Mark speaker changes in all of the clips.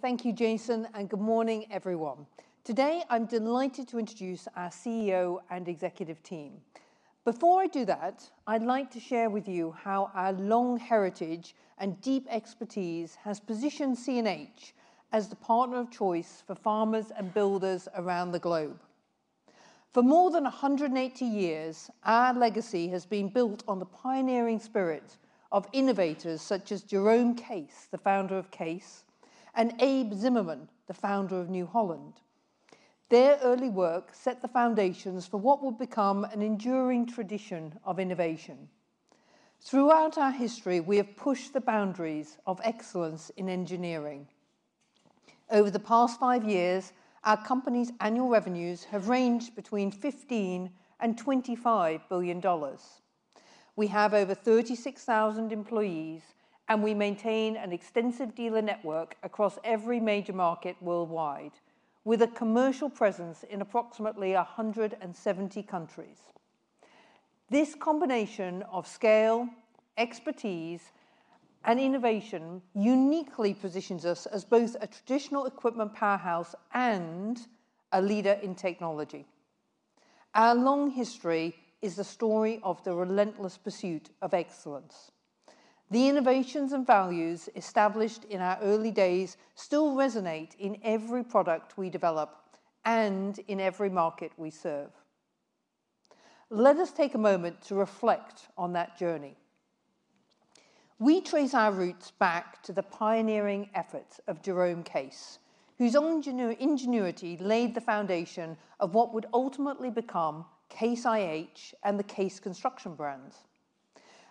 Speaker 1: Thank you, Jason, and good morning, everyone. Today, I'm delighted to introduce our CEO and executive team. Before I do that, I'd like to share with you how our long heritage and deep expertise has positioned CNH as the partner of choice for farmers and builders around the globe. For more than 180 years, our legacy has been built on the pioneering spirit of innovators such as Jerome Case, the founder of Case, and Abe Zimmerman, the founder of New Holland. Their early work set the foundations for what will become an enduring tradition of innovation. Throughout our history, we have pushed the boundaries of excellence in engineering. Over the past five years, our company's annual revenues have ranged between $15 billion and $25 billion. We have over 36,000 employees, and we maintain an extensive dealer network across every major market worldwide, with a commercial presence in approximately 170 countries. This combination of scale, expertise, and innovation uniquely positions us as both a traditional equipment powerhouse and a leader in technology. Our long history is the story of the relentless pursuit of excellence. The innovations and values established in our early days still resonate in every product we develop and in every market we serve. Let us take a moment to reflect on that journey. We trace our roots back to the pioneering efforts of Jerome Case, whose ingenuity laid the foundation of what would ultimately become Case IH and the Case construction brands.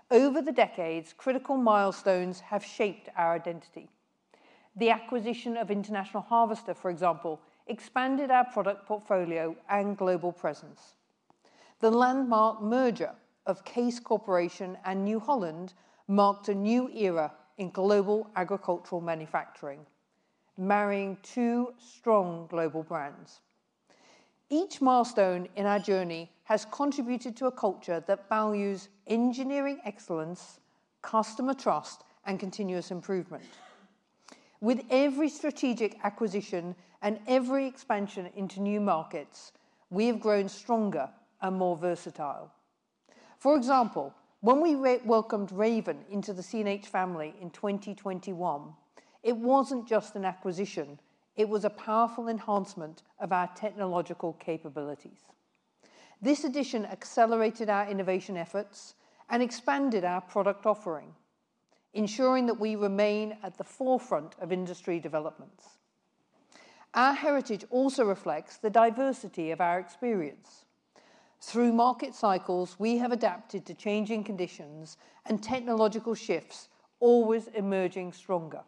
Speaker 1: Over the decades, critical milestones have shaped our identity. The acquisition of International Harvester, for example, expanded our product portfolio and global presence. The landmark merger of Case Corporation and New Holland marked a new era in global agricultural manufacturing, marrying two strong global brands. Each milestone in our journey has contributed to a culture that values engineering excellence, customer trust, and continuous improvement. With every strategic acquisition and every expansion into new markets, we have grown stronger and more versatile. For example, when we welcomed Raven into the CNH family in 2021, it was not just an acquisition. It was a powerful enhancement of our technological capabilities. This addition accelerated our innovation efforts and expanded our product offering, ensuring that we remain at the forefront of industry developments. Our heritage also reflects the diversity of our experience. Through market cycles, we have adapted to changing conditions and technological shifts, always emerging stronger.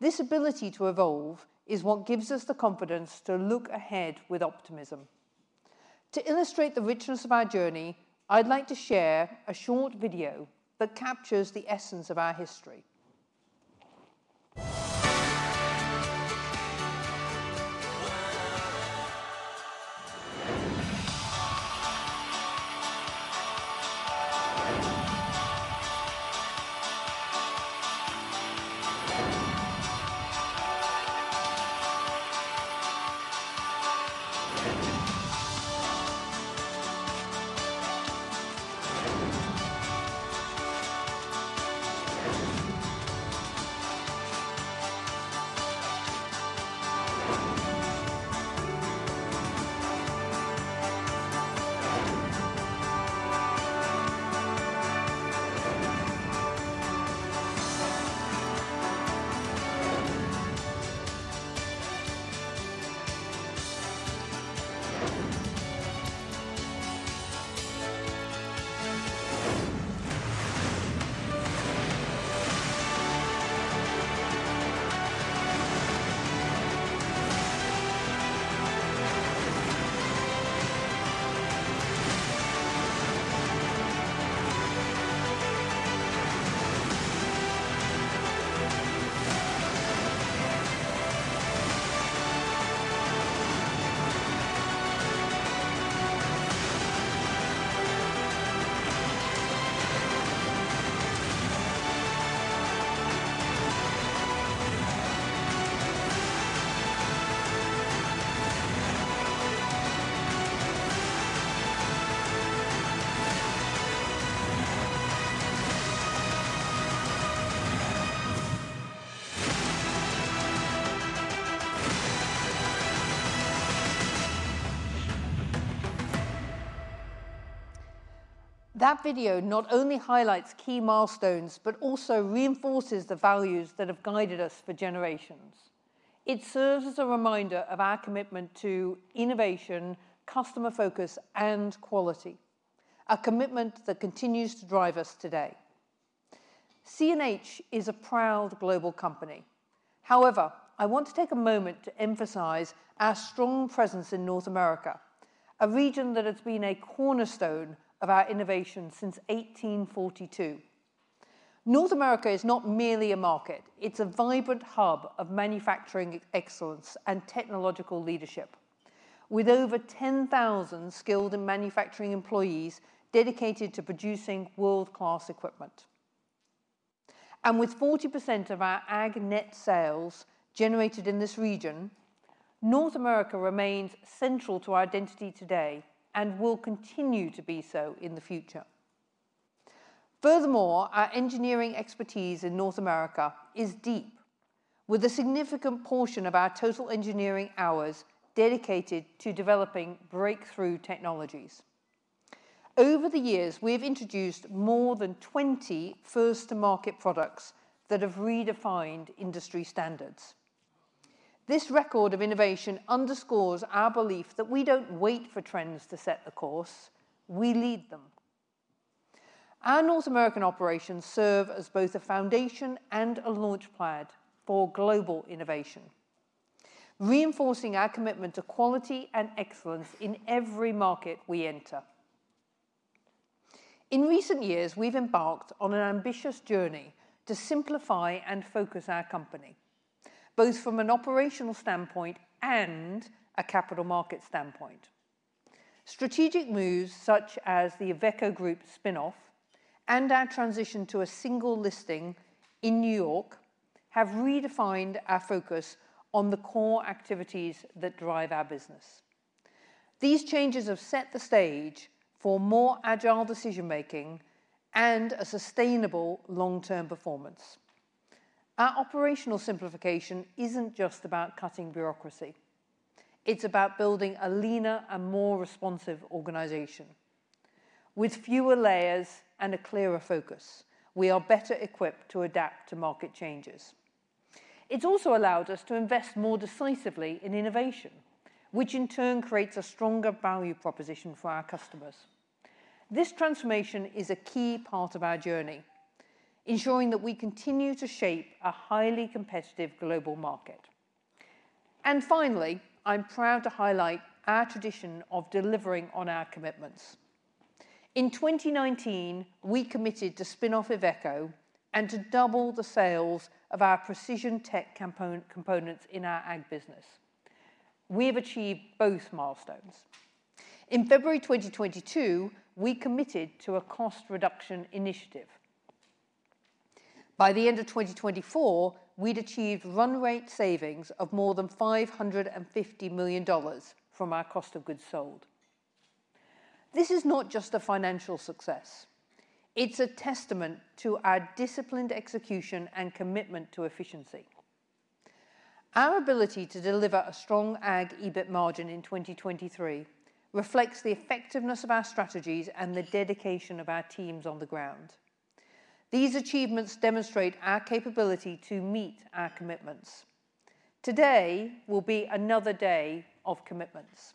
Speaker 1: This ability to evolve is what gives us the confidence to look ahead with optimism. To illustrate the richness of our journey, I would like to share a short video that captures the essence of our history. That video not only highlights key milestones but also reinforces the values that have guided us for generations. It serves as a reminder of our commitment to innovation, customer focus, and quality, a commitment that continues to drive us today. CNH Industrial is a proud global company. However, I want to take a moment to emphasize our strong presence in North America, a region that has been a cornerstone of our innovation since 1842. North America is not merely a market; it is a vibrant hub of manufacturing excellence and technological leadership, with over 10,000 skilled and manufacturing employees dedicated to producing world-class equipment. With 40% of our ag-net sales generated in this region, North America remains central to our identity today and will continue to be so in the future. Furthermore, our engineering expertise in North America is deep, with a significant portion of our total engineering hours dedicated to developing breakthrough technologies. Over the years, we have introduced more than 20 first-to-market products that have redefined industry standards. This record of innovation underscores our belief that we don't wait for trends to set the course; we lead them. Our North American operations serve as both a foundation and a launchpad for global innovation, reinforcing our commitment to quality and excellence in every market we enter. In recent years, we've embarked on an ambitious journey to simplify and focus our company, both from an operational standpoint and a capital market standpoint. Strategic moves such as the Iveco Group spinoff and our transition to a single listing in New York have redefined our focus on the core activities that drive our business. These changes have set the stage for more agile decision-making and a sustainable long-term performance. Our operational simplification is not just about cutting bureaucracy; it is about building a leaner and more responsive organization. With fewer layers and a clearer focus, we are better equipped to adapt to market changes. It has also allowed us to invest more decisively in innovation, which in turn creates a stronger value proposition for our customers. This transformation is a key part of our journey, ensuring that we continue to shape a highly competitive global market. Finally, I am proud to highlight our tradition of delivering on our commitments. In 2019, we committed to spin off Iveco and to double the sales of our precision tech components in our ag business. We have achieved both milestones. In February 2022, we committed to a cost reduction initiative. By the end of 2024, we'd achieved run-rate savings of more than $550 million from our cost of goods sold. This is not just a financial success. It's a testament to our disciplined execution and commitment to efficiency. Our ability to deliver a strong ag EBIT margin in 2023 reflects the effectiveness of our strategies and the dedication of our teams on the ground. These achievements demonstrate our capability to meet our commitments. Today will be another day of commitments.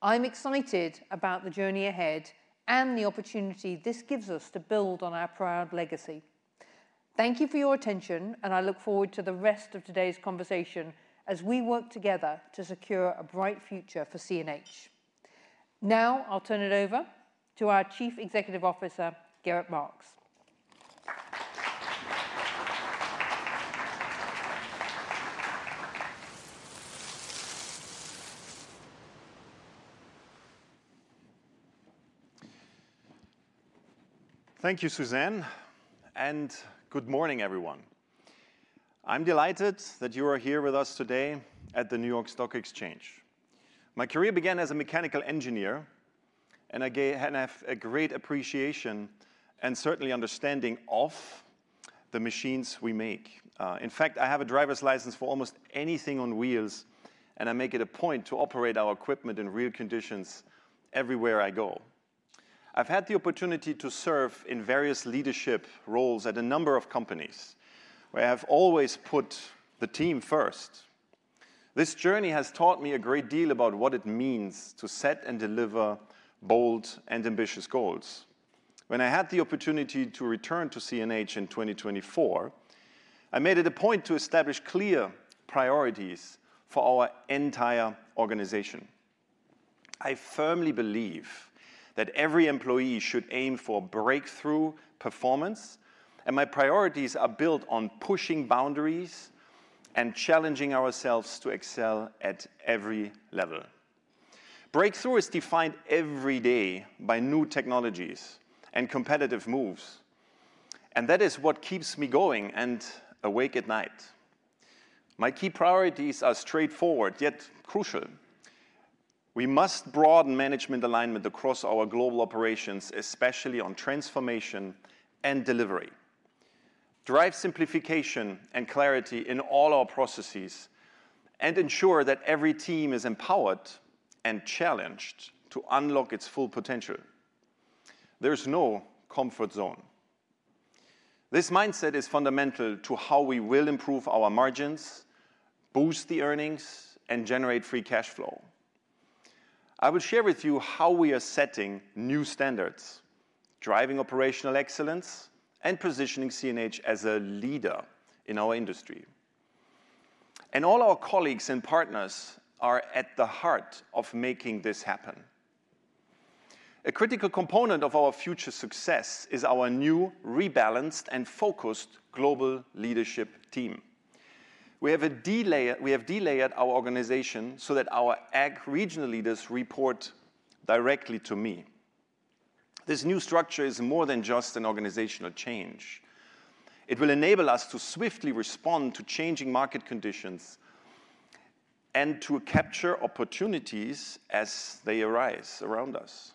Speaker 1: I'm excited about the journey ahead and the opportunity this gives us to build on our proud legacy. Thank you for your attention, and I look forward to the rest of today's conversation as we work together to secure a bright future for CNH. Now, I'll turn it over to our Chief Executive Officer, Gerrit Marx.
Speaker 2: Thank you, Suzanne, and good morning, everyone. I'm delighted that you are here with us today at the New York Stock Exchange. My career began as a mechanical engineer, and I have a great appreciation and certainly understanding of the machines we make. In fact, I have a driver's license for almost anything on wheels, and I make it a point to operate our equipment in real conditions everywhere I go. I've had the opportunity to serve in various leadership roles at a number of companies, where I have always put the team first. This journey has taught me a great deal about what it means to set and deliver bold and ambitious goals. When I had the opportunity to return to CNH Industrial in 2024, I made it a point to establish clear priorities for our entire organization. I firmly believe that every employee should aim for breakthrough performance, and my priorities are built on pushing boundaries and challenging ourselves to excel at every level. Breakthrough is defined every day by new technologies and competitive moves, and that is what keeps me going and awake at night. My key priorities are straightforward, yet crucial. We must broaden management alignment across our global operations, especially on transformation and delivery. Drive simplification and clarity in all our processes and ensure that every team is empowered and challenged to unlock its full potential. There is no comfort zone. This mindset is fundamental to how we will improve our margins, boost the earnings, and generate free cash flow. I will share with you how we are setting new standards, driving operational excellence, and positioning CNH Industrial as a leader in our industry. All our colleagues and partners are at the heart of making this happen. A critical component of our future success is our new, rebalanced, and focused global leadership team. We have delayed our organization so that our ag regional leaders report directly to me. This new structure is more than just an organizational change. It will enable us to swiftly respond to changing market conditions and to capture opportunities as they arise around us.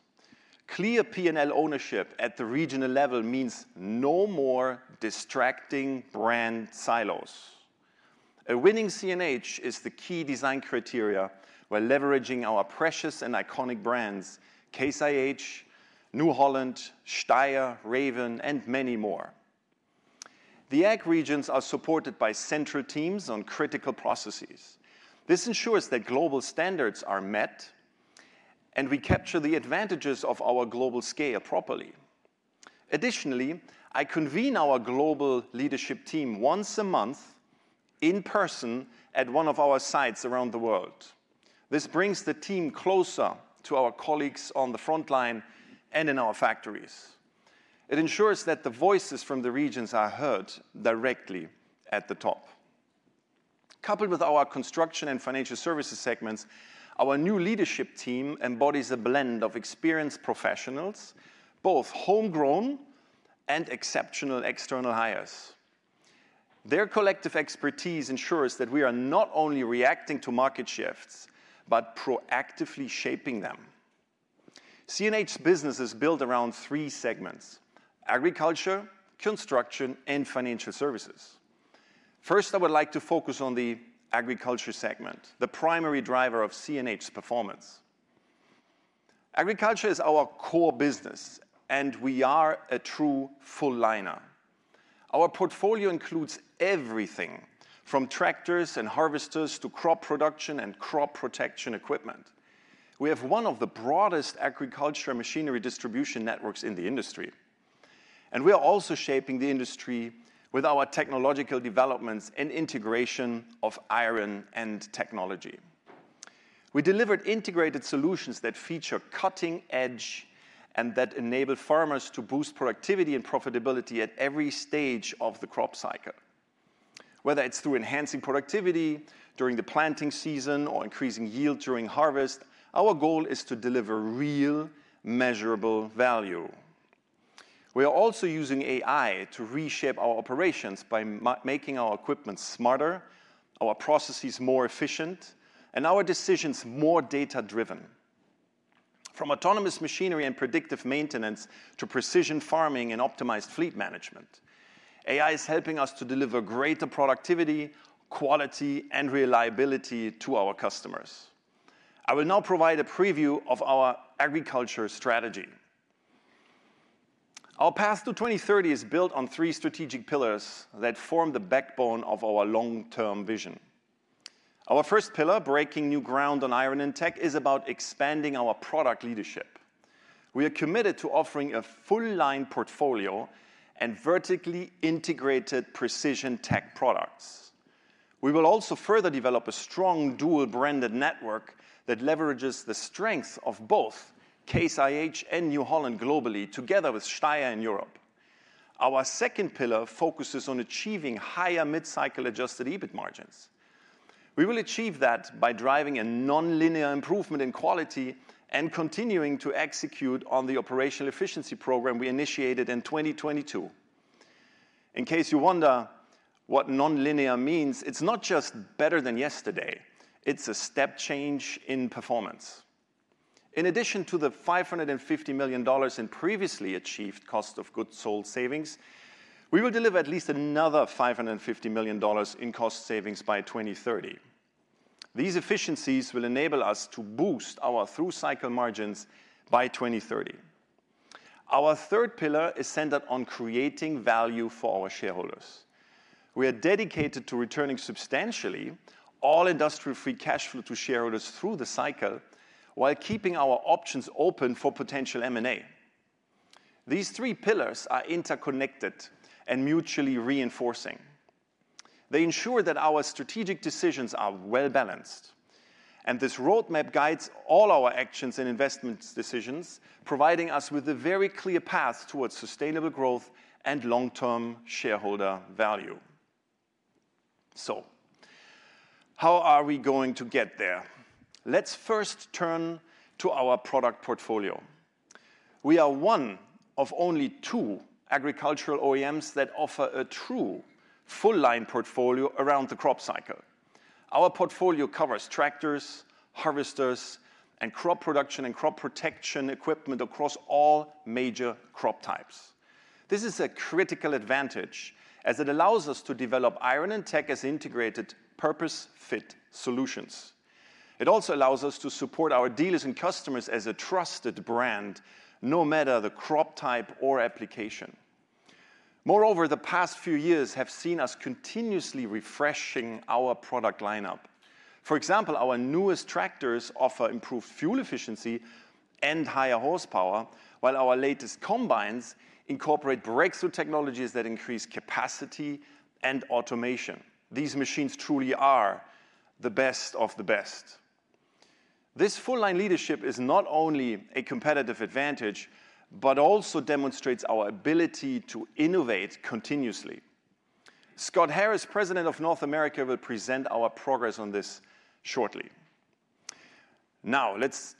Speaker 2: Clear P&L ownership at the regional level means no more distracting brand silos. A winning CNH is the key design criteria when leveraging our precious and iconic brands: Case IH, New Holland, STEYR, Raven, and many more. The ag regions are supported by central teams on critical processes. This ensures that global standards are met and we capture the advantages of our global scale properly. Additionally, I convene our global leadership team once a month in person at one of our sites around the world. This brings the team closer to our colleagues on the front line and in our factories. It ensures that the voices from the regions are heard directly at the top. Coupled with our construction and financial services segments, our new leadership team embodies a blend of experienced professionals, both homegrown and exceptional external hires. Their collective expertise ensures that we are not only reacting to market shifts but proactively shaping them. CNH Industrial's business is built around three segments: agriculture, construction, and financial services. First, I would like to focus on the agriculture segment, the primary driver of CNH Industrial's performance. Agriculture is our core business, and we are a true full-liner. Our portfolio includes everything from tractors and harvesters to crop production and crop protection equipment. We have one of the broadest agriculture machinery distribution networks in the industry, and we are also shaping the industry with our technological developments and integration of iron and technology. We deliver integrated solutions that feature cutting edge and that enable farmers to boost productivity and profitability at every stage of the crop cycle. Whether it's through enhancing productivity during the planting season or increasing yield during harvest, our goal is to deliver real, measurable value. We are also using AI to reshape our operations by making our equipment smarter, our processes more efficient, and our decisions more data-driven. From autonomous machinery and predictive maintenance to precision farming and optimized fleet management, AI is helping us to deliver greater productivity, quality, and reliability to our customers. I will now provide a preview of our agriculture strategy. Our path to 2030 is built on three strategic pillars that form the backbone of our long-term vision. Our first pillar, breaking new ground on iron and tech, is about expanding our product leadership. We are committed to offering a full-line portfolio and vertically integrated precision tech products. We will also further develop a strong dual-branded network that leverages the strengths of both Case IH and New Holland globally, together with Steyr in Europe. Our second pillar focuses on achieving higher mid-cycle adjusted EBIT margins. We will achieve that by driving a non-linear improvement in quality and continuing to execute on the operational efficiency program we initiated in 2022. In case you wonder what non-linear means, it's not just better than yesterday; it's a step change in performance. In addition to the $550 million in previously achieved cost of goods sold savings, we will deliver at least another $550 million in cost savings by 2030. These efficiencies will enable us to boost our through-cycle margins by 2030. Our third pillar is centered on creating value for our shareholders. We are dedicated to returning substantially all industrial free cash flow to shareholders through the cycle while keeping our options open for potential M&A. These three pillars are interconnected and mutually reinforcing. They ensure that our strategic decisions are well-balanced, and this roadmap guides all our actions and investment decisions, providing us with a very clear path towards sustainable growth and long-term shareholder value. How are we going to get there? Let's first turn to our product portfolio. We are one of only two agricultural OEMs that offer a true full-line portfolio around the crop cycle. Our portfolio covers tractors, harvesters, and crop production and crop protection equipment across all major crop types. This is a critical advantage as it allows us to develop iron and tech as integrated purpose-fit solutions. It also allows us to support our dealers and customers as a trusted brand, no matter the crop type or application. Moreover, the past few years have seen us continuously refreshing our product lineup. For example, our newest tractors offer improved fuel efficiency and higher horsepower, while our latest combines incorporate breakthrough technologies that increase capacity and automation. These machines truly are the best of the best. This full-line leadership is not only a competitive advantage but also demonstrates our ability to innovate continuously. Scott Harris, President of North America, will present our progress on this shortly. Now, let's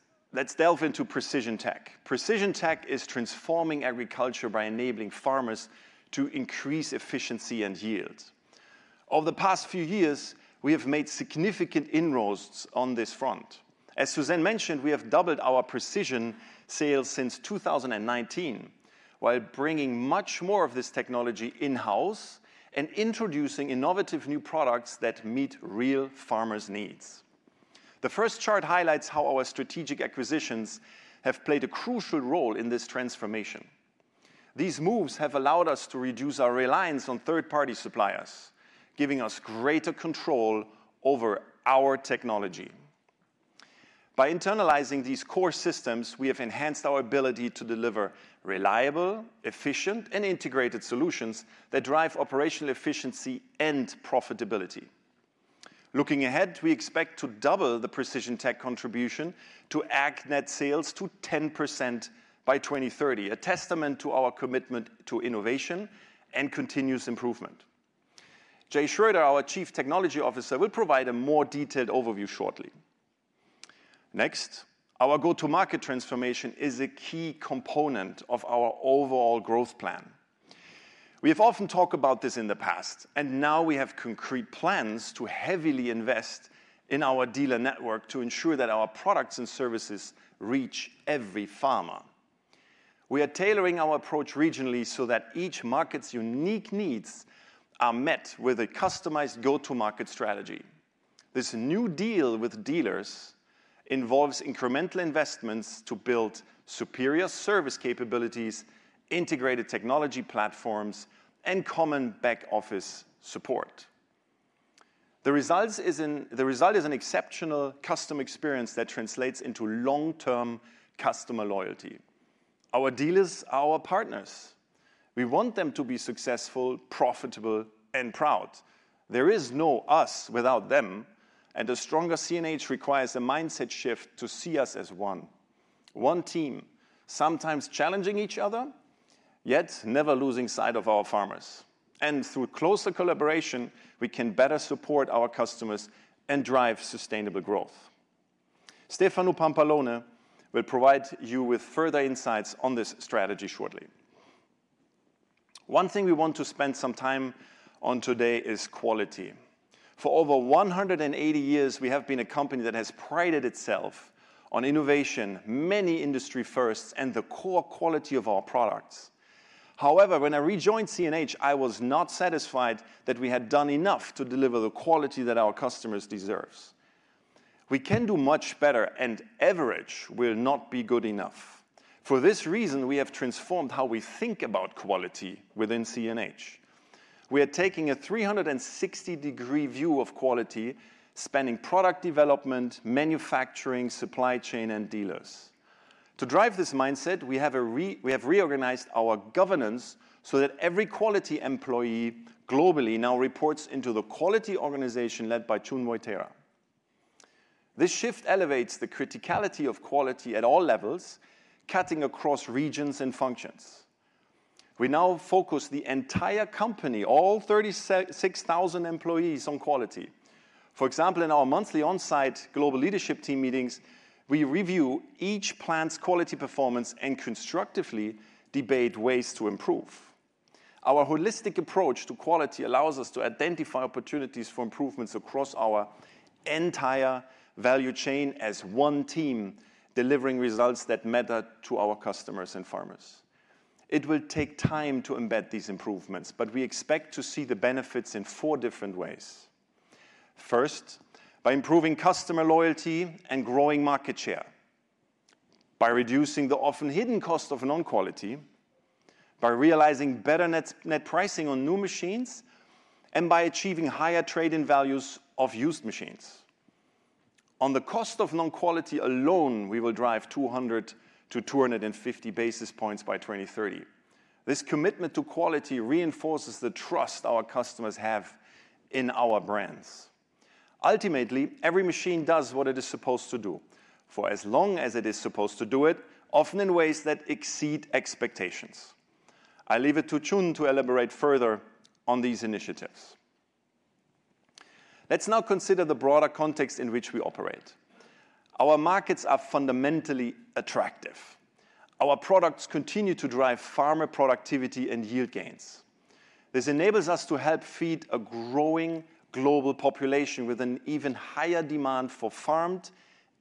Speaker 2: delve into precision tech. Precision tech is transforming agriculture by enabling farmers to increase efficiency and yield. Over the past few years, we have made significant inroads on this front. As Suzanne mentioned, we have doubled our precision sales since 2019 while bringing much more of this technology in-house and introducing innovative new products that meet real farmers' needs. The first chart highlights how our strategic acquisitions have played a crucial role in this transformation. These moves have allowed us to reduce our reliance on third-party suppliers, giving us greater control over our technology. By internalizing these core systems, we have enhanced our ability to deliver reliable, efficient, and integrated solutions that drive operational efficiency and profitability. Looking ahead, we expect to double the precision tech contribution to ag net sales to 10% by 2030, a testament to our commitment to innovation and continuous improvement. Jay Schroeder, our Chief Technology Officer, will provide a more detailed overview shortly. Next, our go-to-market transformation is a key component of our overall growth plan. We have often talked about this in the past, and now we have concrete plans to heavily invest in our dealer network to ensure that our products and services reach every farmer. We are tailoring our approach regionally so that each market's unique needs are met with a customized go-to-market strategy. This new deal with dealers involves incremental investments to build superior service capabilities, integrated technology platforms, and common back-office support. The result is an exceptional customer experience that translates into long-term customer loyalty. Our dealers are our partners. We want them to be successful, profitable, and proud. There is no us without them, and a stronger CNH requires a mindset shift to see us as one, one team, sometimes challenging each other, yet never losing sight of our farmers. Through closer collaboration, we can better support our customers and drive sustainable growth. Stefano Pampalone will provide you with further insights on this strategy shortly. One thing we want to spend some time on today is quality. For over 180 years, we have been a company that has prided itself on innovation, many industry firsts, and the core quality of our products. However, when I rejoined CNH, I was not satisfied that we had done enough to deliver the quality that our customers deserve. We can do much better, and average will not be good enough. For this reason, we have transformed how we think about quality within CNH. We are taking a 360-degree view of quality, spanning product development, manufacturing, supply chain, and dealers. To drive this mindset, we have reorganized our governance so that every quality employee globally now reports into the quality organization led by Chunmoy Terra. This shift elevates the criticality of quality at all levels, cutting across regions and functions. We now focus the entire company, all 36,000 employees, on quality. For example, in our monthly on-site global leadership team meetings, we review each plant's quality performance and constructively debate ways to improve. Our holistic approach to quality allows us to identify opportunities for improvements across our entire value chain as one team delivering results that matter to our customers and farmers. It will take time to embed these improvements, but we expect to see the benefits in four different ways. First, by improving customer loyalty and growing market share, by reducing the often hidden cost of non-quality, by realizing better net pricing on new machines, and by achieving higher trade-in values of used machines. On the cost of non-quality alone, we will drive 200-250 basis points by 2030. This commitment to quality reinforces the trust our customers have in our brands. Ultimately, every machine does what it is supposed to do, for as long as it is supposed to do it, often in ways that exceed expectations. I leave it to Chun to elaborate further on these initiatives. Let's now consider the broader context in which we operate. Our markets are fundamentally attractive. Our products continue to drive farmer productivity and yield gains. This enables us to help feed a growing global population with an even higher demand for farmed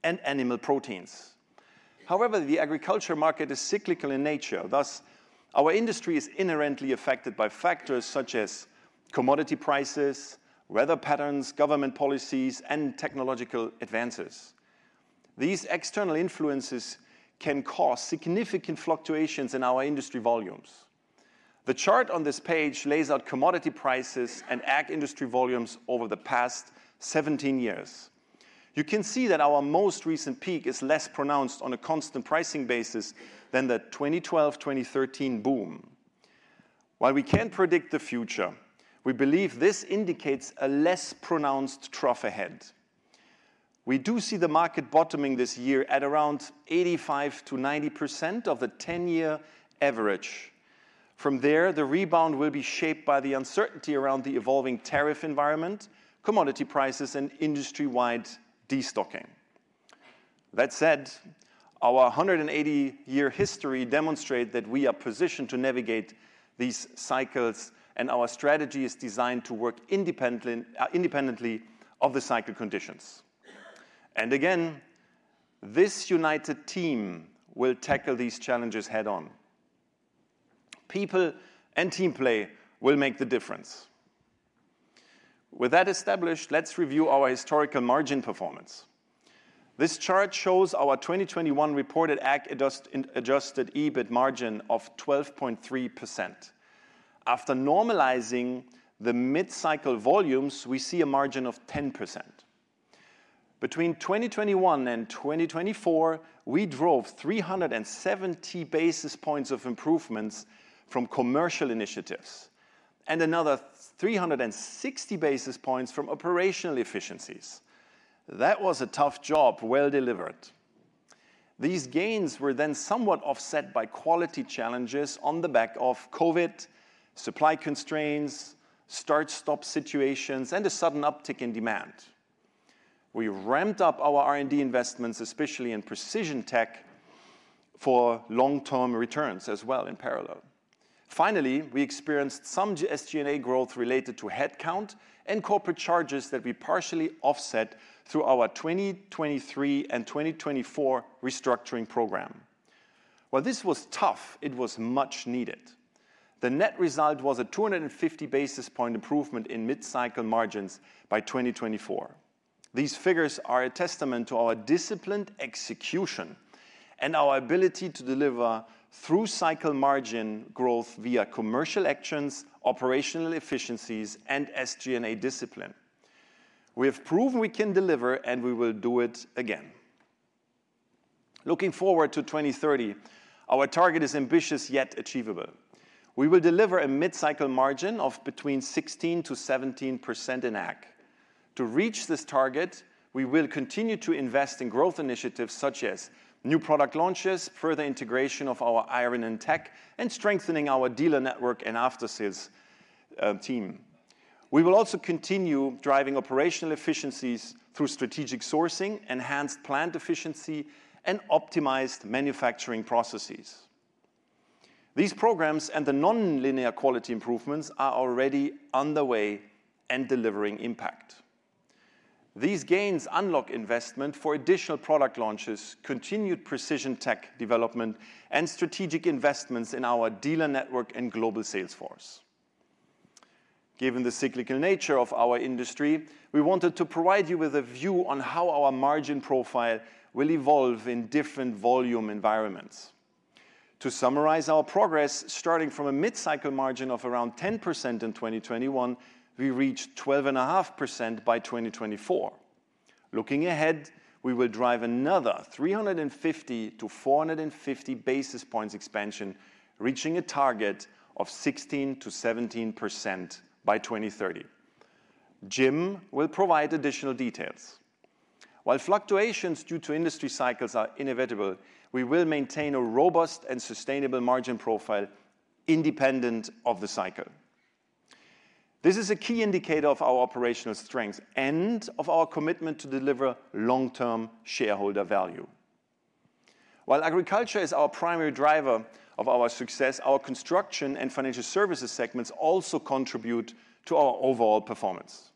Speaker 2: and animal proteins. However, the agriculture market is cyclical in nature. Thus, our industry is inherently affected by factors such as commodity prices, weather patterns, government policies, and technological advances. These external influences can cause significant fluctuations in our industry volumes. The chart on this page lays out commodity prices and ag industry volumes over the past 17 years. You can see that our most recent peak is less pronounced on a constant pricing basis than the 2012-2013 boom. While we can predict the future, we believe this indicates a less pronounced trough ahead. We do see the market bottoming this year at around 85%-90% of the 10-year average. From there, the rebound will be shaped by the uncertainty around the evolving tariff environment, commodity prices, and industry-wide destocking. That said, our 180-year history demonstrates that we are positioned to navigate these cycles, and our strategy is designed to work independently of the cycle conditions. Again, this united team will tackle these challenges head-on. People and team play will make the difference. With that established, let's review our historical margin performance. This chart shows our 2021 reported ag-adjusted EBIT margin of 12.3%. After normalizing the mid-cycle volumes, we see a margin of 10%. Between 2021 and 2024, we drove 370 basis points of improvements from commercial initiatives and another 360 basis points from operational efficiencies. That was a tough job, well delivered. These gains were then somewhat offset by quality challenges on the back of COVID, supply constraints, start-stop situations, and a sudden uptick in demand. We ramped up our R&D investments, especially in precision tech, for long-term returns as well in parallel. Finally, we experienced some SG&A growth related to headcount and corporate charges that we partially offset through our 2023 and 2024 restructuring program. While this was tough, it was much needed. The net result was a 250 basis point improvement in mid-cycle margins by 2024. These figures are a testament to our disciplined execution and our ability to deliver through-cycle margin growth via commercial actions, operational efficiencies, and SG&A discipline. We have proven we can deliver, and we will do it again. Looking forward to 2030, our target is ambitious yet achievable. We will deliver a mid-cycle margin of between 16%-17% in ag. To reach this target, we will continue to invest in growth initiatives such as new product launches, further integration of our iron and tech, and strengthening our dealer network and after-sales team. We will also continue driving operational efficiencies through strategic sourcing, enhanced plant efficiency, and optimized manufacturing processes. These programs and the non-linear quality improvements are already underway and delivering impact. These gains unlock investment for additional product launches, continued precision tech development, and strategic investments in our dealer network and global sales force. Given the cyclical nature of our industry, we wanted to provide you with a view on how our margin profile will evolve in different volume environments. To summarize our progress, starting from a mid-cycle margin of around 10% in 2021, we reached 12.5% by 2024. Looking ahead, we will drive another 350-450 basis points expansion, reaching a target of 16%-17% by 2030. Jim will provide additional details. While fluctuations due to industry cycles are inevitable, we will maintain a robust and sustainable margin profile independent of the cycle. This is a key indicator of our operational strength and of our commitment to deliver long-term shareholder value. While agriculture is our primary driver of our success, our construction and financial services segments also contribute to our overall performance.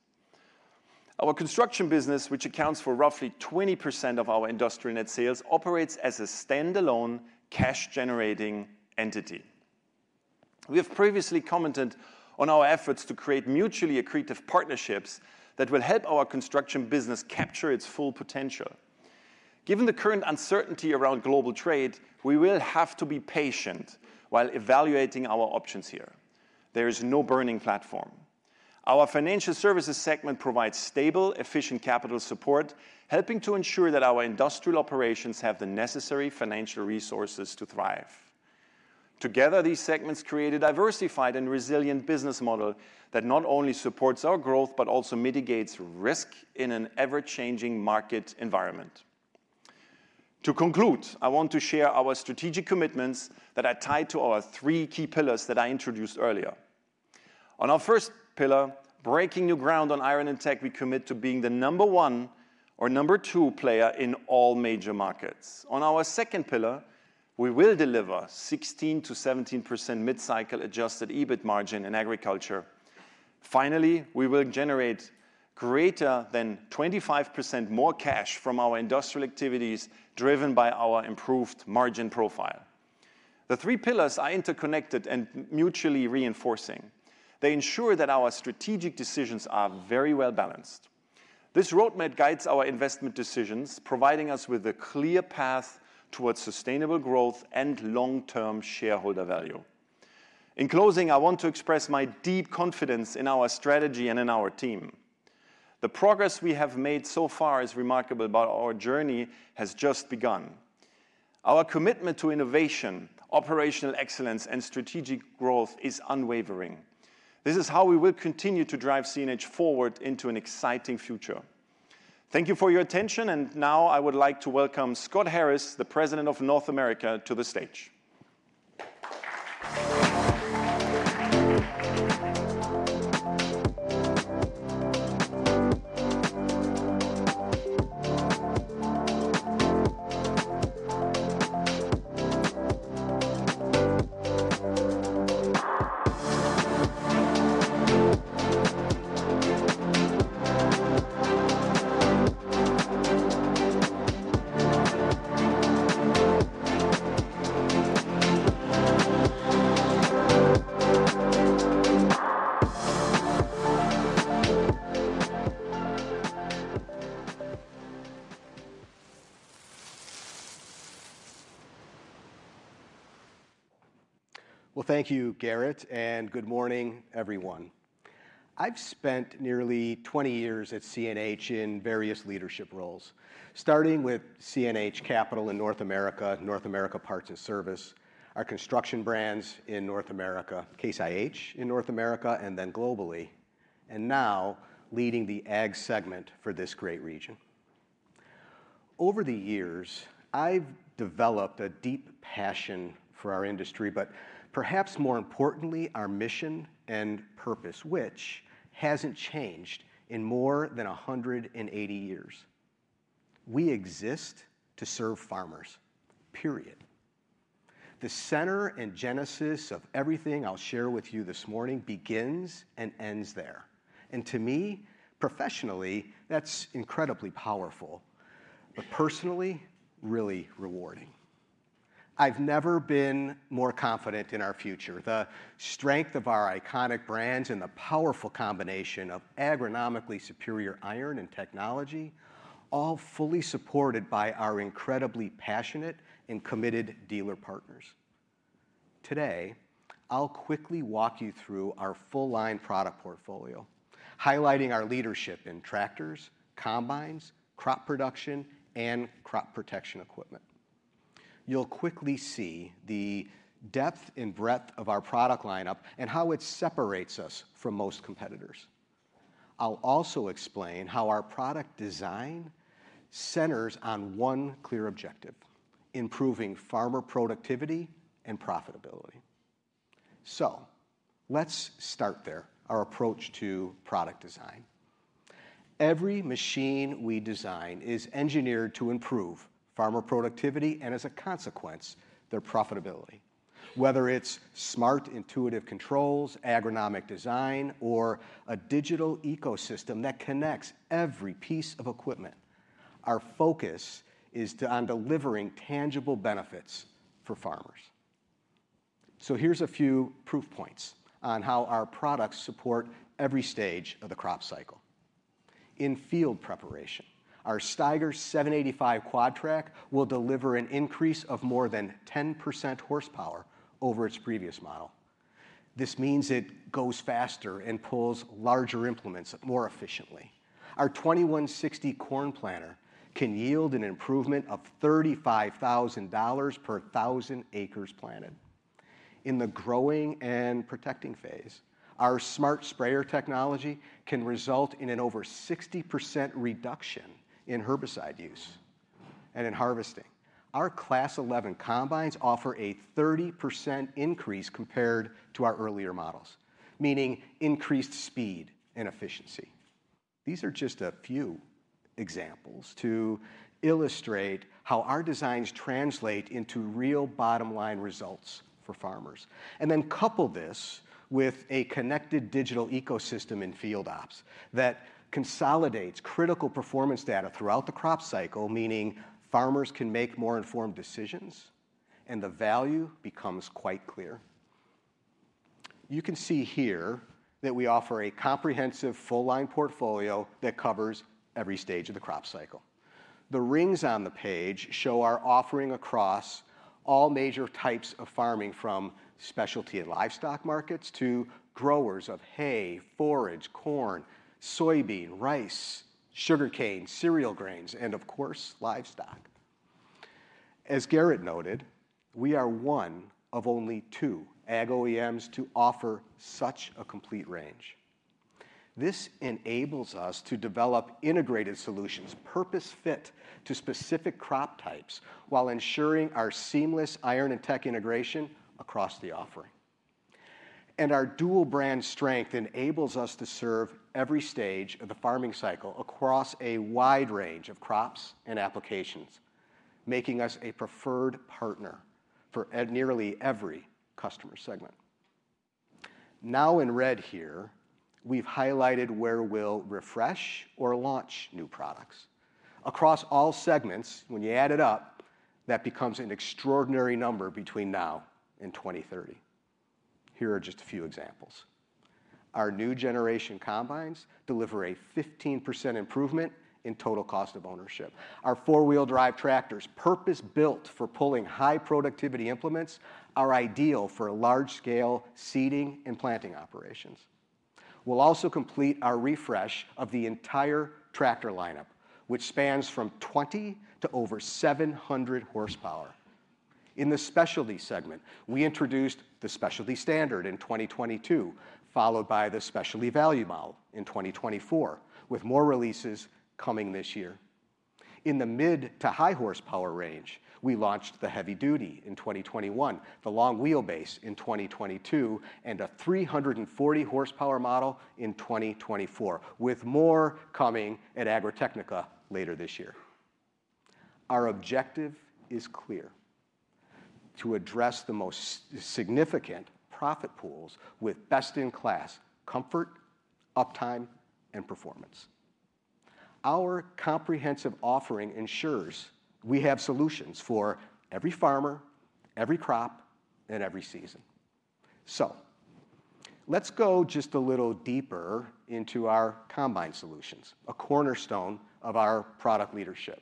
Speaker 2: Our construction business, which accounts for roughly 20% of our industrial net sales, operates as a standalone cash-generating entity. We have previously commented on our efforts to create mutually accretive partnerships that will help our construction business capture its full potential. Given the current uncertainty around global trade, we will have to be patient while evaluating our options here. There is no burning platform. Our financial services segment provides stable, efficient capital support, helping to ensure that our industrial operations have the necessary financial resources to thrive. Together, these segments create a diversified and resilient business model that not only supports our growth but also mitigates risk in an ever-changing market environment. To conclude, I want to share our strategic commitments that are tied to our three key pillars that I introduced earlier. On our first pillar, breaking new ground on iron and tech, we commit to being the number one or number two player in all major markets. On our second pillar, we will deliver 16%-17% mid-cycle adjusted EBIT margin in agriculture. Finally, we will generate greater than 25% more cash from our industrial activities driven by our improved margin profile. The three pillars are interconnected and mutually reinforcing. They ensure that our strategic decisions are very well balanced. This roadmap guides our investment decisions, providing us with a clear path towards sustainable growth and long-term shareholder value. In closing, I want to express my deep confidence in our strategy and in our team. The progress we have made so far is remarkable, but our journey has just begun. Our commitment to innovation, operational excellence, and strategic growth is unwavering. This is how we will continue to drive CNH forward into an exciting future. Thank you for your attention, and now I would like to welcome Scott Harris, the President of North America, to the stage.
Speaker 3: Thank you, Gerrit, and good morning, everyone. I've spent nearly 20 years at CNH in various leadership roles, starting with CNH Capital in North America, North America Parts and Service, our construction brands in North America, Case IH in North America, and then globally, and now leading the ag segment for this great region. Over the years, I've developed a deep passion for our industry, but perhaps more importantly, our mission and purpose, which hasn't changed in more than 180 years. We exist to serve farmers, period. The center and genesis of everything I'll share with you this morning begins and ends there. To me, professionally, that's incredibly powerful, but personally, really rewarding. I've never been more confident in our future. The strength of our iconic brands and the powerful combination of agronomically superior iron and technology, all fully supported by our incredibly passionate and committed dealer partners. Today, I'll quickly walk you through our full-line product portfolio, highlighting our leadership in tractors, combines, crop production, and crop protection equipment. You'll quickly see the depth and breadth of our product lineup and how it separates us from most competitors. I'll also explain how our product design centers on one clear objective: improving farmer productivity and profitability. Let's start there, our approach to product design. Every machine we design is engineered to improve farmer productivity and, as a consequence, their profitability. Whether it's smart, intuitive controls, agronomic design, or a digital ecosystem that connects every piece of equipment, our focus is on delivering tangible benefits for farmers. Here's a few proof points on how our products support every stage of the crop cycle. In field preparation, our Steiger 785 Quadtrac will deliver an increase of more than 10% horsepower over its previous model. This means it goes faster and pulls larger implements more efficiently. Our 2160 corn planter can yield an improvement of $35,000 per 1,000 acres planted. In the growing and protecting phase, our smart sprayer technology can result in an over 60% reduction in herbicide use and in harvesting. Our Class 11 combines offer a 30% increase compared to our earlier models, meaning increased speed and efficiency. These are just a few examples to illustrate how our designs translate into real bottom-line results for farmers. Couple this with a connected digital ecosystem in FieldOps that consolidates critical performance data throughout the crop cycle, meaning farmers can make more informed decisions and the value becomes quite clear. You can see here that we offer a comprehensive full-line portfolio that covers every stage of the crop cycle. The rings on the page show our offering across all major types of farming, from specialty and livestock markets to growers of hay, forage, corn, soybean, rice, sugarcane, cereal grains, and of course, livestock. As Gerrit noted, we are one of only two ag OEMs to offer such a complete range. This enables us to develop integrated solutions purpose-fit to specific crop types while ensuring our seamless iron and tech integration across the offering. Our dual-brand strength enables us to serve every stage of the farming cycle across a wide range of crops and applications, making us a preferred partner for nearly every customer segment. Now in red here, we have highlighted where we will refresh or launch new products. Across all segments, when you add it up, that becomes an extraordinary number between now and 2030. Here are just a few examples. Our new generation combines deliver a 15% improvement in total cost of ownership. Our four-wheel-drive tractors, purpose-built for pulling high-productivity implements, are ideal for large-scale seeding and planting operations. We'll also complete our refresh of the entire tractor lineup, which spans from 20 to over 700 horsepower. In the specialty segment, we introduced the specialty standard in 2022, followed by the specialty value model in 2024, with more releases coming this year. In the mid to high-horsepower range, we launched the heavy-duty in 2021, the long-wheelbase in 2022, and a 340-horsepower model in 2024, with more coming at Agritechnica later this year. Our objective is clear: to address the most significant profit pools with best-in-class comfort, uptime, and performance. Our comprehensive offering ensures we have solutions for every farmer, every crop, and every season. Let's go just a little deeper into our combine solutions, a cornerstone of our product leadership.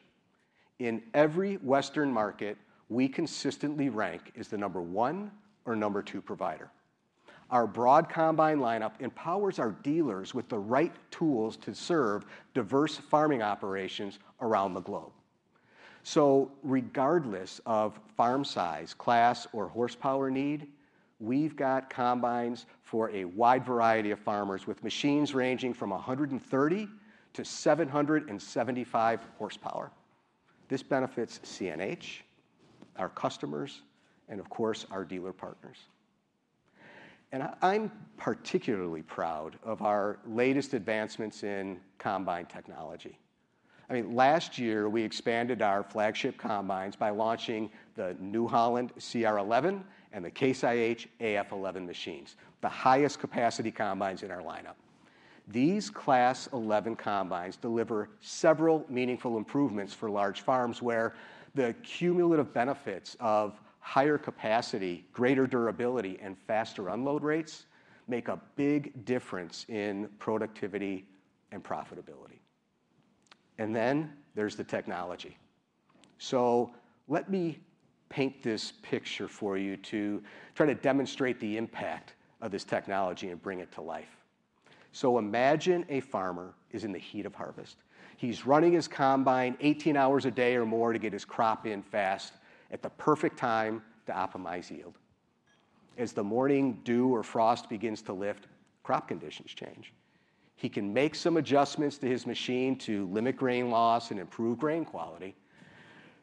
Speaker 3: In every Western market, we consistently rank as the number one or number two provider. Our broad combine lineup empowers our dealers with the right tools to serve diverse farming operations around the globe. Regardless of farm size, class, or horsepower need, we have combines for a wide variety of farmers with machines ranging from 130-775 horsepower. This benefits CNH, our customers, and of course, our dealer partners. I am particularly proud of our latest advancements in combine technology. I mean, last year, we expanded our flagship combines by launching the New Holland CR11 and the Case IH AF11 machines, the highest capacity combines in our lineup. These Class 11 combines deliver several meaningful improvements for large farms where the cumulative benefits of higher capacity, greater durability, and faster unload rates make a big difference in productivity and profitability. There is the technology. Let me paint this picture for you to try to demonstrate the impact of this technology and bring it to life. Imagine a farmer is in the heat of harvest. He's running his combine 18 hours a day or more to get his crop in fast at the perfect time to optimize yield. As the morning dew or frost begins to lift, crop conditions change. He can make some adjustments to his machine to limit grain loss and improve grain quality,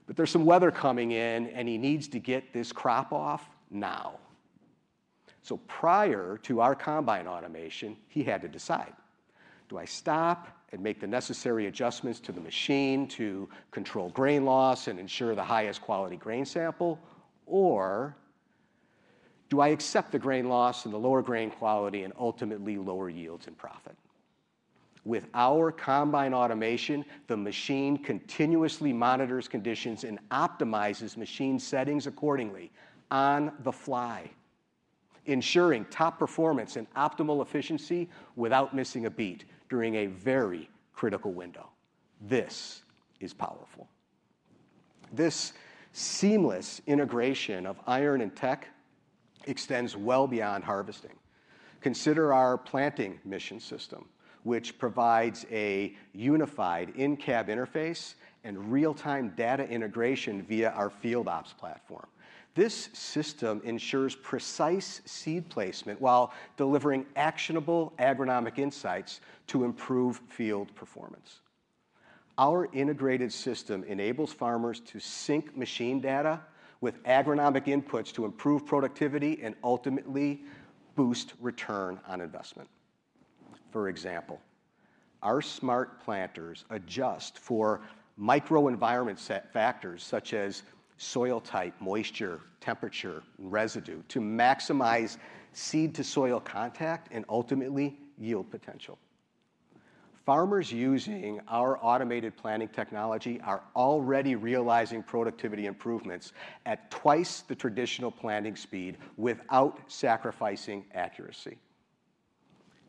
Speaker 3: but there's some weather coming in and he needs to get this crop off now. Prior to our combine automation, he had to decide, do I stop and make the necessary adjustments to the machine to control grain loss and ensure the highest quality grain sample, or do I accept the grain loss and the lower grain quality and ultimately lower yields and profit? With our combine automation, the machine continuously monitors conditions and optimizes machine settings accordingly on the fly, ensuring top performance and optimal efficiency without missing a beat during a very critical window. This is powerful. This seamless integration of iron and tech extends well beyond harvesting. Consider our planting mission system, which provides a unified in-cab interface and real-time data integration via our FieldOps platform. This system ensures precise seed placement while delivering actionable agronomic insights to improve field performance. Our integrated system enables farmers to sync machine data with agronomic inputs to improve productivity and ultimately boost return on investment. For example, our smart planters adjust for micro-environment factors such as soil type, moisture, temperature, and residue to maximize seed-to-soil contact and ultimately yield potential. Farmers using our automated planting technology are already realizing productivity improvements at twice the traditional planting speed without sacrificing accuracy.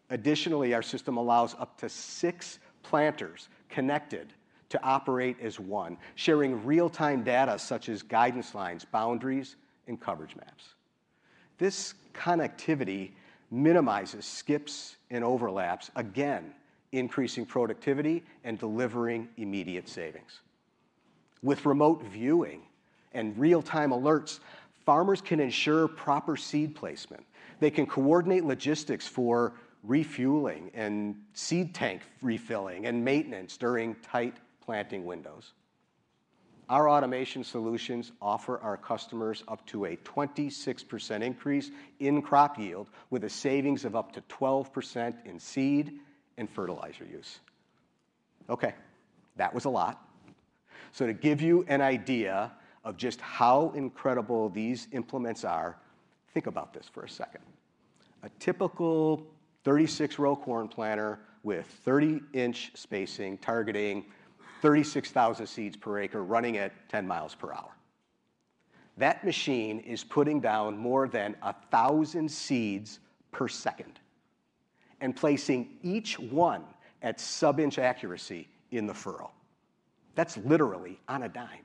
Speaker 3: Additionally, our system allows up to six planters connected to operate as one, sharing real-time data such as guidance lines, boundaries, and coverage maps. This connectivity minimizes skips and overlaps, again increasing productivity and delivering immediate savings. With remote viewing and real-time alerts, farmers can ensure proper seed placement. They can coordinate logistics for refueling and seed tank refilling and maintenance during tight planting windows. Our automation solutions offer our customers up to a 26% increase in crop yield with savings of up to 12% in seed and fertilizer use. Okay, that was a lot. To give you an idea of just how incredible these implements are, think about this for a second. A typical 36-row corn planter with 30-inch spacing targeting 36,000 seeds per acre running at 10 miles per hour. That machine is putting down more than 1,000 seeds per second and placing each one at sub-inch accuracy in the furrow. That's literally on a dime.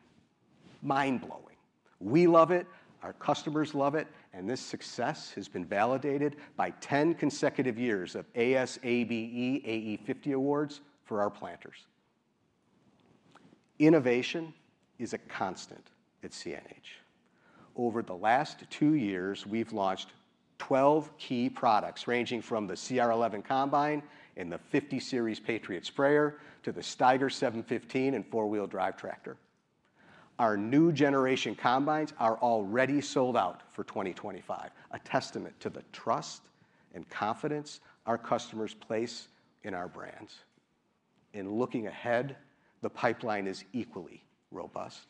Speaker 3: Mind-blowing. We love it, our customers love it, and this success has been validated by 10 consecutive years of ASABE AE50 awards for our planters. Innovation is a constant at CNH. Over the last two years, we've launched 12 key products ranging from the CR11 combine and the 50-series Patriot sprayer to the Steiger 715 and four-wheel-drive tractor. Our new generation combines are already sold out for 2025, a testament to the trust and confidence our customers place in our brands. In looking ahead, the pipeline is equally robust.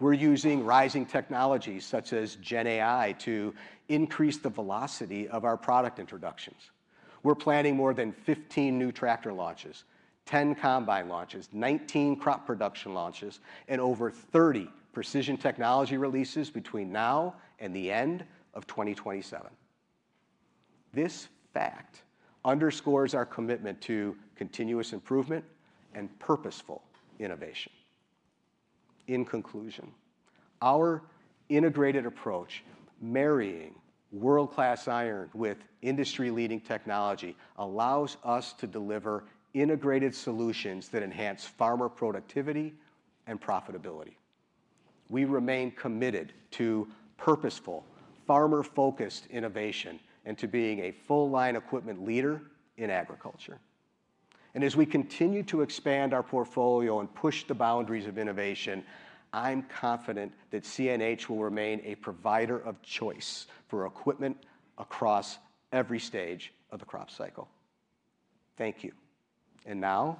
Speaker 3: We're using rising technologies such as GenAI to increase the velocity of our product introductions. We're planning more than 15 new tractor launches, 10 combine launches, 19 crop production launches, and over 30 precision technology releases between now and the end of 2027. This fact underscores our commitment to continuous improvement and purposeful innovation. In conclusion, our integrated approach marrying world-class iron with industry-leading technology allows us to deliver integrated solutions that enhance farmer productivity and profitability. We remain committed to purposeful, farmer-focused innovation and to being a full-line equipment leader in agriculture. As we continue to expand our portfolio and push the boundaries of innovation, I'm confident that CNH will remain a provider of choice for equipment across every stage of the crop cycle. Thank you. I now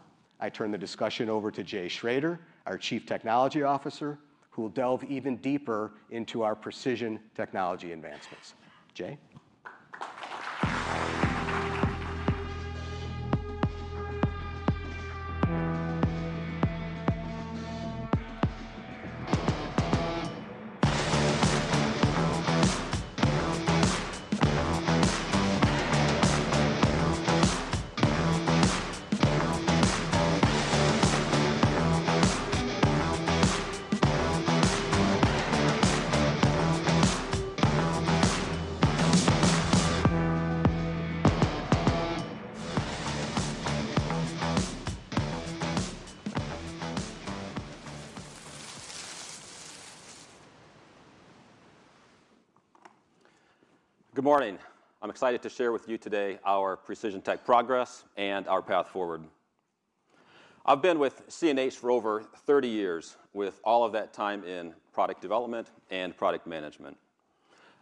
Speaker 3: turn the discussion over to Jay Schroeder, our Chief Technology Officer, who will delve even deeper into our precision technology advancements. Jay.
Speaker 4: Good morning. I'm excited to share with you today our precision tech progress and our path forward. I've been with CNH Industrial for over 30 years, with all of that time in product development and product management.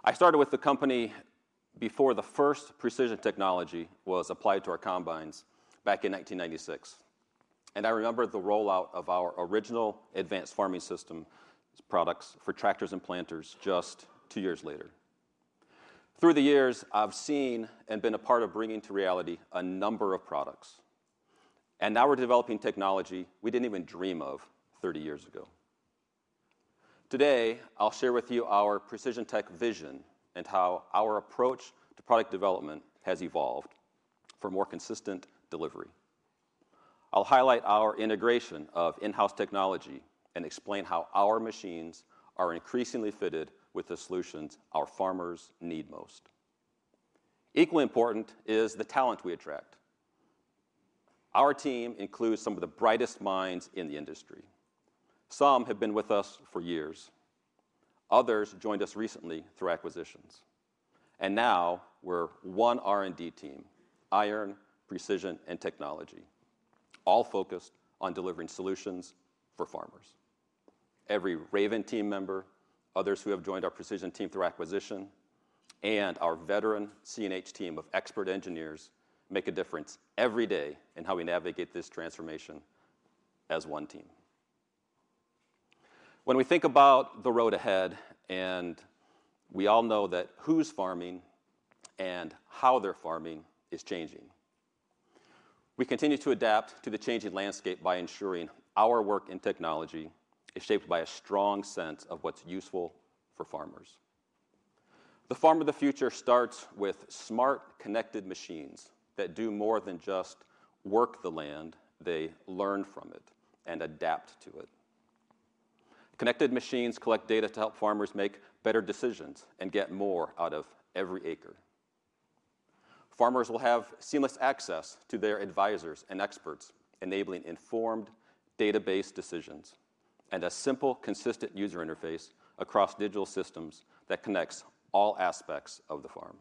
Speaker 4: I started with the company before the first precision technology was applied to our combines back in 1996. I remember the rollout of our original advanced farming system products for tractors and planters just two years later. Through the years, I've seen and been a part of bringing to reality a number of products. Now we're developing technology we didn't even dream of 30 years ago. Today, I'll share with you our precision tech vision and how our approach to product development has evolved for more consistent delivery. I'll highlight our integration of in-house technology and explain how our machines are increasingly fitted with the solutions our farmers need most. Equally important is the talent we attract. Our team includes some of the brightest minds in the industry. Some have been with us for years. Others joined us recently through acquisitions. Now we're one R&D team, iron, precision, and technology, all focused on delivering solutions for farmers. Every Raven team member, others who have joined our precision team through acquisition, and our veteran CNH team of expert engineers make a difference every day in how we navigate this transformation as one team. When we think about the road ahead, and we all know that who's farming and how they're farming is changing. We continue to adapt to the changing landscape by ensuring our work in technology is shaped by a strong sense of what's useful for farmers. The farm of the future starts with smart, connected machines that do more than just work the land; they learn from it and adapt to it. Connected machines collect data to help farmers make better decisions and get more out of every acre. Farmers will have seamless access to their advisors and experts, enabling informed database decisions and a simple, consistent user interface across digital systems that connects all aspects of the farm.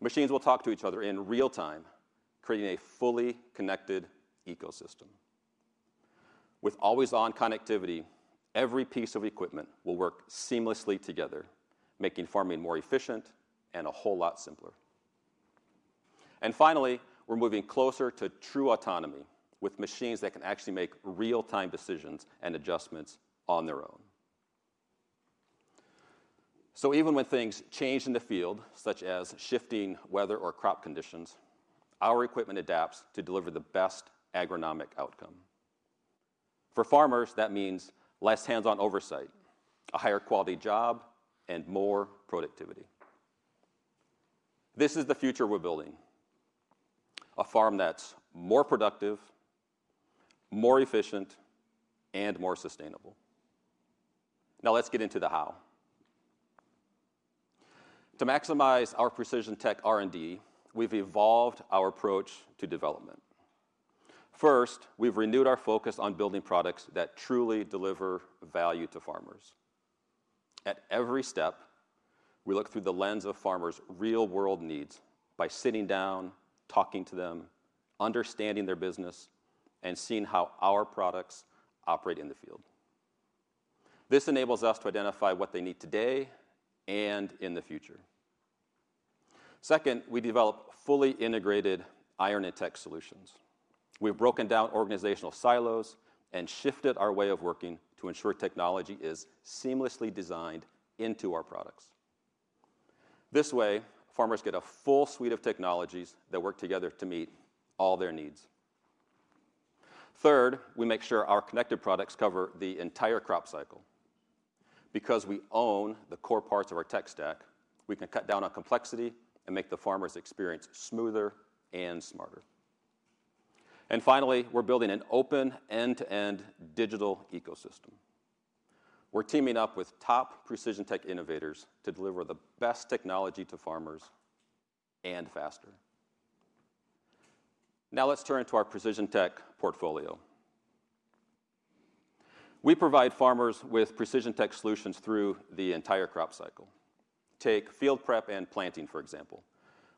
Speaker 4: Machines will talk to each other in real time, creating a fully connected ecosystem. With always-on connectivity, every piece of equipment will work seamlessly together, making farming more efficient and a whole lot simpler. Finally, we're moving closer to true autonomy with machines that can actually make real-time decisions and adjustments on their own. Even when things change in the field, such as shifting weather or crop conditions, our equipment adapts to deliver the best agronomic outcome. For farmers, that means less hands-on oversight, a higher quality job, and more productivity. This is the future we're building: a farm that's more productive, more efficient, and more sustainable. Now let's get into the how. To maximize our precision tech R&D, we've evolved our approach to development. First, we've renewed our focus on building products that truly deliver value to farmers. At every step, we look through the lens of farmers' real-world needs by sitting down, talking to them, understanding their business, and seeing how our products operate in the field. This enables us to identify what they need today and in the future. Second, we develop fully integrated iron and tech solutions. We've broken down organizational silos and shifted our way of working to ensure technology is seamlessly designed into our products. This way, farmers get a full suite of technologies that work together to meet all their needs. Third, we make sure our connected products cover the entire crop cycle. Because we own the core parts of our tech stack, we can cut down on complexity and make the farmer's experience smoother and smarter. Finally, we're building an open end-to-end digital ecosystem. We're teaming up with top precision tech innovators to deliver the best technology to farmers and faster. Now let's turn to our precision tech portfolio. We provide farmers with precision tech solutions through the entire crop cycle. Take field prep and planting, for example.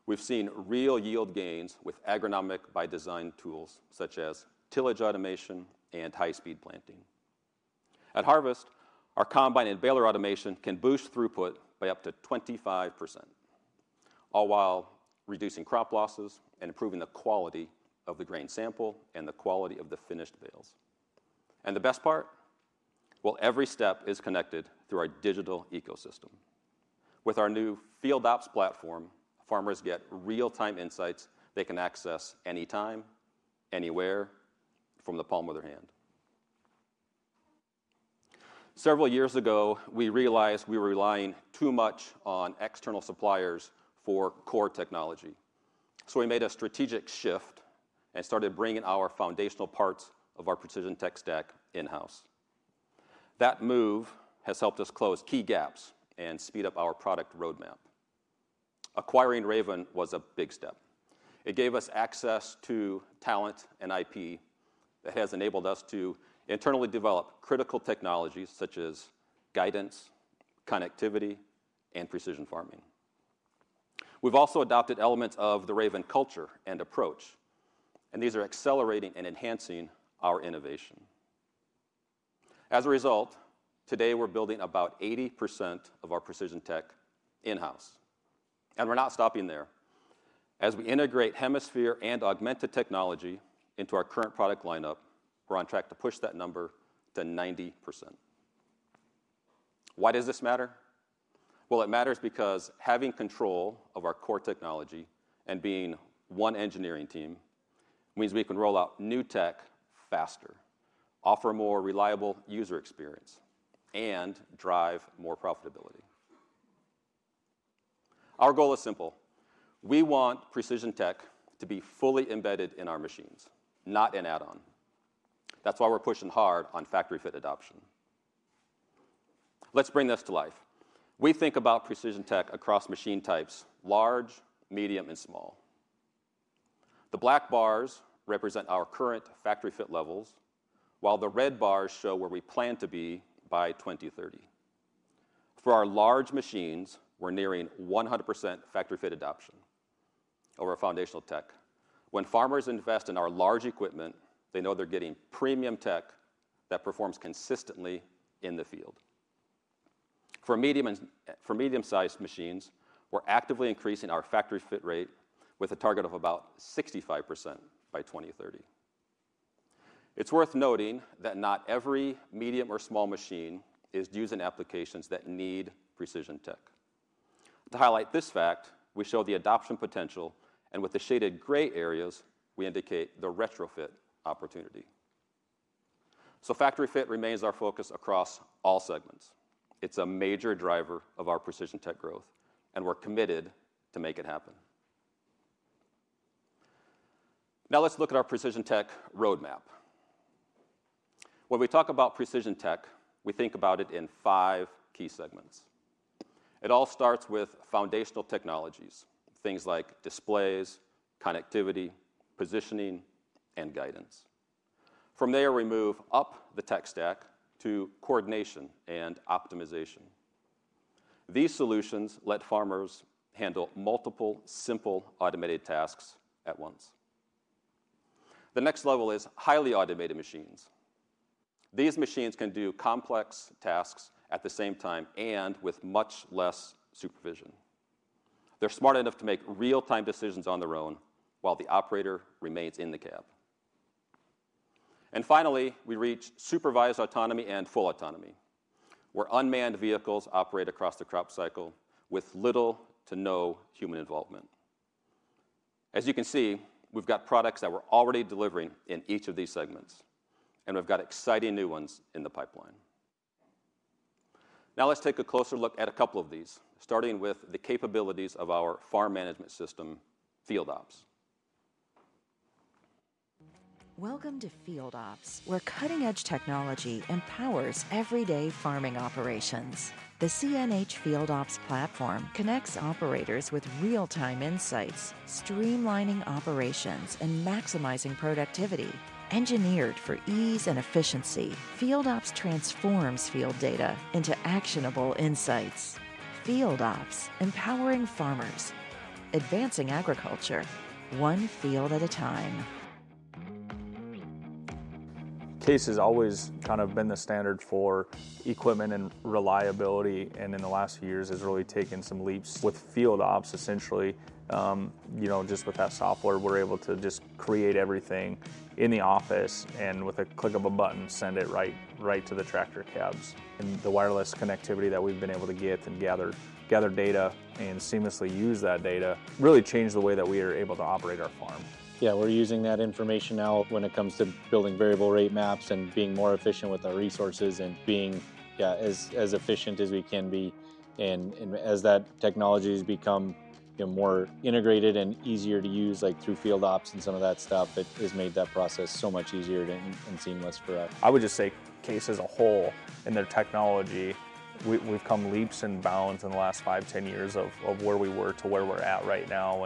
Speaker 4: We've seen real yield gains with agronomic by design tools such as tillage automation and high-speed planting. At harvest, our combine and baler automation can boost throughput by up to 25%, all while reducing crop losses and improving the quality of the grain sample and the quality of the finished bales. The best part? Every step is connected through our digital ecosystem. With our new FieldOps platform, farmers get real-time insights they can access anytime, anywhere, from the palm of their hand. Several years ago, we realized we were relying too much on external suppliers for core technology. We made a strategic shift and started bringing our foundational parts of our precision tech stack in-house. That move has helped us close key gaps and speed up our product roadmap. Acquiring Raven was a big step. It gave us access to talent and IP that has enabled us to internally develop critical technologies such as guidance, connectivity, and precision farming. We've also adopted elements of the Raven culture and approach, and these are accelerating and enhancing our innovation. As a result, today we're building about 80% of our precision tech in-house. We're not stopping there. As we integrate Hemisphere and augmented technology into our current product lineup, we're on track to push that number to 90%. Why does this matter? It matters because having control of our core technology and being one engineering team means we can roll out new tech faster, offer a more reliable user experience, and drive more profitability. Our goal is simple. We want precision tech to be fully embedded in our machines, not an add-on. That's why we're pushing hard on factory-fit adoption. Let's bring this to life. We think about precision tech across machine types: large, medium, and small. The black bars represent our current factory-fit levels, while the red bars show where we plan to be by 2030. For our large machines, we're nearing 100% factory-fit adoption over foundational tech. When farmers invest in our large equipment, they know they're getting premium tech that performs consistently in the field. For medium-sized machines, we're actively increasing our factory-fit rate with a target of about 65% by 2030. It's worth noting that not every medium or small machine is used in applications that need precision tech. To highlight this fact, we show the adoption potential, and with the shaded gray areas, we indicate the retrofit opportunity. Factory-fit remains our focus across all segments. It's a major driver of our precision tech growth, and we're committed to make it happen. Now let's look at our precision tech roadmap. When we talk about precision tech, we think about it in five key segments. It all starts with foundational technologies, things like displays, connectivity, positioning, and guidance. From there, we move up the tech stack to coordination and optimization. These solutions let farmers handle multiple, simple, automated tasks at once. The next level is highly automated machines. These machines can do complex tasks at the same time and with much less supervision. They're smart enough to make real-time decisions on their own while the operator remains in the cab. Finally, we reach supervised autonomy and full autonomy, where unmanned vehicles operate across the crop cycle with little to no human involvement. As you can see, we've got products that we're already delivering in each of these segments, and we've got exciting new ones in the pipeline. Now let's take a closer look at a couple of these, starting with the capabilities of our farm management system, FieldOps.
Speaker 5: Welcome to FieldOps, where cutting-edge technology empowers everyday farming operations. The CNH FieldOps platform connects operators with real-time insights, streamlining operations and maximizing productivity. Engineered for ease and efficiency, FieldOps transforms field data into actionable insights. FieldOps empowering farmers, advancing agriculture, one field at a time.
Speaker 6: Case has always kind of been the standard for equipment and reliability, and in the last few years, it's really taken some leaps with FieldOps. Essentially, you know, just with that software, we're able to just create everything in the office and with a click of a button, send it right to the tractor cabs. The wireless connectivity that we've been able to get and gather data and seamlessly use that data really changed the way that we are able to operate our farm. Yeah, we're using that information now when it comes to building variable rate maps and being more efficient with our resources and being as efficient as we can be. As that technology has become more integrated and easier to use, like through FieldOps and some of that stuff, it has made that process so much easier and seamless for us. I would just say Case IH as a whole and their technology, we've come leaps and bounds in the last five, ten years of where we were to where we're at right now.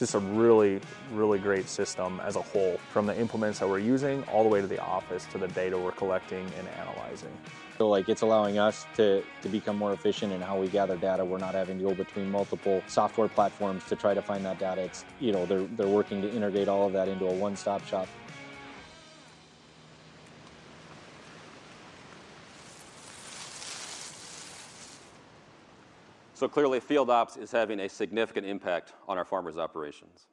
Speaker 6: It's just a really, really great system as a whole, from the implements that we're using all the way to the office to the data we're collecting and analyzing. Like, it's allowing us to become more efficient in how we gather data. We're not having to go between multiple software platforms to try to find that data. You know, they're working to integrate all of that into a one-stop shop.
Speaker 4: Clearly, FieldOps is having a significant impact on our farmers' operations.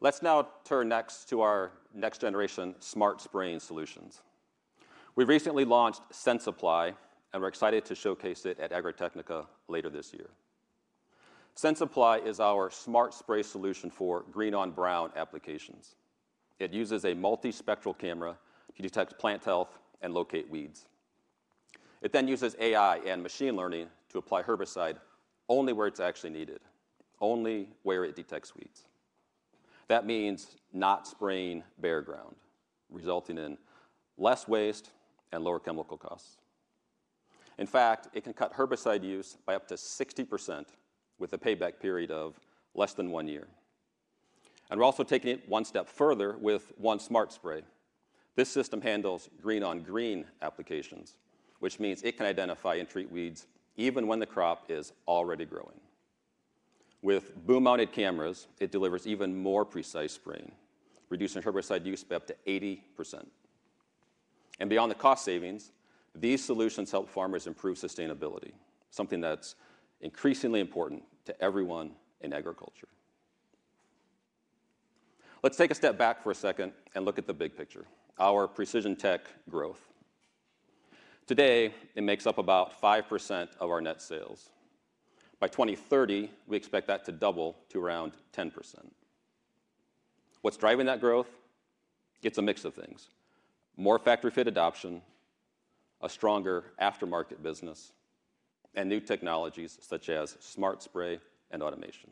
Speaker 4: Let's now turn next to our next-generation smart spraying solutions. We've recently launched SensiPLY, and we're excited to showcase it at Agritechnica later this year. SensiPLY is our smart spray solution for green-on-brown applications. It uses a multispectral camera to detect plant health and locate weeds. It then uses AI and machine learning to apply herbicide only where it's actually needed, only where it detects weeds. That means not spraying bare ground, resulting in less waste and lower chemical costs. In fact, it can cut herbicide use by up to 60% with a payback period of less than one year. We're also taking it one step further with OneSmart Spray. This system handles green-on-green applications, which means it can identify and treat weeds even when the crop is already growing. With boom-mounted cameras, it delivers even more precise spraying, reducing herbicide use by up to 80%. Beyond the cost savings, these solutions help farmers improve sustainability, something that's increasingly important to everyone in agriculture. Let's take a step back for a second and look at the big picture, our precision tech growth. Today, it makes up about 5% of our net sales. By 2030, we expect that to double to around 10%. What's driving that growth? It's a mix of things: more factory-fit adoption, a stronger aftermarket business, and new technologies such as smart spray and automation.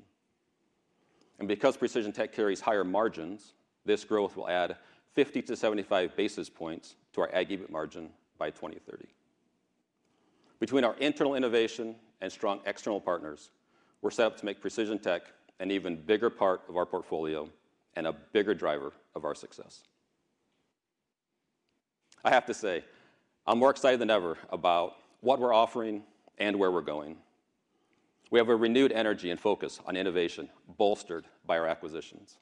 Speaker 4: Because precision tech carries higher margins, this growth will add 50-75 basis points to our aggregate margin by 2030. Between our internal innovation and strong external partners, we're set up to make precision tech an even bigger part of our portfolio and a bigger driver of our success. I have to say, I'm more excited than ever about what we're offering and where we're going. We have a renewed energy and focus on innovation bolstered by our acquisitions.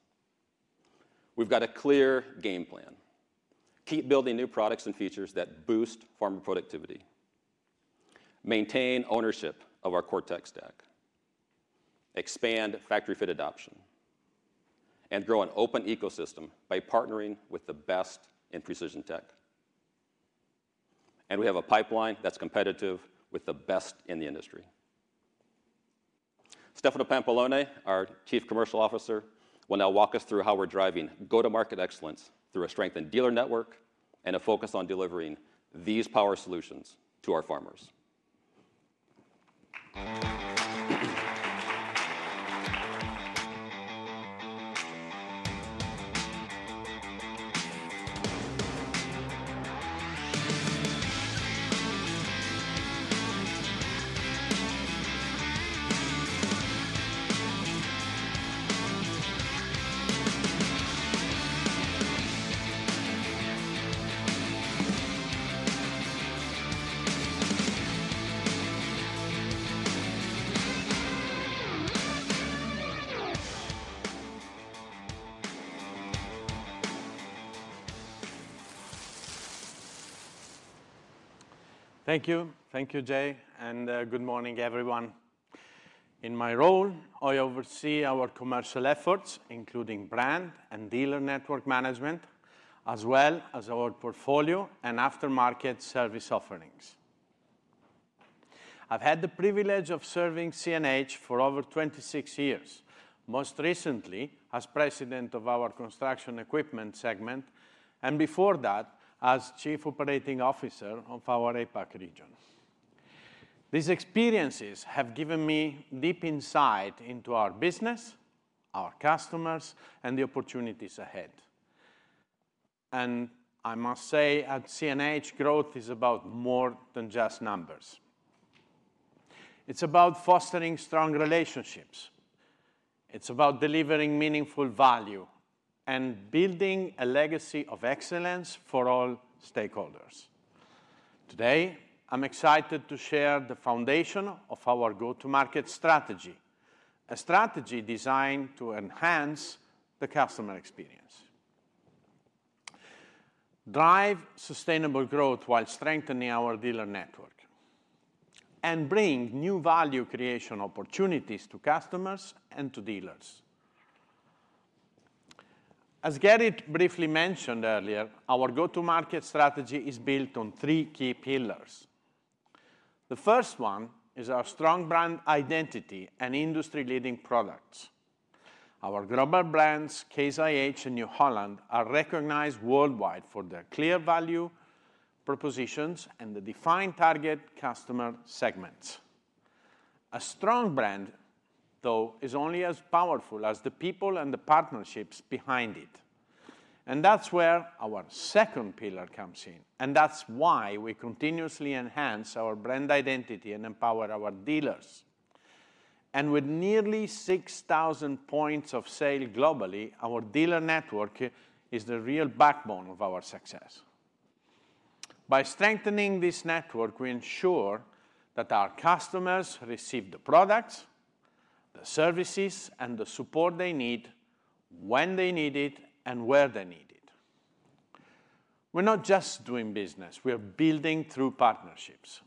Speaker 4: We've got a clear game plan: keep building new products and features that boost farmer productivity, maintain ownership of our core tech stack, expand factory-fit adoption, and grow an open ecosystem by partnering with the best in precision tech. We have a pipeline that's competitive with the best in the industry. Stefano Pampalone, our Chief Commercial Officer, will now walk us through how we're driving go-to-market excellence through a strengthened dealer network and a focus on delivering these power solutions to our farmers.
Speaker 7: Thank you. Thank you, Jay. Good morning, everyone. In my role, I oversee our commercial efforts, including brand and dealer network management, as well as our portfolio and aftermarket service offerings. I've had the privilege of serving CNH Industrial for over 26 years, most recently as President of our construction equipment segment, and before that as Chief Operating Officer of our APAC region. These experiences have given me deep insight into our business, our customers, and the opportunities ahead. I must say, at CNH, growth is about more than just numbers. It is about fostering strong relationships. It is about delivering meaningful value and building a legacy of excellence for all stakeholders. Today, I am excited to share the foundation of our go-to-market strategy, a strategy designed to enhance the customer experience, drive sustainable growth while strengthening our dealer network, and bring new value creation opportunities to customers and to dealers. As Gerrit briefly mentioned earlier, our go-to-market strategy is built on three key pillars. The first one is our strong brand identity and industry-leading products. Our global brands, Case IH and New Holland, are recognized worldwide for their clear value propositions and the defined target customer segments. A strong brand, though, is only as powerful as the people and the partnerships behind it. That is where our second pillar comes in. That is why we continuously enhance our brand identity and empower our dealers. With nearly 6,000 points of sale globally, our dealer network is the real backbone of our success. By strengthening this network, we ensure that our customers receive the products, the services, and the support they need when they need it and where they need it. We are not just doing business. We are building through partnerships.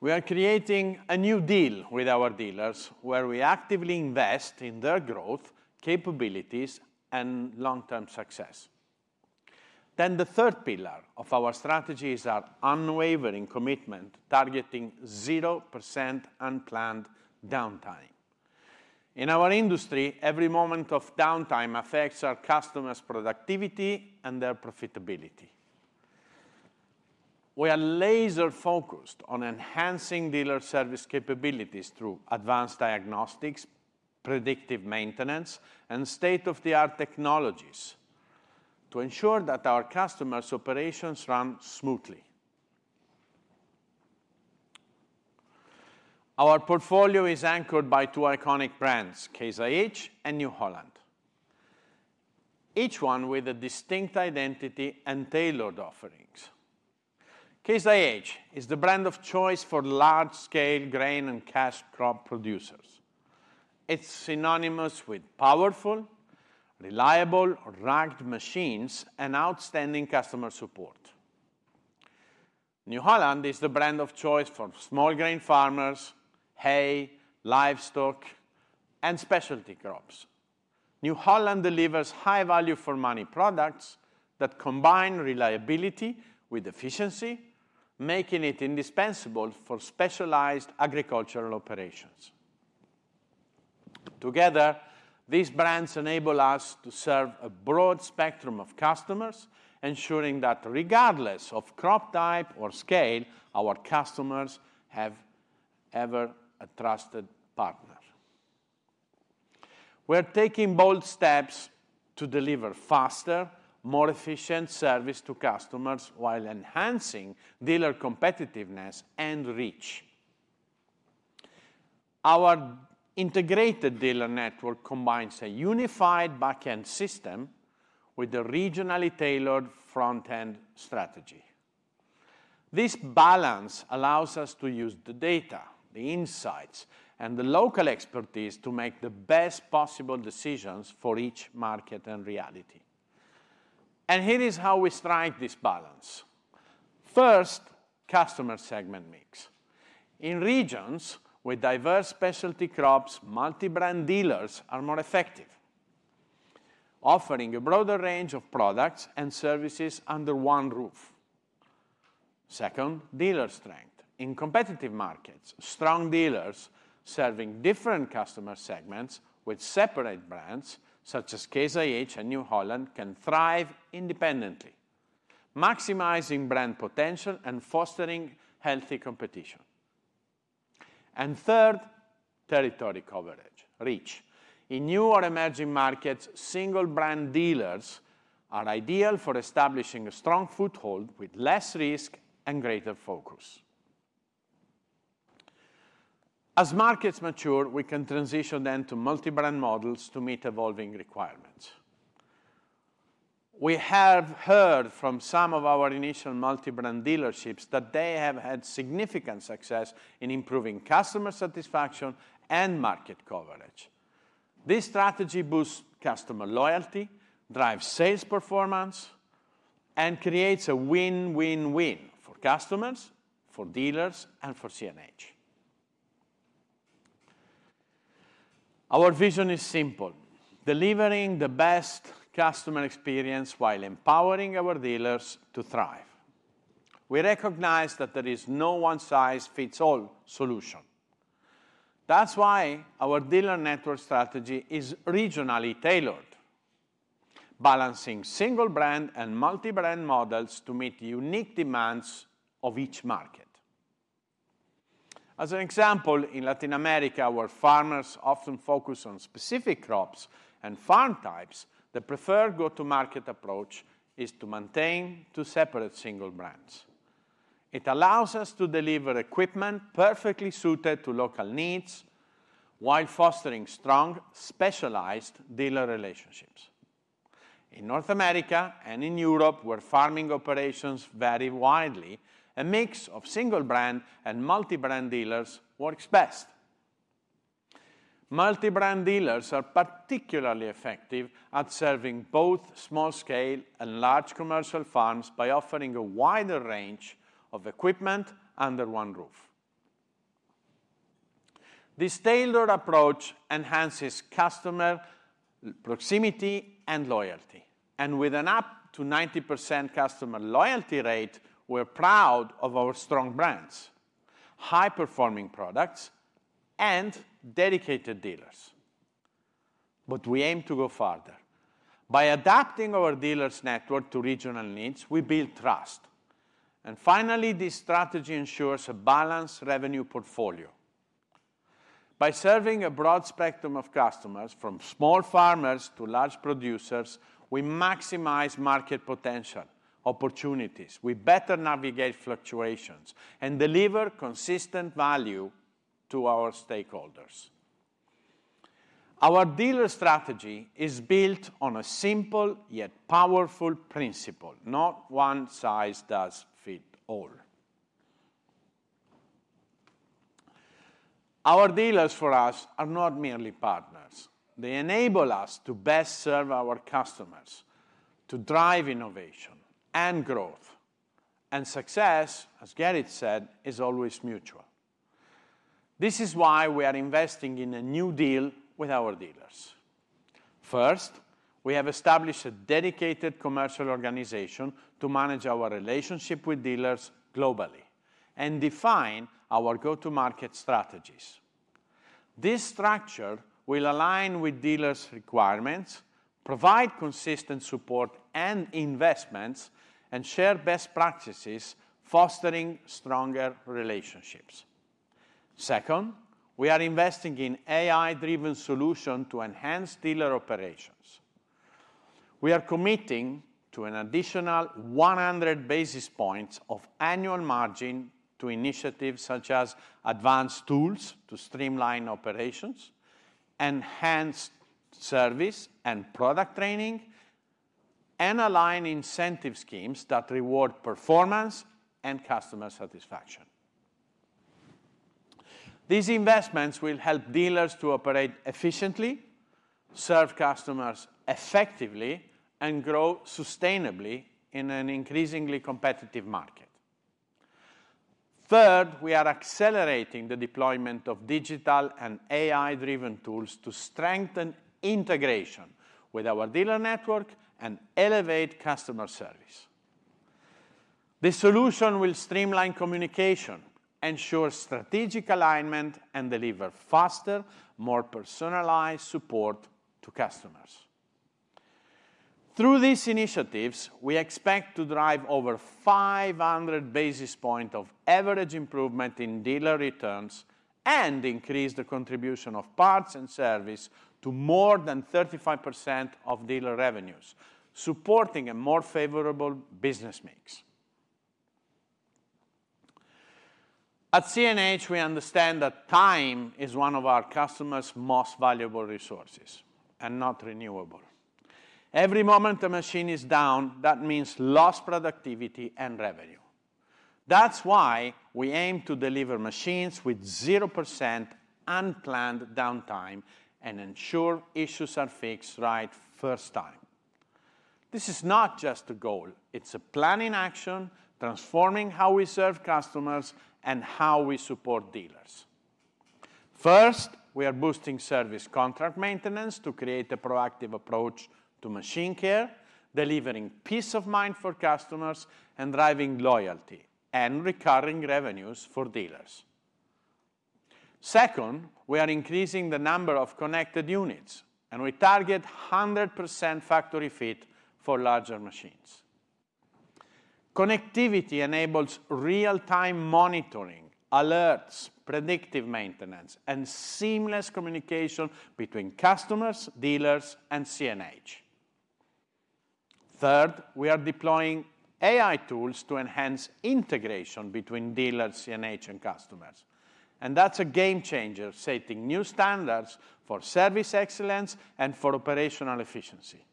Speaker 7: We are creating a new deal with our dealers where we actively invest in their growth, capabilities, and long-term success. The third pillar of our strategy is our unwavering commitment, targeting 0% unplanned downtime. In our industry, every moment of downtime affects our customers' productivity and their profitability. We are laser-focused on enhancing dealer service capabilities through advanced diagnostics, predictive maintenance, and state-of-the-art technologies to ensure that our customers' operations run smoothly. Our portfolio is anchored by two iconic brands, Case IH and New Holland, each one with a distinct identity and tailored offerings. Case IH is the brand of choice for large-scale grain and cash crop producers. It's synonymous with powerful, reliable, rugged machines and outstanding customer support. New Holland is the brand of choice for small grain farmers, hay, livestock, and specialty crops. New Holland delivers high-value-for-money products that combine reliability with efficiency, making it indispensable for specialized agricultural operations. Together, these brands enable us to serve a broad spectrum of customers, ensuring that regardless of crop type or scale, our customers have ever a trusted partner. We're taking bold steps to deliver faster, more efficient service to customers while enhancing dealer competitiveness and reach. Our integrated dealer network combines a unified back-end system with a regionally tailored front-end strategy. This balance allows us to use the data, the insights, and the local expertise to make the best possible decisions for each market and reality. Here is how we strike this balance. First, customer segment mix. In regions with diverse specialty crops, multi-brand dealers are more effective, offering a broader range of products and services under one roof. Second, dealer strength. In competitive markets, strong dealers serving different customer segments with separate brands, such as Case IH and New Holland, can thrive independently, maximizing brand potential and fostering healthy competition. Third, territory coverage, reach. In new or emerging markets, single-brand dealers are ideal for establishing a strong foothold with less risk and greater focus. As markets mature, we can transition then to multi-brand models to meet evolving requirements. We have heard from some of our initial multi-brand dealerships that they have had significant success in improving customer satisfaction and market coverage. This strategy boosts customer loyalty, drives sales performance, and creates a win-win-win for customers, for dealers, and for CNH. Our vision is simple: delivering the best customer experience while empowering our dealers to thrive. We recognize that there is no one-size-fits-all solution. That's why our dealer network strategy is regionally tailored, balancing single-brand and multi-brand models to meet unique demands of each market. As an example, in Latin America, where farmers often focus on specific crops and farm types, the preferred go-to-market approach is to maintain two separate single brands. It allows us to deliver equipment perfectly suited to local needs while fostering strong, specialized dealer relationships. In North America and in Europe, where farming operations vary widely, a mix of single-brand and multi-brand dealers works best. Multi-brand dealers are particularly effective at serving both small-scale and large commercial farms by offering a wider range of equipment under one roof. This tailored approach enhances customer proximity and loyalty. With an up to 90% customer loyalty rate, we're proud of our strong brands, high-performing products, and dedicated dealers. We aim to go farther. By adapting our dealers' network to regional needs, we build trust. Finally, this strategy ensures a balanced revenue portfolio. By serving a broad spectrum of customers, from small farmers to large producers, we maximize market potential opportunities. We better navigate fluctuations and deliver consistent value to our stakeholders. Our dealer strategy is built on a simple yet powerful principle: not one size does fit all. Our dealers, for us, are not merely partners. They enable us to best serve our customers, to drive innovation and growth. Success, as Gerrit said, is always mutual. This is why we are investing in a new deal with our dealers. First, we have established a dedicated commercial organization to manage our relationship with dealers globally and define our go-to-market strategies. This structure will align with dealers' requirements, provide consistent support and investments, and share best practices, fostering stronger relationships. Second, we are investing in AI-driven solutions to enhance dealer operations. We are committing to an additional 100 basis points of annual margin to initiatives such as advanced tools to streamline operations, enhanced service and product training, and align incentive schemes that reward performance and customer satisfaction. These investments will help dealers to operate efficiently, serve customers effectively, and grow sustainably in an increasingly competitive market. Third, we are accelerating the deployment of digital and AI-driven tools to strengthen integration with our dealer network and elevate customer service. This solution will streamline communication, ensure strategic alignment, and deliver faster, more personalized support to customers. Through these initiatives, we expect to drive over 500 basis points of average improvement in dealer returns and increase the contribution of parts and service to more than 35% of dealer revenues, supporting a more favorable business mix. At CNH Industrial, we understand that time is one of our customers' most valuable resources and not renewable. Every moment a machine is down, that means lost productivity and revenue. That's why we aim to deliver machines with 0% unplanned downtime and ensure issues are fixed right the first time. This is not just a goal. It's a plan in action, transforming how we serve customers and how we support dealers. First, we are boosting service contract maintenance to create a proactive approach to machine care, delivering peace of mind for customers and driving loyalty and recurring revenues for dealers. Second, we are increasing the number of connected units, and we target 100% factory fit for larger machines. Connectivity enables real-time monitoring, alerts, predictive maintenance, and seamless communication between customers, dealers, and CNH. Third, we are deploying AI tools to enhance integration between dealers, CNH, and customers. That is a game changer, setting new standards for service excellence and for operational efficiency.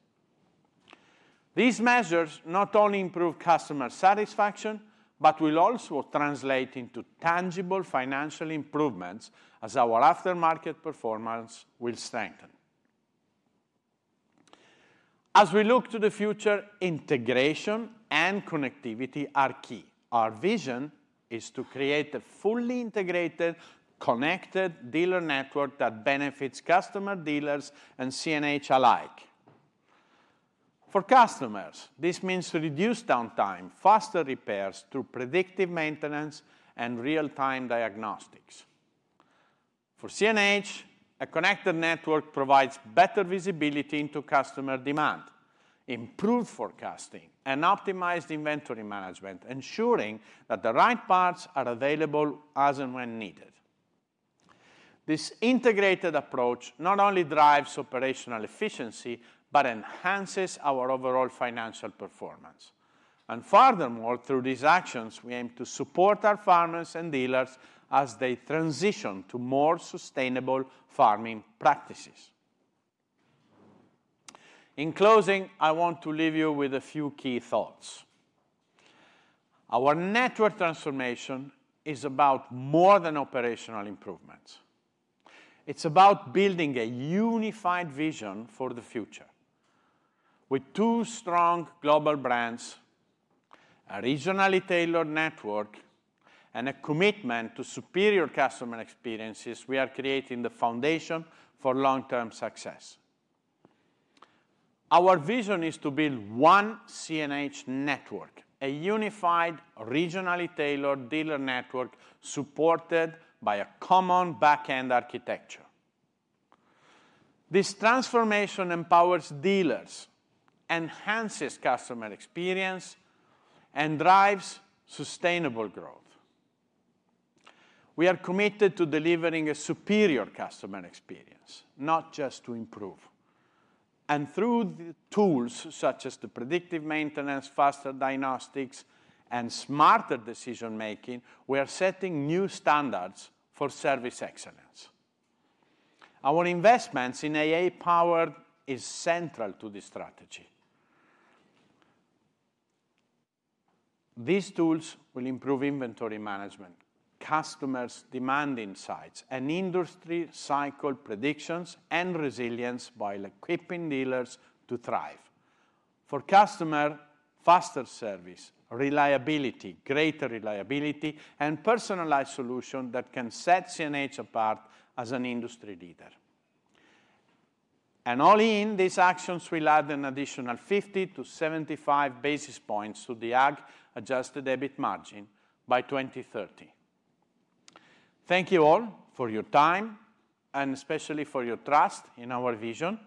Speaker 7: These measures not only improve customer satisfaction, but will also translate into tangible financial improvements as our aftermarket performance will strengthen. As we look to the future, integration and connectivity are key. Our vision is to create a fully integrated, connected dealer network that benefits customers, dealers, and CNH alike. For customers, this means reduced downtime, faster repairs through predictive maintenance and real-time diagnostics. For CNH, a connected network provides better visibility into customer demand, improved forecasting, and optimized inventory management, ensuring that the right parts are available as and when needed. This integrated approach not only drives operational efficiency, but enhances our overall financial performance. Furthermore, through these actions, we aim to support our farmers and dealers as they transition to more sustainable farming practices. In closing, I want to leave you with a few key thoughts. Our network transformation is about more than operational improvements. It is about building a unified vision for the future. With two strong global brands, a regionally tailored network, and a commitment to superior customer experiences, we are creating the foundation for long-term success. Our vision is to build one CNH network, a unified, regionally tailored dealer network supported by a common back-end architecture. This transformation empowers dealers, enhances customer experience, and drives sustainable growth. We are committed to delivering a superior customer experience, not just to improve. Through tools such as predictive maintenance, faster diagnostics, and smarter decision-making, we are setting new standards for service excellence. Our investments in AI-powered tools are central to this strategy. These tools will improve inventory management, customers' demand insights, and industry cycle predictions and resilience while equipping dealers to thrive. For customers, faster service, reliability, greater reliability, and personalized solutions can set CNH apart as an industry leader. All in, these actions will add an additional 50-75 basis points to the ag-adjusted EBIT margin by 2030. Thank you all for your time and especially for your trust in our vision.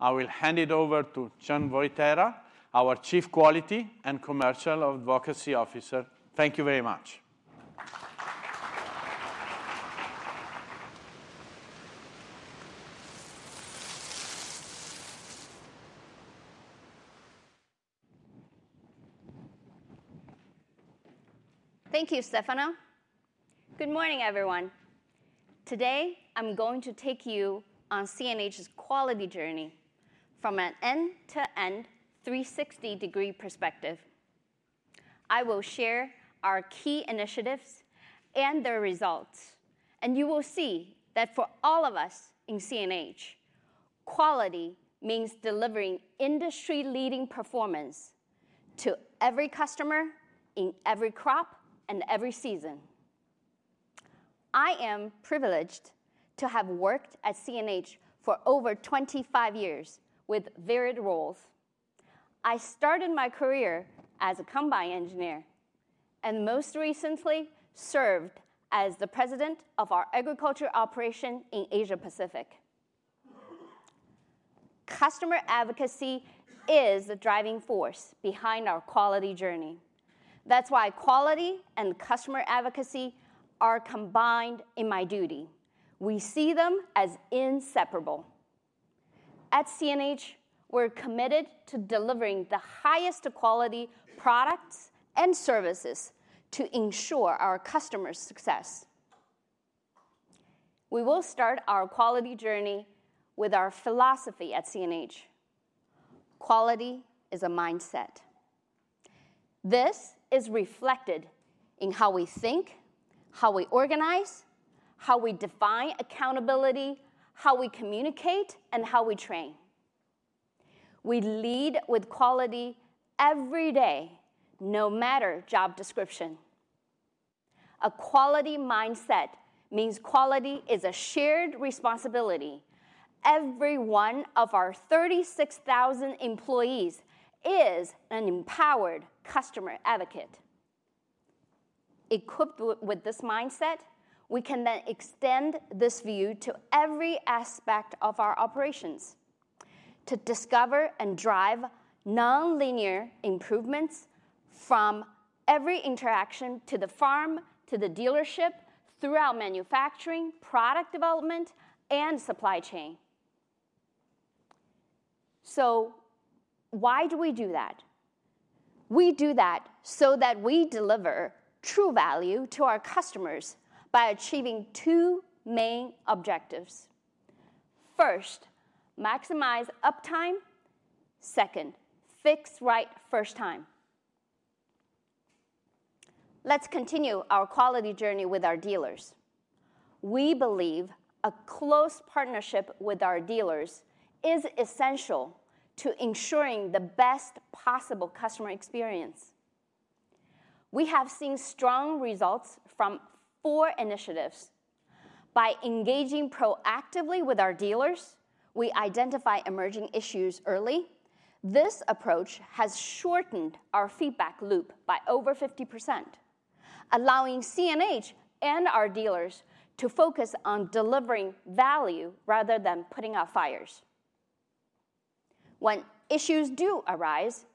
Speaker 7: I will hand it over to Chun Woytera, our Chief Quality and Commercial Advocacy Officer. Thank you very much.
Speaker 8: Thank you, Stefano. Good morning, everyone. Today, I'm going to take you on CNH's quality journey from an end-to-end 360-degree perspective. I will share our key initiatives and their results, and you will see that for all of us in CNH, quality means delivering industry-leading performance to every customer in every crop and every season. I am privileged to have worked at CNH for over 25 years with varied roles. I started my career as a combine engineer and most recently served as the president of our agriculture operation in Asia-Pacific. Customer advocacy is the driving force behind our quality journey. That's why quality and customer advocacy are combined in my duty. We see them as inseparable. At CNH, we're committed to delivering the highest quality products and services to ensure our customers' success. We will start our quality journey with our philosophy at CNH. Quality is a mindset. This is reflected in how we think, how we organize, how we define accountability, how we communicate, and how we train. We lead with quality every day, no matter job description. A quality mindset means quality is a shared responsibility. Every one of our 36,000 employees is an empowered customer advocate. Equipped with this mindset, we can then extend this view to every aspect of our operations to discover and drive non-linear improvements from every interaction to the farm, to the dealership, throughout manufacturing, product development, and supply chain. Why do we do that? We do that so that we deliver true value to our customers by achieving two main objectives. First, maximize uptime. Second, fix right first time. Let's continue our quality journey with our dealers. We believe a close partnership with our dealers is essential to ensuring the best possible customer experience. We have seen strong results from four initiatives. By engaging proactively with our dealers, we identify emerging issues early. This approach has shortened our feedback loop by over 50%, allowing CNH and our dealers to focus on delivering value rather than putting out fires. When issues do arise,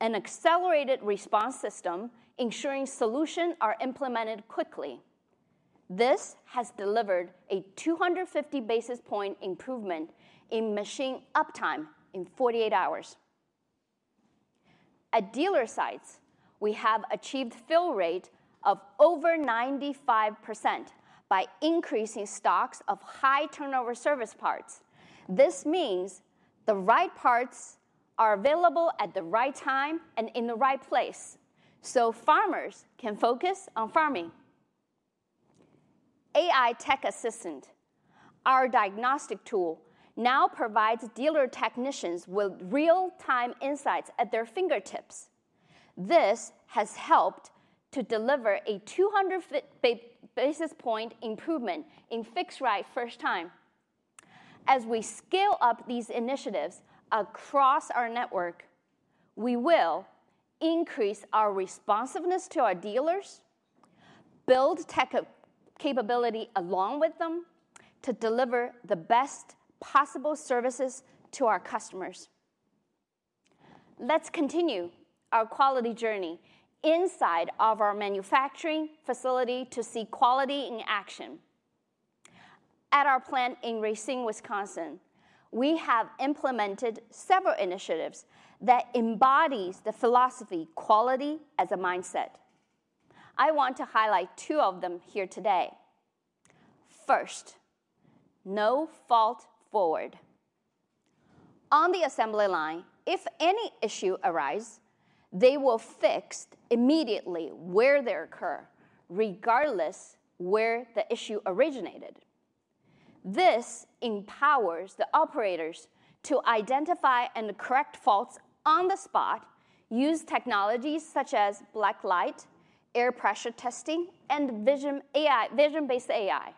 Speaker 8: an accelerated response system ensures solutions are implemented quickly. This has delivered a 250 basis point improvement in machine uptime in 48 hours. At dealer sites, we have achieved a fill rate of over 95% by increasing stocks of high turnover service parts. This means the right parts are available at the right time and in the right place so farmers can focus on farming. AI Tech Assistant, our diagnostic tool, now provides dealer technicians with real-time insights at their fingertips. This has helped to deliver a 200 basis point improvement in fix right first time. As we scale up these initiatives across our network, we will increase our responsiveness to our dealers, build tech capability along with them to deliver the best possible services to our customers. Let's continue our quality journey inside of our manufacturing facility to see quality in action. At our plant in Racine, Wisconsin, we have implemented several initiatives that embody the philosophy of quality as a mindset. I want to highlight two of them here today. First, no fault forward. On the assembly line, if any issue arises, they will fix it immediately where they occur, regardless of where the issue originated. This empowers the operators to identify and correct faults on the spot, use technologies such as black light, air pressure testing, and vision-based AI.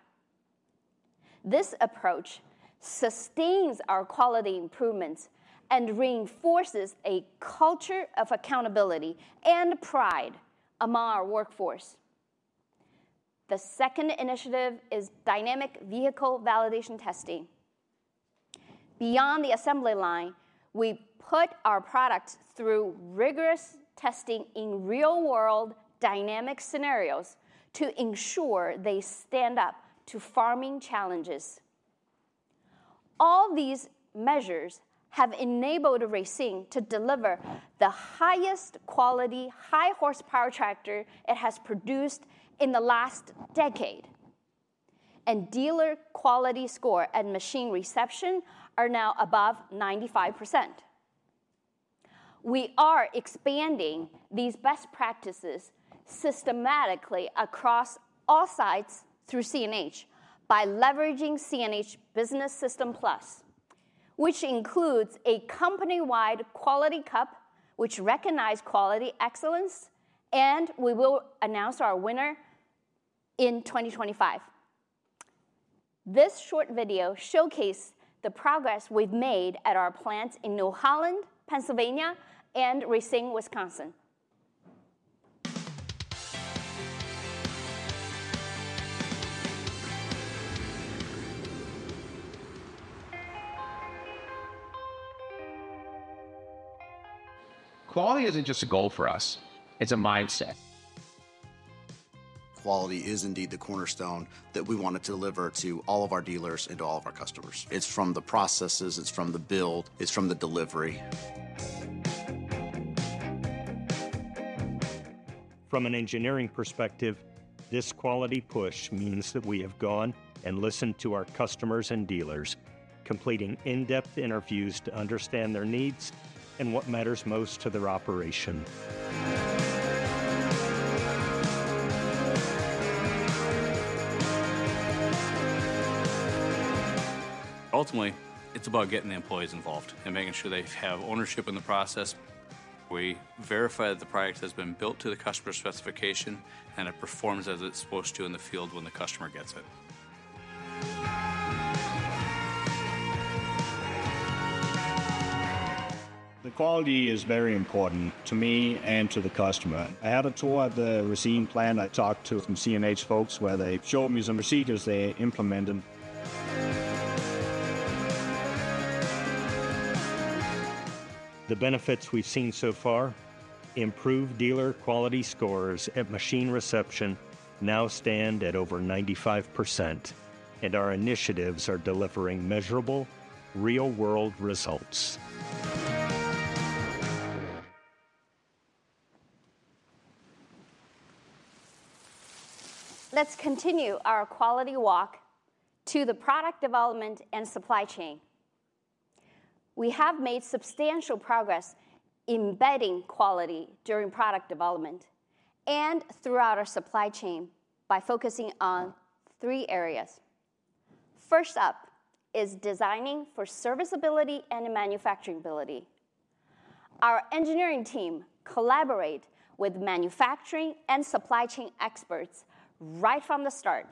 Speaker 8: This approach sustains our quality improvements and reinforces a culture of accountability and pride among our workforce. The second initiative is dynamic vehicle validation testing. Beyond the assembly line, we put our products through rigorous testing in real-world dynamic scenarios to ensure they stand up to farming challenges. All these measures have enabled Racine to deliver the highest quality high-horsepower tractor it has produced in the last decade, and dealer quality score and machine reception are now above 95%. We are expanding these best practices systematically across all sites through CNH by leveraging CNH Business System Plus, which includes a company-wide quality cup that recognizes quality excellence, and we will announce our winner in 2025. This short video showcases the progress we've made at our plants in New Holland, Pennsylvania, and Racine, Wisconsin.
Speaker 9: Quality isn't just a goal for us; it's a mindset.
Speaker 10: Quality is indeed the cornerstone that we want to deliver to all of our dealers and to all of our customers. It's from the processes, it's from the build, it's from the delivery.
Speaker 11: From an engineering perspective, this quality push means that we have gone and listened to our customers and dealers, completing in-depth interviews to understand their needs and what matters most to their operation.
Speaker 12: Ultimately, it's about getting the employees involved and making sure they have ownership in the process. We verify that the product has been built to the customer's specification and it performs as it's supposed to in the field when the customer gets it.
Speaker 13: The quality is very important to me and to the customer. I had a tour at the Racine plant. I talked to some CNH folks where they showed me some procedures they implemented.
Speaker 14: The benefits we've seen so far improve dealer quality scores at machine reception now stand at over 95%, and our initiatives are delivering measurable real-world results.
Speaker 8: Let's continue our quality walk to the product development and supply chain. We have made substantial progress embedding quality during product development and throughout our supply chain by focusing on three areas. First up is designing for serviceability and manufacturability. Our engineering team collaborates with manufacturing and supply chain experts right from the start.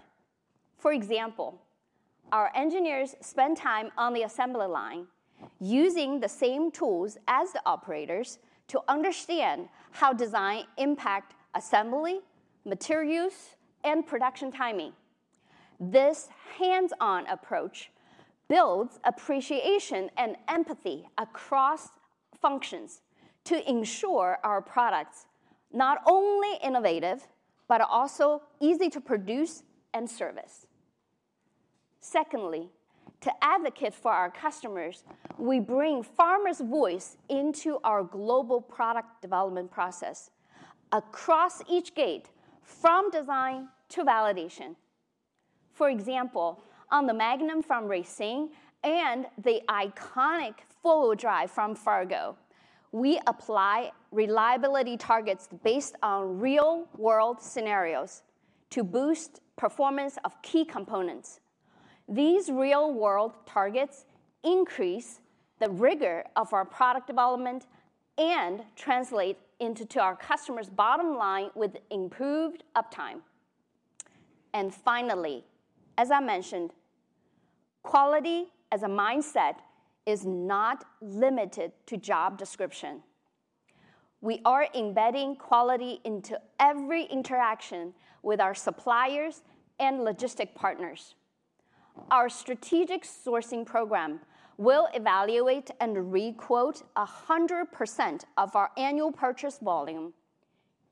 Speaker 8: For example, our engineers spend time on the assembly line using the same tools as the operators to understand how design impacts assembly, material use, and production timing. This hands-on approach builds appreciation and empathy across functions to ensure our products are not only innovative but also easy to produce and service. Secondly, to advocate for our customers, we bring farmers' voices into our global product development process across each gate, from design to validation. For example, on the Magnum from Racine and the iconic Full Drive from Fargo, we apply reliability targets based on real-world scenarios to boost the performance of key components. These real-world targets increase the rigor of our product development and translate into our customers' bottom line with improved uptime. Finally, as I mentioned, quality as a mindset is not limited to job description. We are embedding quality into every interaction with our suppliers and logistics partners. Our strategic sourcing program will evaluate and requote 100% of our annual purchase volume,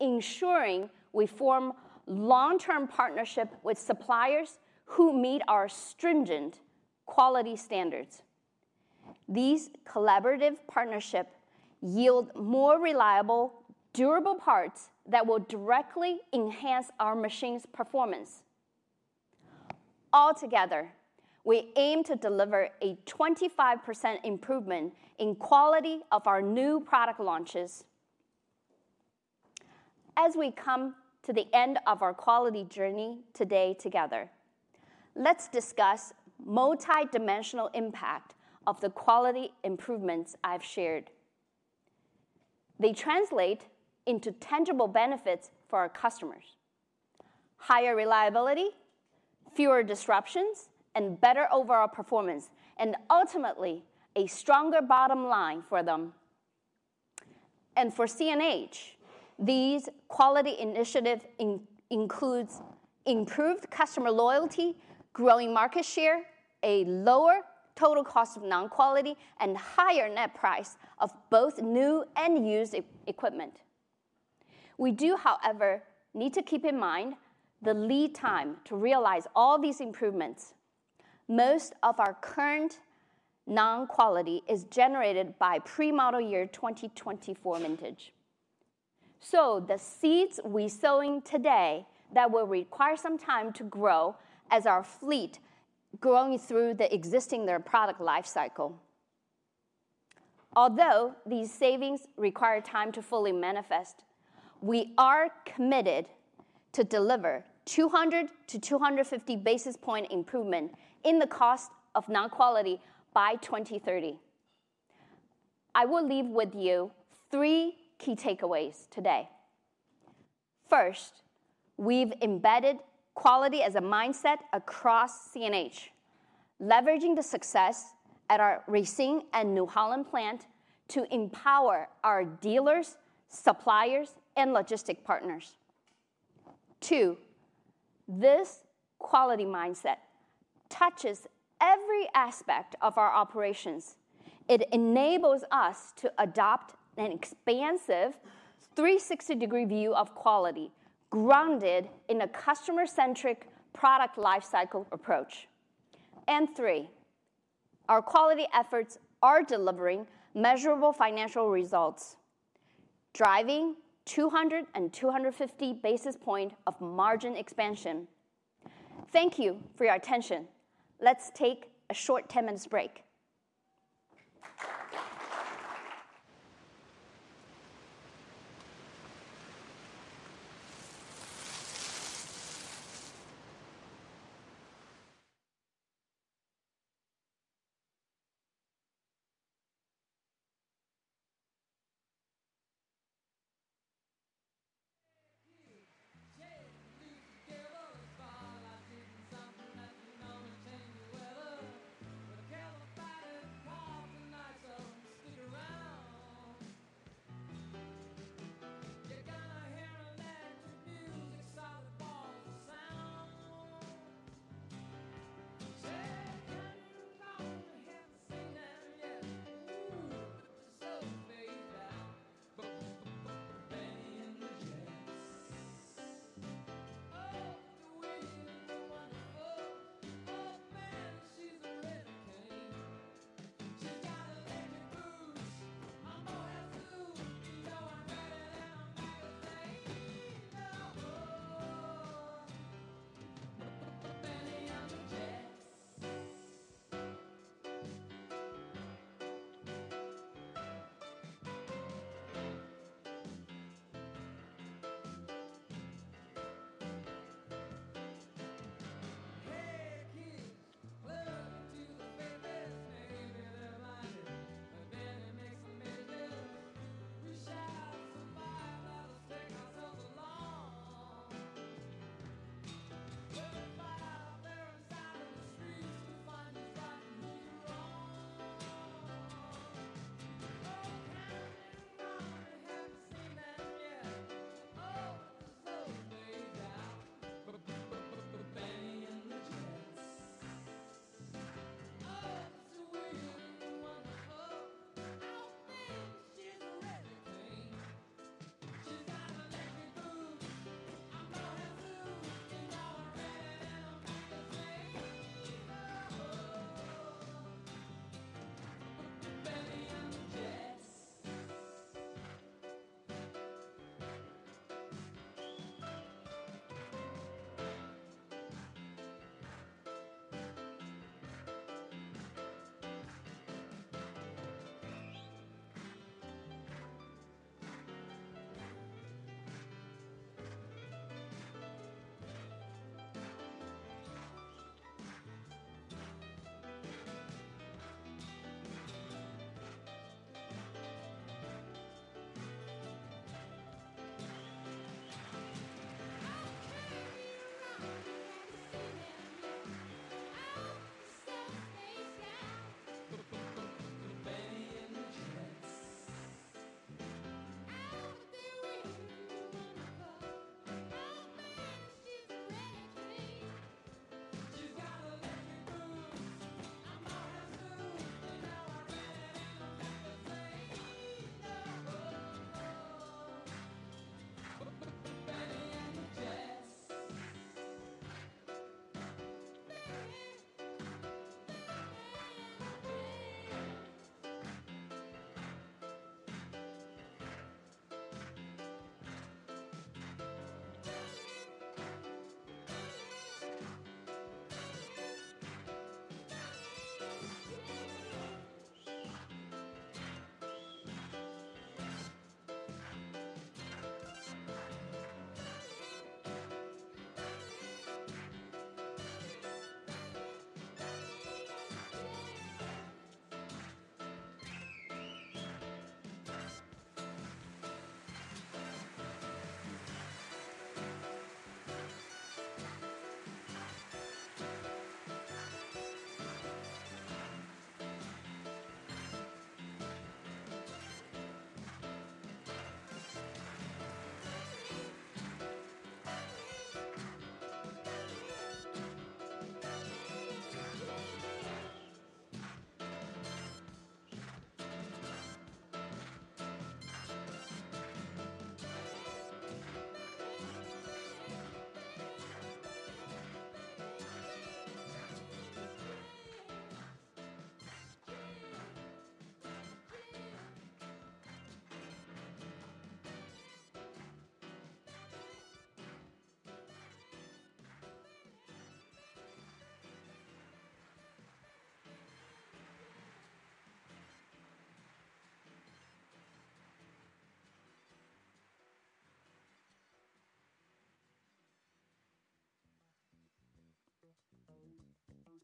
Speaker 8: ensuring we form long-term partnerships with suppliers who meet our stringent quality standards. These collaborative partnerships yield more reliable, durable parts that will directly enhance our machines' performance. Altogether, we aim to deliver a 25% improvement in the quality of our new product launches. As we come to the end of our quality journey today together, let's discuss the multidimensional impact of the quality improvements I've shared. They translate into tangible benefits for our customers: higher reliability, fewer disruptions, and better overall performance, and ultimately, a stronger bottom line for them. For CNH, these quality initiatives include improved customer loyalty, growing market share, a lower total cost of non-quality, and a higher net price of both new and used equipment. We do, however, need to keep in mind the lead time to realize all these improvements. Most of our current non-quality is generated by pre-model year 2024 mintage. So the seeds we're sowing today will require some time to grow as our fleet grows through the existing product lifecycle. Although these savings require time to fully manifest, we are committed to delivering 200-250 basis point improvements in the cost of non-quality by 2030. I will leave with you three key takeaways today. First, we've embedded quality as a mindset across CNH, leveraging the success at our Racine and New Holland plant to empower our dealers, suppliers, and logistics partners. Two, this quality mindset touches every aspect of our operations. It enables us to adopt an expansive 360-degree view of quality grounded in a customer-centric product lifecycle approach. Three, our quality efforts are delivering measurable financial results, driving 200 and 250 basis points of margin expansion. Thank you for your attention. Let's take a short 10-minute break.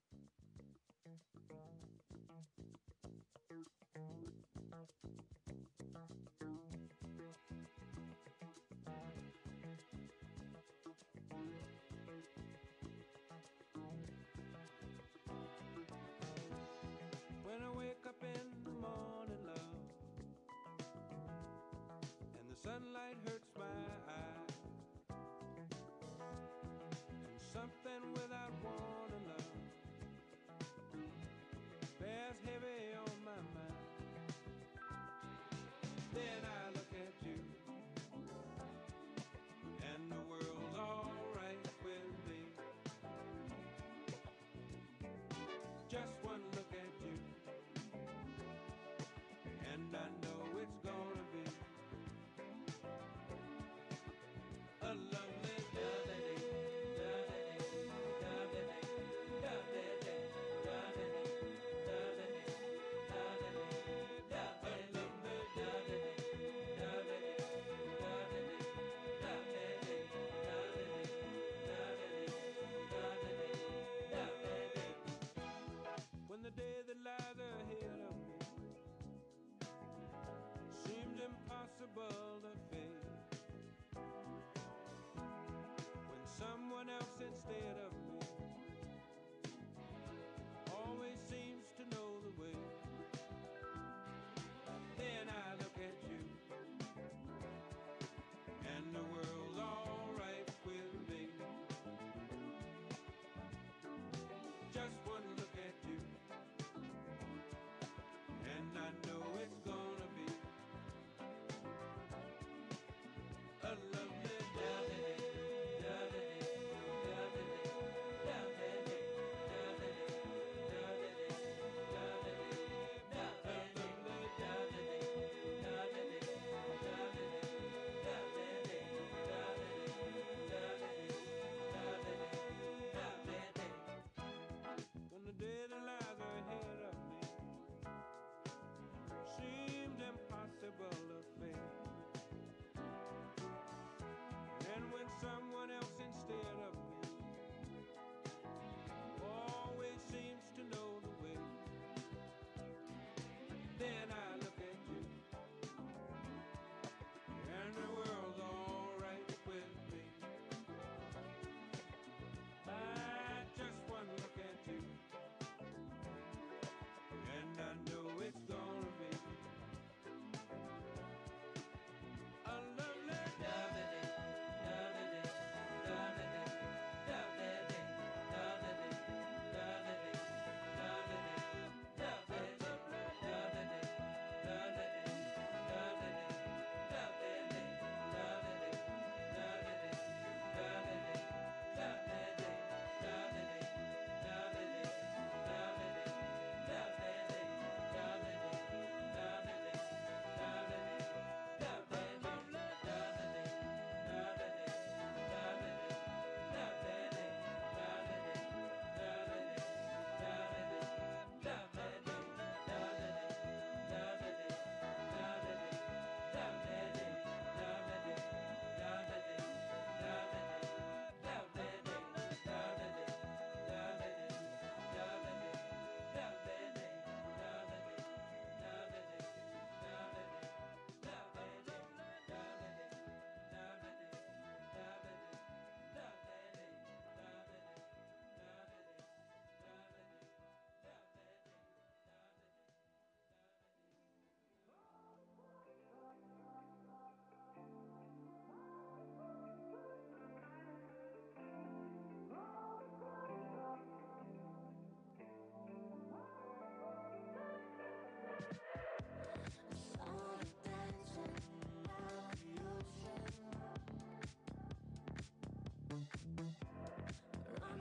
Speaker 15: Hey, kids, look to the babies! Maybe they're blinded, but baby makes them babies. We shout and survive, let us take ourselves along. We'll fight out there inside of the streets to find who's right and who's wrong. Oh, come on, have you seen that yet? Oh, it's so babe! Oh, it's so babe! Oh, it's so wonderful! Oh, baby, she's a ready thing. She's got a leggy boots. I'm gonna have to, you know, a baby in a magazine. Oh, baby and the jets. Oh, come on, have you seen that yet? Oh, it's so babe! Oh, baby and the jets. Oh, they're way too wonderful! Oh, baby, she's a ready thing. She's got a leggy boots. I'm gonna have to, you know, a baby in a magazine. Oh, baby and the jets. When I wake up in the morning, love, and the sunlight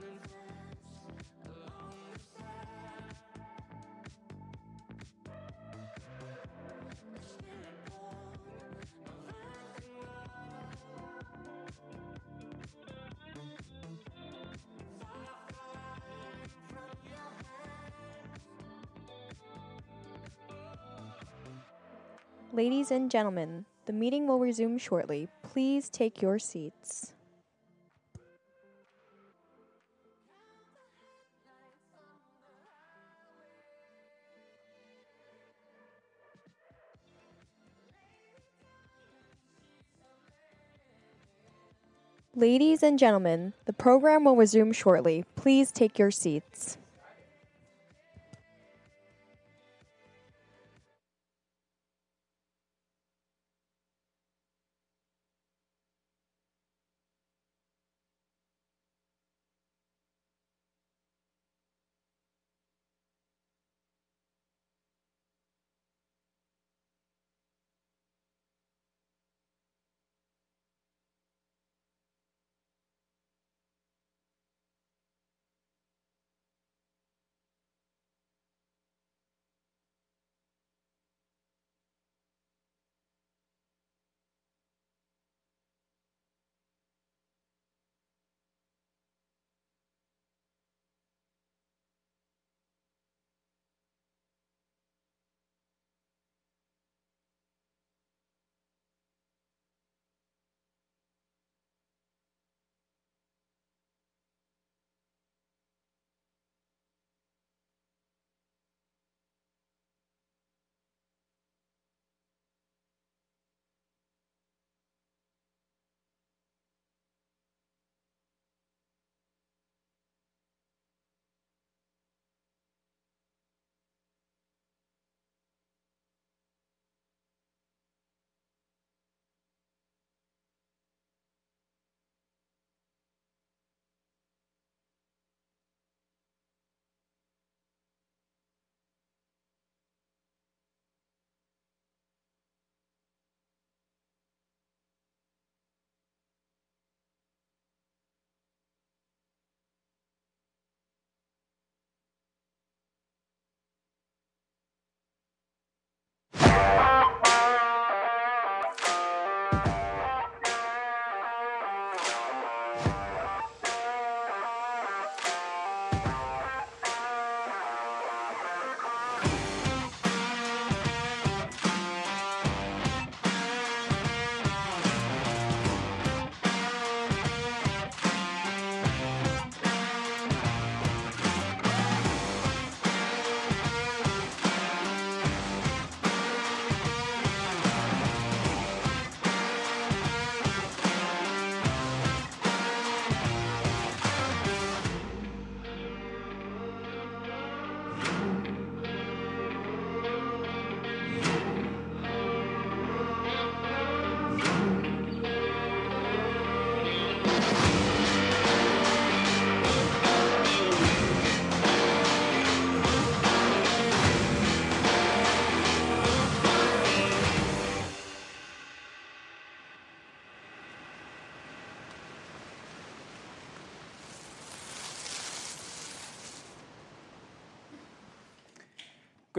Speaker 15: and the world's all right with me. Just one look at you, and I know it's gonna be a lovely lovely. When the day that lies ahead of me seems impossible to face, when someone else instead of me always seems to know the way, I look at you, and the world's all right with me. Just one look at you, and I know it's gonna be a lovely lovely. When the day that lies ahead of me seems impossible to face, and when someone else instead of me always seems to know the way, I look at you, and the world's all right with me. By just one look at you, I know it's gonna be a lovely lovely. I saw your dancing by the ocean, running hands along the sand. It's feeling warm around the world.
Speaker 8: Ladies and gentlemen, the meeting will resume shortly. Please take your seats. Ladies and gentlemen, the program will resume shortly. Please take your seats.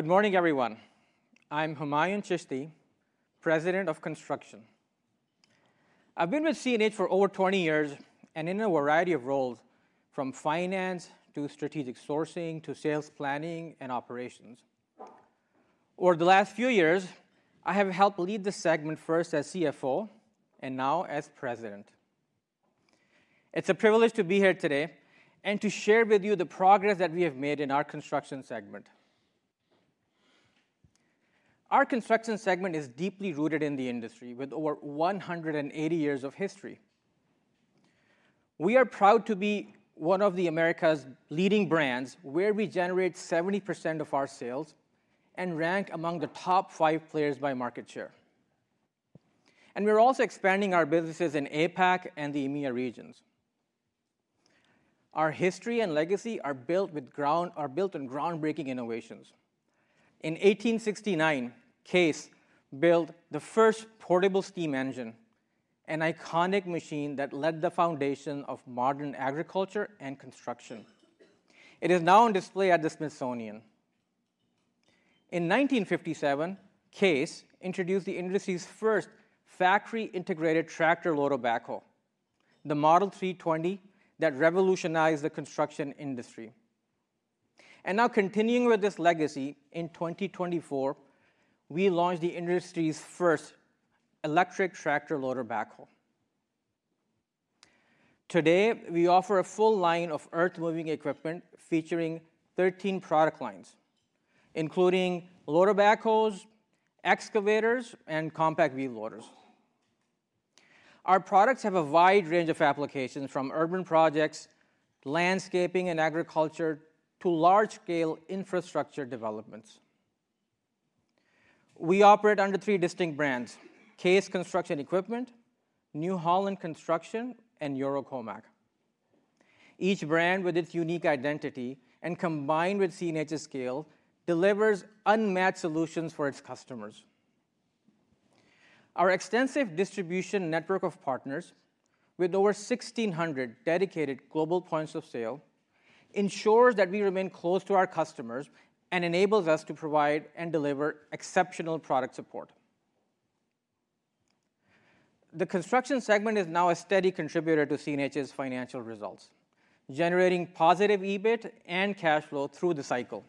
Speaker 16: Good morning, everyone. I'm Humayun Chishti, President of Construction. I've been with CNH Industrial for over 20 years and in a variety of roles, from finance to strategic sourcing to sales planning and operations. Over the last few years, I have helped lead the segment first as CFO and now as President. It's a privilege to be here today and to share with you the progress that we have made in our construction segment. Our construction segment is deeply rooted in the industry with over 180 years of history. We are proud to be one of America's leading brands where we generate 70% of our sales and rank among the top five players by market share. We're also expanding our businesses in APAC and the EMEA regions. Our history and legacy are built with ground-breaking innovations. In 1869, Case built the first portable steam engine, an iconic machine that laid the foundation of modern agriculture and construction. It is now on display at the Smithsonian. In 1957, Case introduced the industry's first factory-integrated tractor loader backhoe, the Model 320, that revolutionized the construction industry. Now, continuing with this legacy, in 2024, we launched the industry's first electric tractor loader backhoe. Today, we offer a full line of earth-moving equipment featuring 13 product lines, including loader backhoes, excavators, and compact wheel loaders. Our products have a wide range of applications from urban projects, landscaping and agriculture, to large-scale infrastructure developments. We operate under three distinct brands: Case Construction Equipment, New Holland Construction, and EuroComac. Each brand, with its unique identity and combined with CNH's scale, delivers unmatched solutions for its customers. Our extensive distribution network of partners, with over 1,600 dedicated global points of sale, ensures that we remain close to our customers and enables us to provide and deliver exceptional product support. The construction segment is now a steady contributor to CNH's financial results, generating positive EBIT and cash flow through the cycle.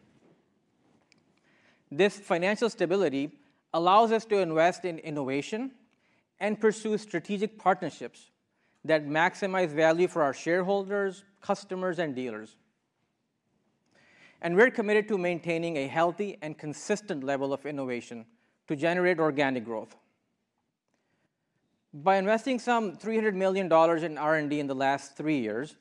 Speaker 16: This financial stability allows us to invest in innovation and pursue strategic partnerships that maximize value for our shareholders, customers, and dealers. We are committed to maintaining a healthy and consistent level of innovation to generate organic growth. By investing some $300 million in R&D in the last three years,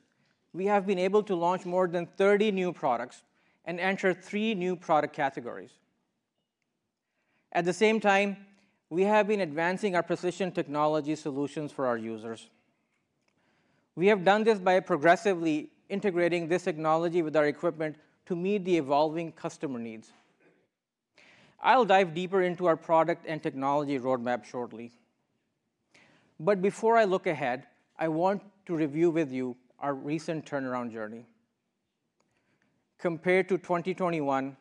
Speaker 16: we have been able to launch more than 30 new products and enter three new product categories. At the same time, we have been advancing our precision technology solutions for our users. We have done this by progressively integrating this technology with our equipment to meet the evolving customer needs. I will dive deeper into our product and technology roadmap shortly. Before I look ahead, I want to review with you our recent turnaround journey. Compared to 2021,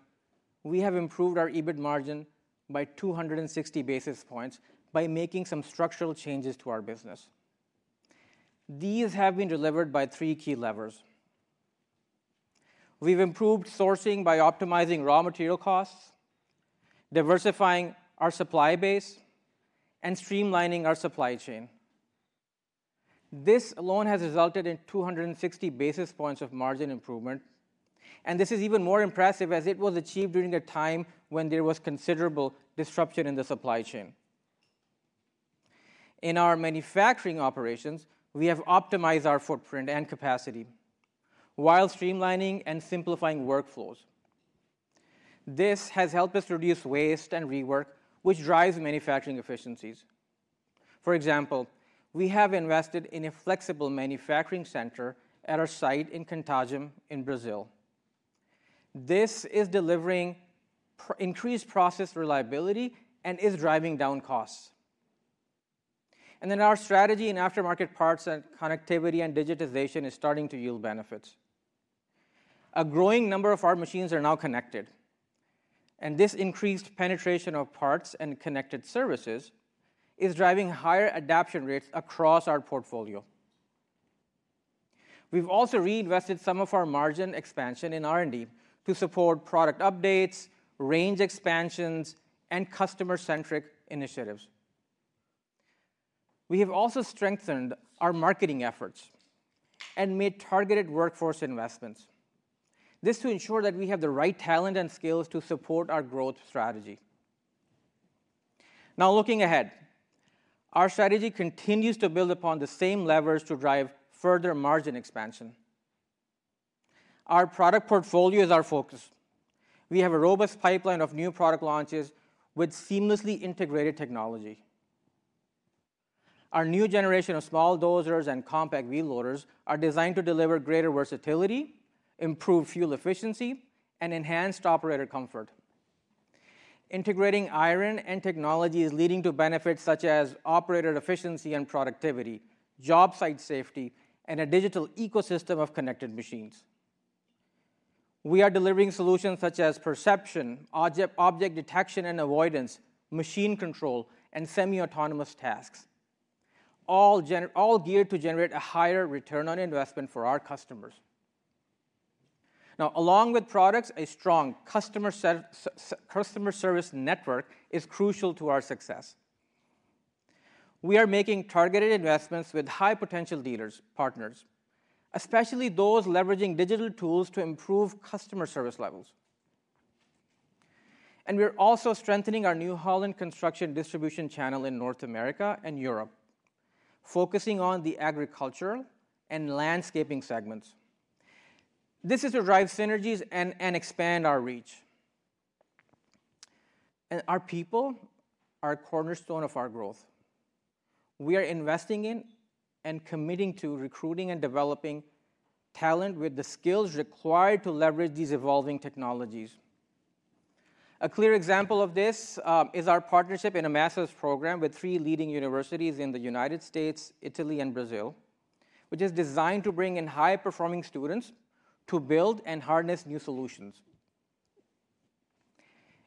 Speaker 16: we have improved our EBIT margin by 260 basis points by making some structural changes to our business. These have been delivered by three key levers. We have improved sourcing by optimizing raw material costs, diversifying our supply base, and streamlining our supply chain. This alone has resulted in 260 basis points of margin improvement, and this is even more impressive as it was achieved during a time when there was considerable disruption in the supply chain. In our manufacturing operations, we have optimized our footprint and capacity while streamlining and simplifying workflows. This has helped us reduce waste and rework, which drives manufacturing efficiencies. For example, we have invested in a flexible manufacturing center at our site in Contagem in Brazil. This is delivering increased process reliability and is driving down costs. Our strategy in aftermarket parts and connectivity and digitization is starting to yield benefits. A growing number of our machines are now connected, and this increased penetration of parts and connected services is driving higher adoption rates across our portfolio. We've also reinvested some of our margin expansion in R&D to support product updates, range expansions, and customer-centric initiatives. We have also strengthened our marketing efforts and made targeted workforce investments. This to ensure that we have the right talent and skills to support our growth strategy. Now, looking ahead, our strategy continues to build upon the same levers to drive further margin expansion. Our product portfolio is our focus. We have a robust pipeline of new product launches with seamlessly integrated technology. Our new generation of small dozers and compact wheel loaders are designed to deliver greater versatility, improved fuel efficiency, and enhanced operator comfort. Integrating iron and technology is leading to benefits such as operator efficiency and productivity, job site safety, and a digital ecosystem of connected machines. We are delivering solutions such as perception, object detection and avoidance, machine control, and semi-autonomous tasks, all geared to generate a higher return on investment for our customers. Now, along with products, a strong customer service network is crucial to our success. We are making targeted investments with high-potential dealers, partners, especially those leveraging digital tools to improve customer service levels. We are also strengthening our New Holland Construction distribution channel in North America and Europe, focusing on the agricultural and landscaping segments. This is to drive synergies and expand our reach. Our people are a cornerstone of our growth. We are investing in and committing to recruiting and developing talent with the skills required to leverage these evolving technologies. A clear example of this is our partnership in a master's program with three leading universities in the United States, Italy, and Brazil, which is designed to bring in high-performing students to build and harness new solutions.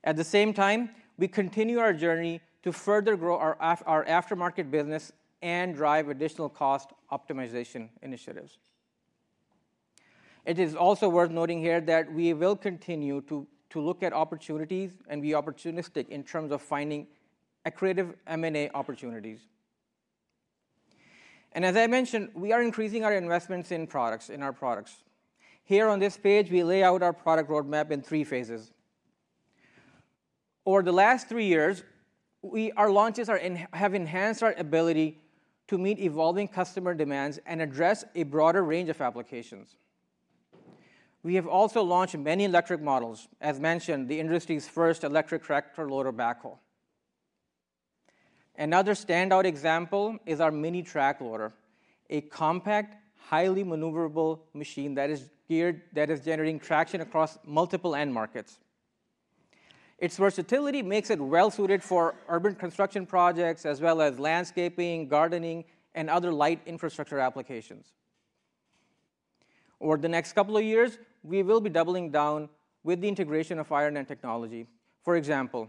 Speaker 16: At the same time, we continue our journey to further grow our aftermarket business and drive additional cost optimization initiatives. It is also worth noting here that we will continue to look at opportunities and be opportunistic in terms of finding creative M&A opportunities. As I mentioned, we are increasing our investments in our products. Here on this page, we lay out our product roadmap in three phases. Over the last three years, our launches have enhanced our ability to meet evolving customer demands and address a broader range of applications. We have also launched many electric models, as mentioned, the industry's first electric tractor loader backhoe. Another standout example is our mini track loader, a compact, highly maneuverable machine that is generating traction across multiple end markets. Its versatility makes it well-suited for urban construction projects as well as landscaping, gardening, and other light infrastructure applications. Over the next couple of years, we will be doubling down with the integration of iron and technology. For example,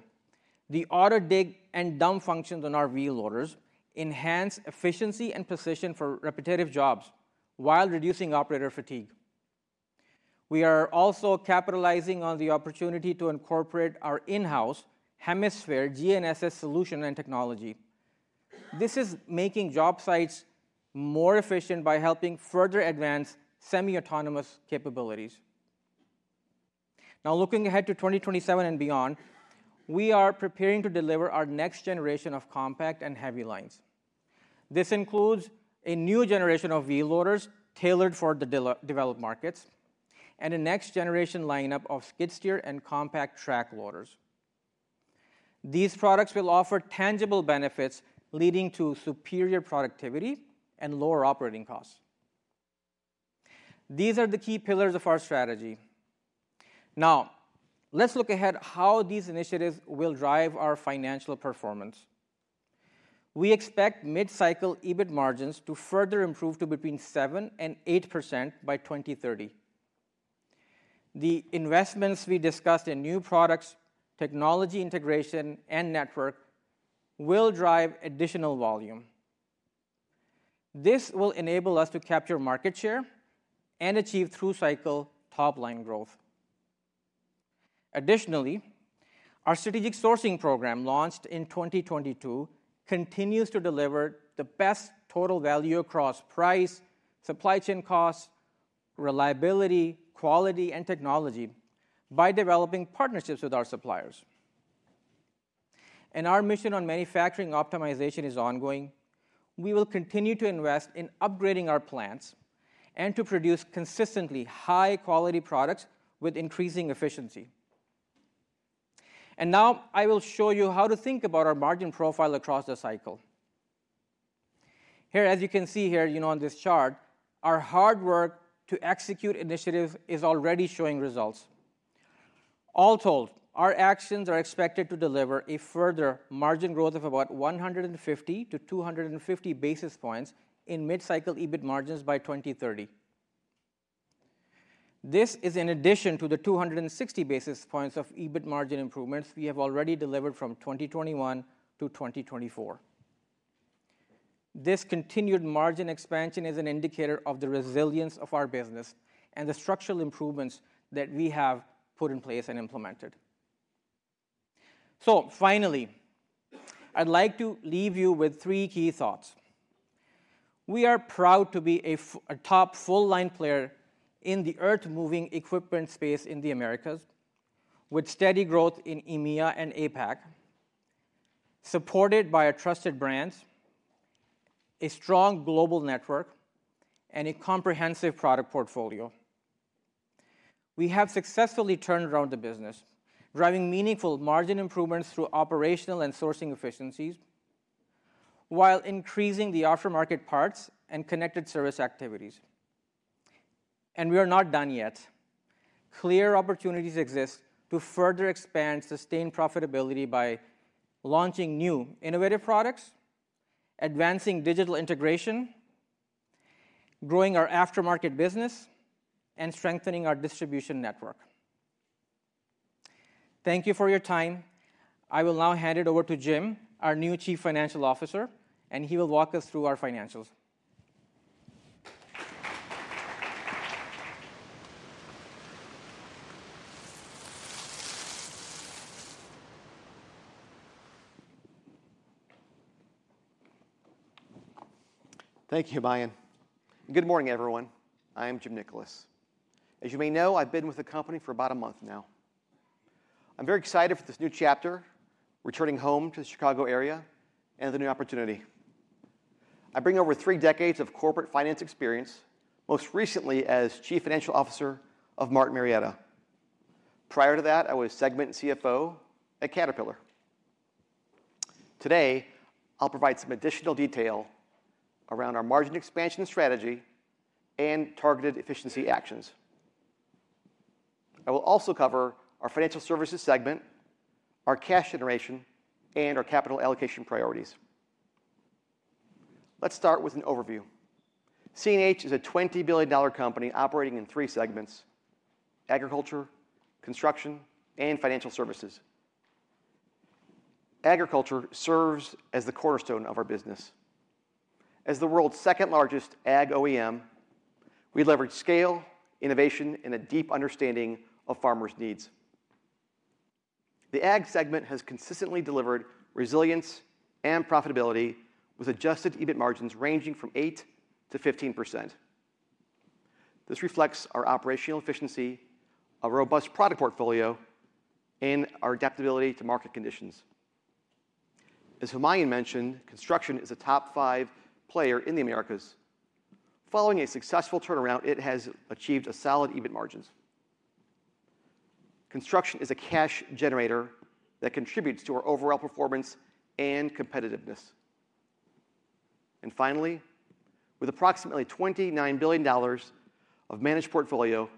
Speaker 16: the auto-dig and dump functions on our wheel loaders enhance efficiency and precision for repetitive jobs while reducing operator fatigue. We are also capitalizing on the opportunity to incorporate our in-house Hemisphere GNSS solution and technology. This is making job sites more efficient by helping further advance semi-autonomous capabilities. Now, looking ahead to 2027 and beyond, we are preparing to deliver our next generation of compact and heavy lines. This includes a new generation of wheel loaders tailored for the developed markets and a next-generation lineup of skid steer and compact track loaders. These products will offer tangible benefits leading to superior productivity and lower operating costs. These are the key pillars of our strategy. Now, let's look ahead at how these initiatives will drive our financial performance. We expect mid-cycle EBIT margins to further improve to between 7% and 8% by 2030. The investments we discussed in new products, technology integration, and network will drive additional volume. This will enable us to capture market share and achieve through-cycle top-line growth. Additionally, our strategic sourcing program launched in 2022 continues to deliver the best total value across price, supply chain costs, reliability, quality, and technology by developing partnerships with our suppliers. Our mission on manufacturing optimization is ongoing. We will continue to invest in upgrading our plants and to produce consistently high-quality products with increasing efficiency. Now, I will show you how to think about our margin profile across the cycle. Here, as you can see here on this chart, our hard work to execute initiatives is already showing results. All told, our actions are expected to deliver a further margin growth of about 150-250 basis points in mid-cycle EBIT margins by 2030. This is in addition to the 260 basis points of EBIT margin improvements we have already delivered from 2021-2024. This continued margin expansion is an indicator of the resilience of our business and the structural improvements that we have put in place and implemented. Finally, I'd like to leave you with three key thoughts. We are proud to be a top full-line player in the earth-moving equipment space in the Americas with steady growth in EMEA and APAC, supported by our trusted brands, a strong global network, and a comprehensive product portfolio. We have successfully turned around the business, driving meaningful margin improvements through operational and sourcing efficiencies while increasing the aftermarket parts and connected service activities. We are not done yet. Clear opportunities exist to further expand sustained profitability by launching new innovative products, advancing digital integration, growing our aftermarket business, and strengthening our distribution network. Thank you for your time. I will now hand it over to Jim, our new Chief Financial Officer, and he will walk us through our financials.
Speaker 17: Thank you, Humayun. Good morning, everyone. I am Jim Nickolas. As you may know, I've been with the company for about a month now. I'm very excited for this new chapter, returning home to the Chicago area and the new opportunity. I bring over three decades of corporate finance experience, most recently as Chief Financial Officer of Martin Marietta. Prior to that, I was Segment CFO at Caterpillar. Today, I'll provide some additional detail around our margin expansion strategy and targeted efficiency actions. I will also cover our financial services segment, our cash generation, and our capital allocation priorities. Let's start with an overview. CNH Industrial is a $20 billion company operating in three segments: agriculture, construction, and financial services. Agriculture serves as the cornerstone of our business. As the world's second-largest ag OEM, we leverage scale, innovation, and a deep understanding of farmers' needs. The ag segment has consistently delivered resilience and profitability with adjusted EBIT margins ranging from 8%-15%. This reflects our operational efficiency, a robust product portfolio, and our adaptability to market conditions. As Maya mentioned, construction is a top five player in the Americas. Following a successful turnaround, it has achieved solid EBIT margins. Construction is a cash generator that contributes to our overall performance and competitiveness. Finally, with approximately $29 billion of managed portfolio,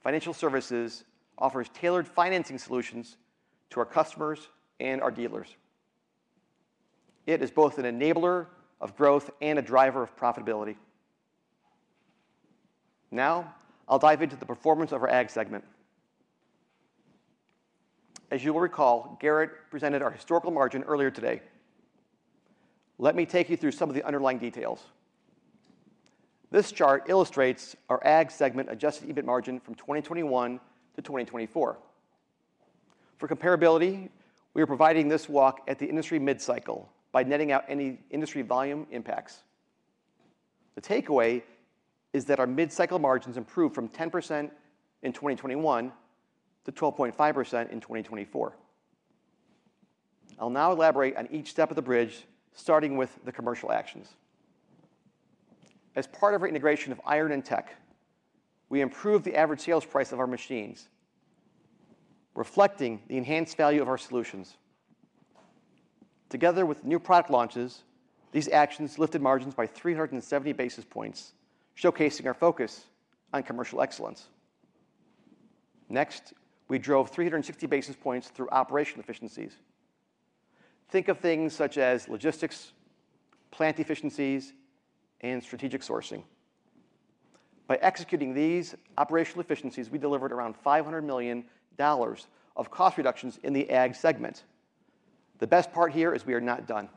Speaker 17: financial services offers tailored financing solutions to our customers and our dealers. It is both an enabler of growth and a driver of profitability. Now, I'll dive into the performance of our ag segment. As you will recall, Gerrit presented our historical margin earlier today. Let me take you through some of the underlying details. This chart illustrates our ag segment adjusted EBIT margin from 202-2024. For comparability, we are providing this walk at the industry mid-cycle by netting out any industry volume impacts. The takeaway is that our mid-cycle margins improved from 10% in 2021 to 12.5% in 2024. I'll now elaborate on each step of the bridge, starting with the commercial actions. As part of our integration of iron and tech, we improved the average sales price of our machines, reflecting the enhanced value of our solutions. Together with new product launches, these actions lifted margins by 370 basis points, showcasing our focus on commercial excellence. Next, we drove 360 basis points through operational efficiencies. Think of things such as logistics, plant efficiencies, and strategic sourcing. By executing these operational efficiencies, we delivered around $500 million of cost reductions in the ag segment. The best part here is we are not done.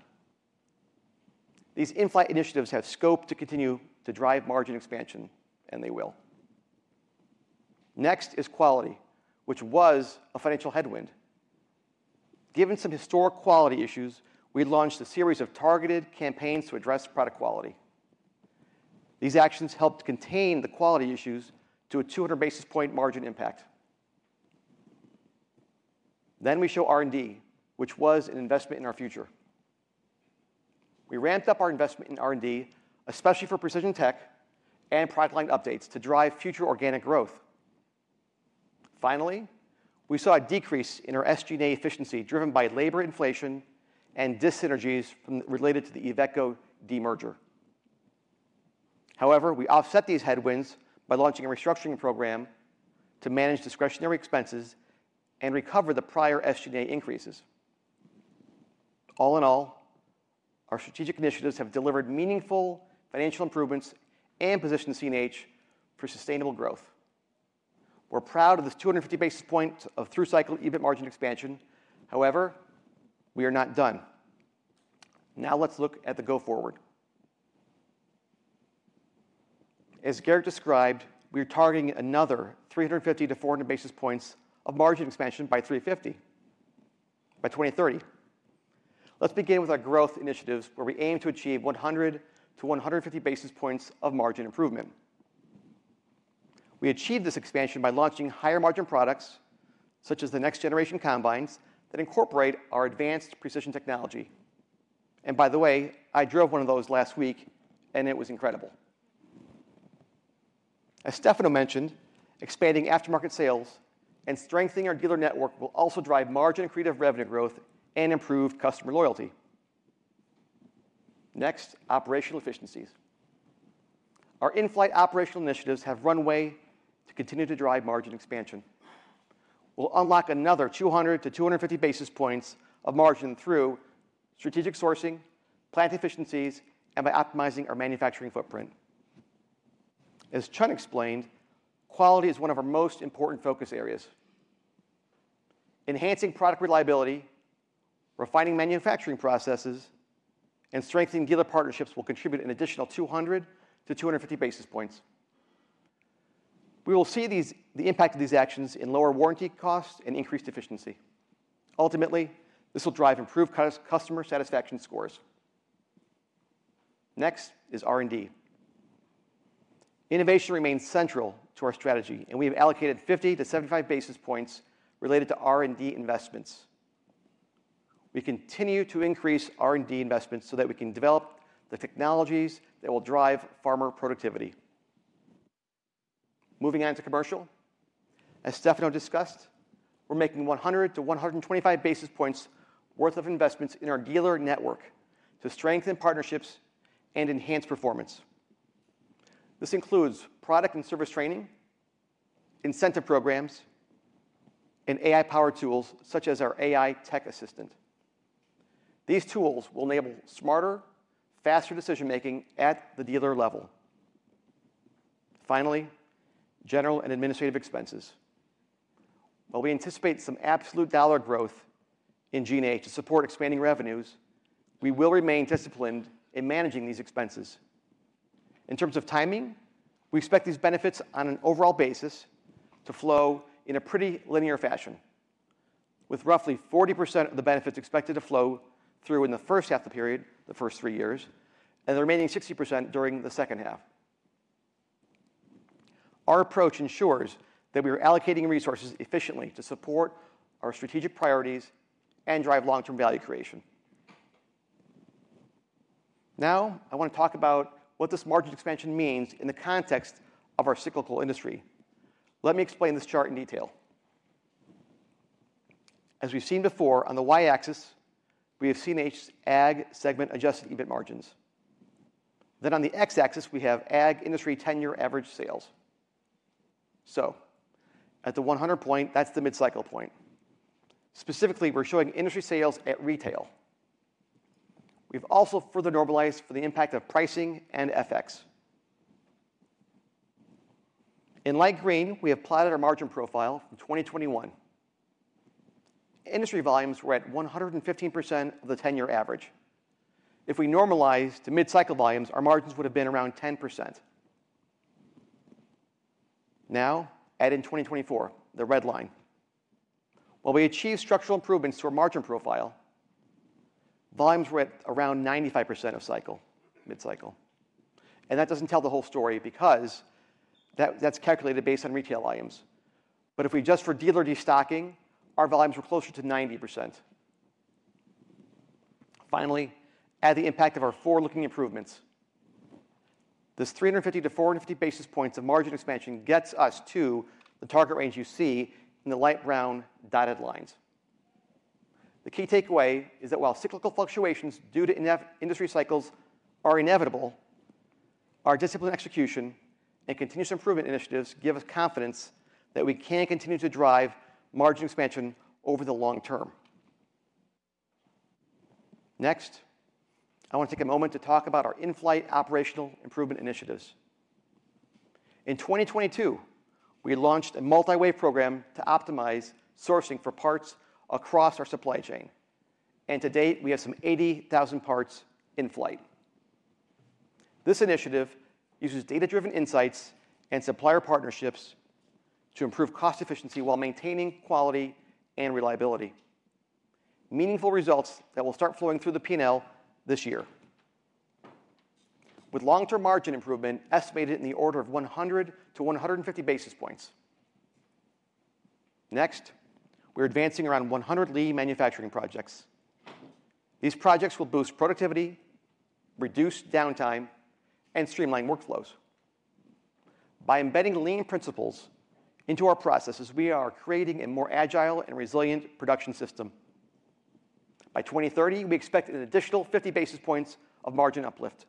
Speaker 17: These in-flight initiatives have scope to continue to drive margin expansion, and they will. Next is quality, which was a financial headwind. Given some historic quality issues, we launched a series of targeted campaigns to address product quality. These actions helped contain the quality issues to a 200 basis point margin impact. We show R&D, which was an investment in our future. We ramped up our investment in R&D, especially for precision tech and product line updates to drive future organic growth. Finally, we saw a decrease in our SG&A efficiency driven by labor inflation and disynergies related to the Iveco demerger. However, we offset these headwinds by launching a restructuring program to manage discretionary expenses and recover the prior SG&A increases. All in all, our strategic initiatives have delivered meaningful financial improvements and positioned CNH Industrial for sustainable growth. We're proud of this 250 basis point of through-cycle EBIT margin expansion. However, we are not done. Now, let's look at the go-forward. As Gerrit described, we are targeting another 350-400 basis points of margin expansion by 2030. Let's begin with our growth initiatives where we aim to achieve 100-150 basis points of margin improvement. We achieved this expansion by launching higher-margin products such as the next-generation combines that incorporate our advanced precision technology. By the way, I drove one of those last week, and it was incredible. As Stefano mentioned, expanding aftermarket sales and strengthening our dealer network will also drive margin and accretive revenue growth and improve customer loyalty. Next, operational efficiencies. Our in-flight operational initiatives have runway to continue to drive margin expansion. We'll unlock another 200-250 basis points of margin through strategic sourcing, plant efficiencies, and by optimizing our manufacturing footprint. As Chun explained, quality is one of our most important focus areas. Enhancing product reliability, refining manufacturing processes, and strengthening dealer partnerships will contribute an additional 200-250 basis points. We will see the impact of these actions in lower warranty costs and increased efficiency. Ultimately, this will drive improved customer satisfaction scores. Next is R&D. Innovation remains central to our strategy, and we have allocated 50-75 basis points related to R&D investments. We continue to increase R&D investments so that we can develop the technologies that will drive farmer productivity. Moving on to commercial. As Stefano discussed, we're making 100-125 basis points worth of investments in our dealer network to strengthen partnerships and enhance performance. This includes product and service training, incentive programs, and AI-powered tools such as our AI tech assistant. These tools will enable smarter, faster decision-making at the dealer level. Finally, general and administrative expenses. While we anticipate some absolute dollar growth in G&A to support expanding revenues, we will remain disciplined in managing these expenses. In terms of timing, we expect these benefits on an overall basis to flow in a pretty linear fashion, with roughly 40% of the benefits expected to flow through in the first half of the period, the first three years, and the remaining 60% during the second half. Our approach ensures that we are allocating resources efficiently to support our strategic priorities and drive long-term value creation. Now, I want to talk about what this margin expansion means in the context of our cyclical industry. Let me explain this chart in detail. As we've seen before, on the Y-axis, we have CNH's ag segment adjusted EBIT margins. Then on the X-axis, we have ag industry 10-year average sales. At the 100 point, that is the mid-cycle point. Specifically, we are showing industry sales at retail. We have also further normalized for the impact of pricing and FX. In light green, we have plotted our margin profile from 2021. Industry volumes were at 115% of the 10-year average. If we normalize to mid-cycle volumes, our margins would have been around 10%. Now, add in 2024, the red line. While we achieved structural improvements to our margin profile, volumes were at around 95% of cycle, mid-cycle. That does not tell the whole story because that is calculated based on retail volumes. If we adjust for dealer destocking, our volumes were closer to 90%. Finally, add the impact of our forward-looking improvements. This 350-450 basis points of margin expansion gets us to the target range you see in the light brown dotted lines. The key takeaway is that while cyclical fluctuations due to industry cycles are inevitable, our disciplined execution and continuous improvement initiatives give us confidence that we can continue to drive margin expansion over the long term. Next, I want to take a moment to talk about our in-flight operational improvement initiatives. In 2022, we launched a multi-way program to optimize sourcing for parts across our supply chain. To date, we have some 80,000 parts in flight. This initiative uses data-driven insights and supplier partnerships to improve cost efficiency while maintaining quality and reliability. Meaningful results will start flowing through the P&L this year, with long-term margin improvement estimated in the order of 100-150 basis points. Next, we are advancing around 100 lead manufacturing projects. These projects will boost productivity, reduce downtime, and streamline workflows. By embedding lean principles into our processes, we are creating a more agile and resilient production system. By 2030, we expect an additional 50 basis points of margin uplift.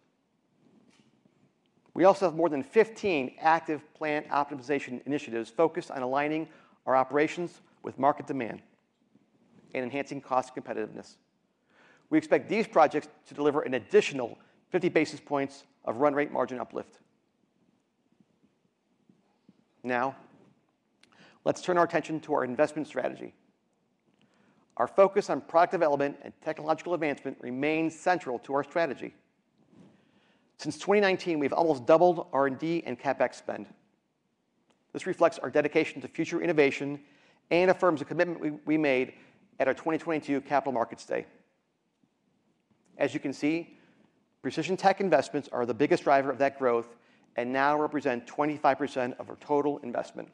Speaker 17: We also have more than 15 active plant optimization initiatives focused on aligning our operations with market demand and enhancing cost competitiveness. We expect these projects to deliver an additional 50 basis points of run rate margin uplift. Now, let's turn our attention to our investment strategy. Our focus on product development and technological advancement remains central to our strategy. Since 2019, we've almost doubled R&D and CapEx spend. This reflects our dedication to future innovation and affirms a commitment we made at our 2022 capital markets day. As you can see, precision tech investments are the biggest driver of that growth and now represent 25% of our total investment.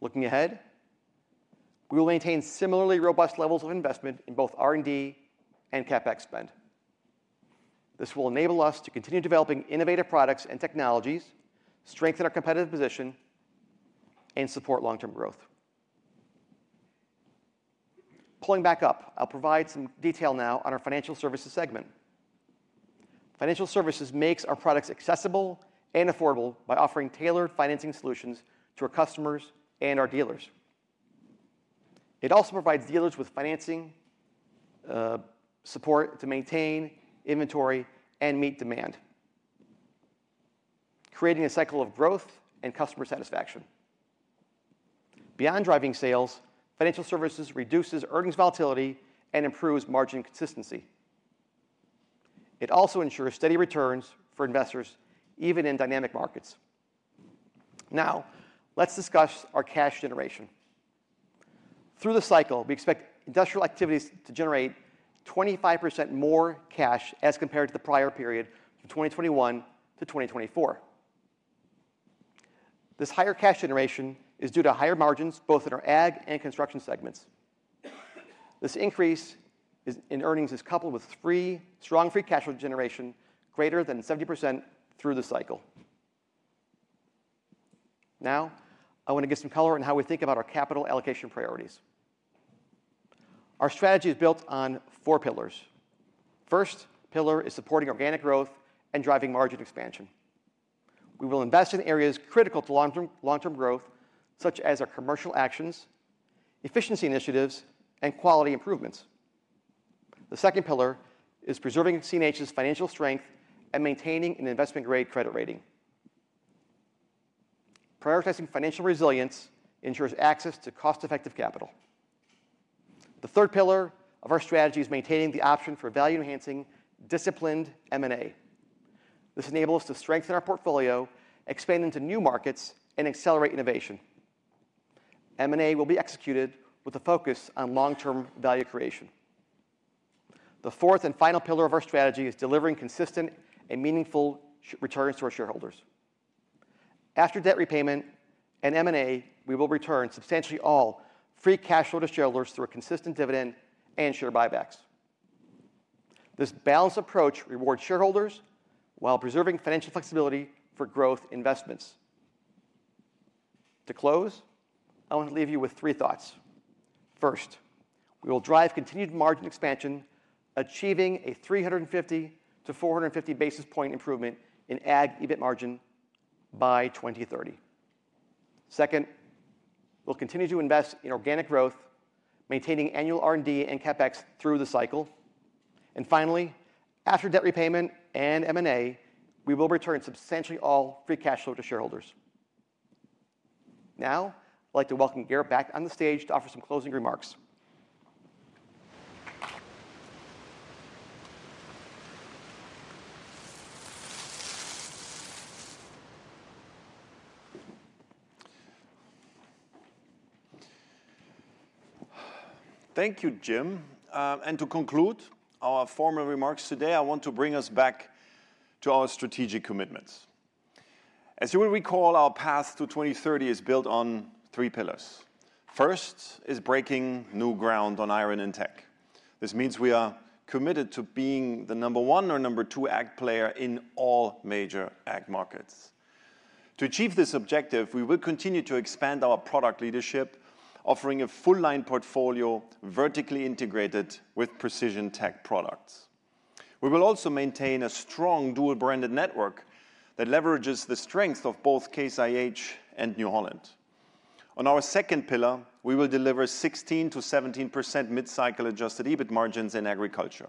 Speaker 17: Looking ahead, we will maintain similarly robust levels of investment in both R&D and CapEx spend. This will enable us to continue developing innovative products and technologies, strengthen our competitive position, and support long-term growth. Pulling back up, I'll provide some detail now on our financial services segment. Financial services makes our products accessible and affordable by offering tailored financing solutions to our customers and our dealers. It also provides dealers with financing support to maintain inventory and meet demand, creating a cycle of growth and customer satisfaction. Beyond driving sales, financial services reduces earnings volatility and improves margin consistency. It also ensures steady returns for investors, even in dynamic markets. Now, let's discuss our cash generation. Through the cycle, we expect industrial activities to generate 25% more cash as compared to the prior period from 2021-2024. This higher cash generation is due to higher margins both in our ag and construction segments. This increase in earnings is coupled with strong free cash flow generation greater than 70% through the cycle. Now, I want to get some color on how we think about our capital allocation priorities. Our strategy is built on four pillars. First pillar is supporting organic growth and driving margin expansion. We will invest in areas critical to long-term growth, such as our commercial actions, efficiency initiatives, and quality improvements. The second pillar is preserving CNH's financial strength and maintaining an investment-grade credit rating. Prioritizing financial resilience ensures access to cost-effective capital. The third pillar of our strategy is maintaining the option for value-enhancing disciplined M&A. This enables us to strengthen our portfolio, expand into new markets, and accelerate innovation. M&A will be executed with a focus on long-term value creation. The fourth and final pillar of our strategy is delivering consistent and meaningful returns to our shareholders. After debt repayment and M&A, we will return substantially all free cash flow to shareholders through a consistent dividend and share buybacks. This balanced approach rewards shareholders while preserving financial flexibility for growth investments. To close, I want to leave you with three thoughts. First, we will drive continued margin expansion, achieving a 350-450 basis point improvement in ag EBIT margin by 2030. Second, we'll continue to invest in organic growth, maintaining annual R&D and CapEx through the cycle. Finally, after debt repayment and M&A, we will return substantially all free cash flow to shareholders. Now, I'd like to welcome Gerrit back on the stage to offer some closing remarks.
Speaker 2: Thank you, Jim. To conclude our formal remarks today, I want to bring us back to our strategic commitments. As you will recall, our path to 2030 is built on three pillars. First is breaking new ground on iron and tech. This means we are committed to being the number one or number two ag player in all major ag markets. To achieve this objective, we will continue to expand our product leadership, offering a full-line portfolio vertically integrated with precision tech products. We will also maintain a strong dual-branded network that leverages the strength of both Case IH and New Holland. On our second pillar, we will deliver 16%-17% mid-cycle adjusted EBIT margins in agriculture.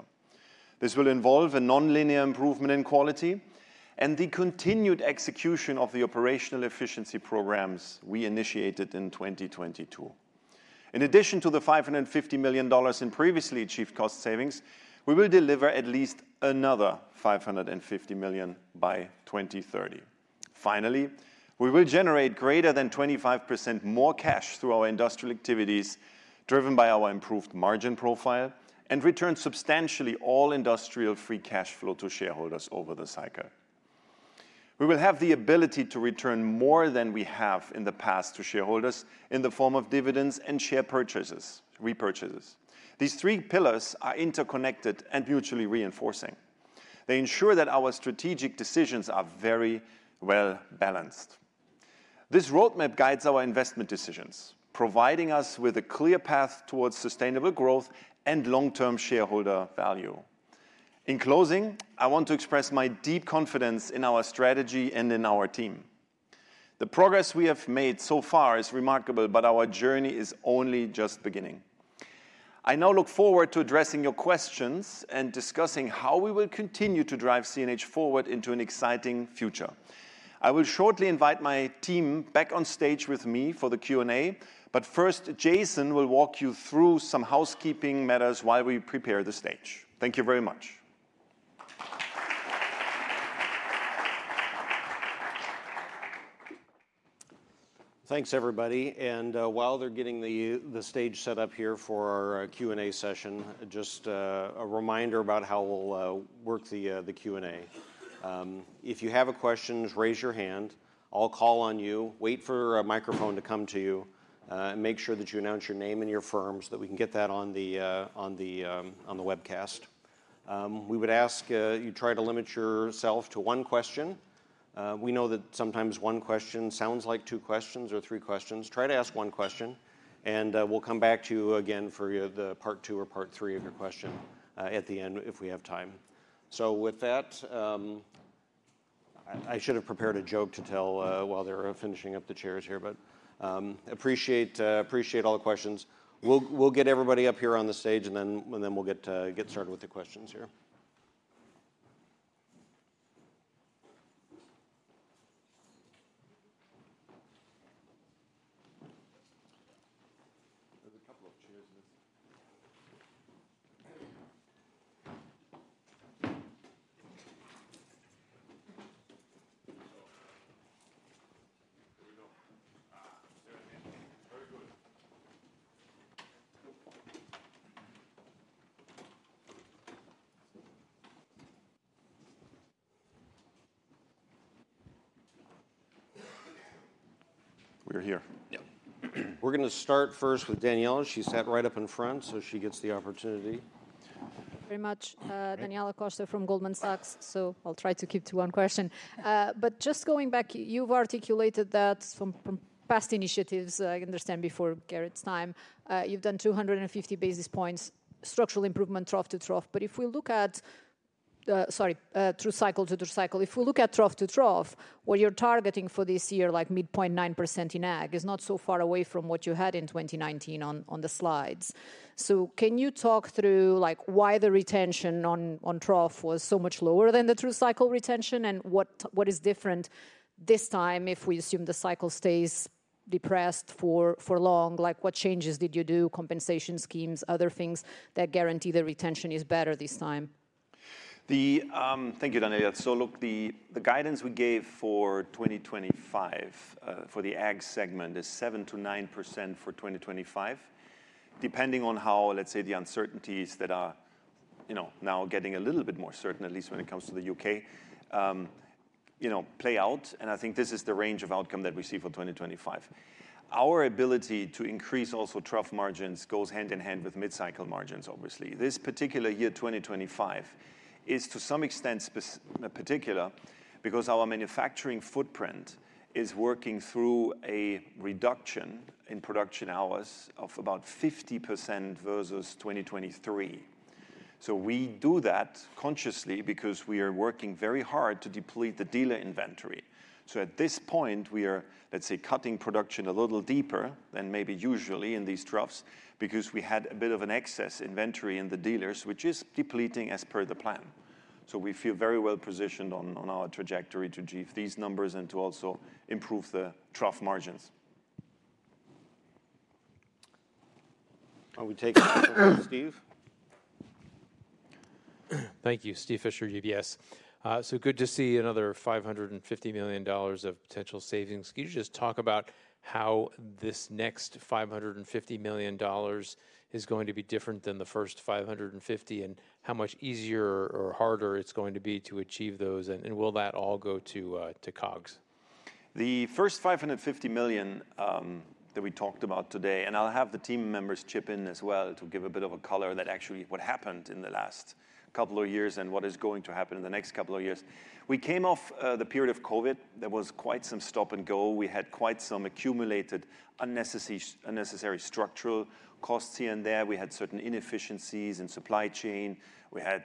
Speaker 2: This will involve a non-linear improvement in quality and the continued execution of the operational efficiency programs we initiated in 2022. In addition to the $550 million in previously achieved cost savings, we will deliver at least another $550 million by 2030. Finally, we will generate greater than 25% more cash through our industrial activities driven by our improved margin profile and return substantially all industrial free cash flow to shareholders over the cycle. We will have the ability to return more than we have in the past to shareholders in the form of dividends and share repurchases. These three pillars are interconnected and mutually reinforcing. They ensure that our strategic decisions are very well balanced. This roadmap guides our investment decisions, providing us with a clear path towards sustainable growth and long-term shareholder value. In closing, I want to express my deep confidence in our strategy and in our team. The progress we have made so far is remarkable, but our journey is only just beginning. I now look forward to addressing your questions and discussing how we will continue to drive CNH forward into an exciting future. I will shortly invite my team back on stage with me for the Q&A, but first, Jason will walk you through some housekeeping matters while we prepare the stage. Thank you very much.
Speaker 18: Thanks, everybody. While they're getting the stage set up here for our Q&A session, just a reminder about how we'll work the Q&A. If you have questions, raise your hand. I'll call on you. Wait for a microphone to come to you and make sure that you announce your name and your firm so that we can get that on the webcast. We would ask you try to limit yourself to one question. We know that sometimes one question sounds like two questions or three questions. Try to ask one question, and we'll come back to you again for the part two or part three of your question at the end if we have time. With that, I should have prepared a joke to tell while they're finishing up the chairs here, but appreciate all the questions. We'll get everybody up here on the stage, and then we'll get started with the questions here. There's a couple of chairs in this. We're here. We're going to start first with Daniela. She sat right up in front, so she gets the opportunity.
Speaker 19: Thank you very much. Daniela Costa from Goldman Sachs. I'll try to keep to one question. Just going back, you've articulated that from past initiatives, I understand before Gerrit's time, you've done 250 basis points structural improvement trough to trough. If we look at, sorry, through cycle to through cycle, if we look at trough to trough, what you're targeting for this year, like mid-point 9% in ag, is not so far away from what you had in 2019 on the slides. Can you talk through why the retention on trough was so much lower than the through cycle retention and what is different this time if we assume the cycle stays depressed for long? What changes did you do, compensation schemes, other things that guarantee the retention is better this time?
Speaker 2: Thank you, Daniela. Look, the guidance we gave for 2025 for the ag segment is 7%-9% for 2025, depending on how, let's say, the uncertainties that are now getting a little bit more certain, at least when it comes to the U.K., play out. I think this is the range of outcome that we see for 2025. Our ability to increase also trough margins goes hand in hand with mid-cycle margins, obviously. This particular year, 2025, is to some extent particular because our manufacturing footprint is working through a reduction in production hours of about 50% versus 2023. We do that consciously because we are working very hard to deplete the dealer inventory. At this point, we are, let's say, cutting production a little deeper than maybe usually in these troughs because we had a bit of an excess inventory in the dealers, which is depleting as per the plan. We feel very well positioned on our trajectory to achieve these numbers and to also improve the trough margins.
Speaker 18: I'll take a question from Steve.
Speaker 20: Thank you. Steve Fisher, UBS. Good to see another $550 million of potential savings. Could you just talk about how this next $550 million is going to be different than the first $550 million and how much easier or harder it's going to be to achieve those, and will that all go to COGS?
Speaker 2: The first $550 million that we talked about today, and I'll have the team members chip in as well to give a bit of a color that actually what happened in the last couple of years and what is going to happen in the next couple of years. We came off the period of COVID that was quite some stop and go. We had quite some accumulated unnecessary structural costs here and there. We had certain inefficiencies in supply chain. We had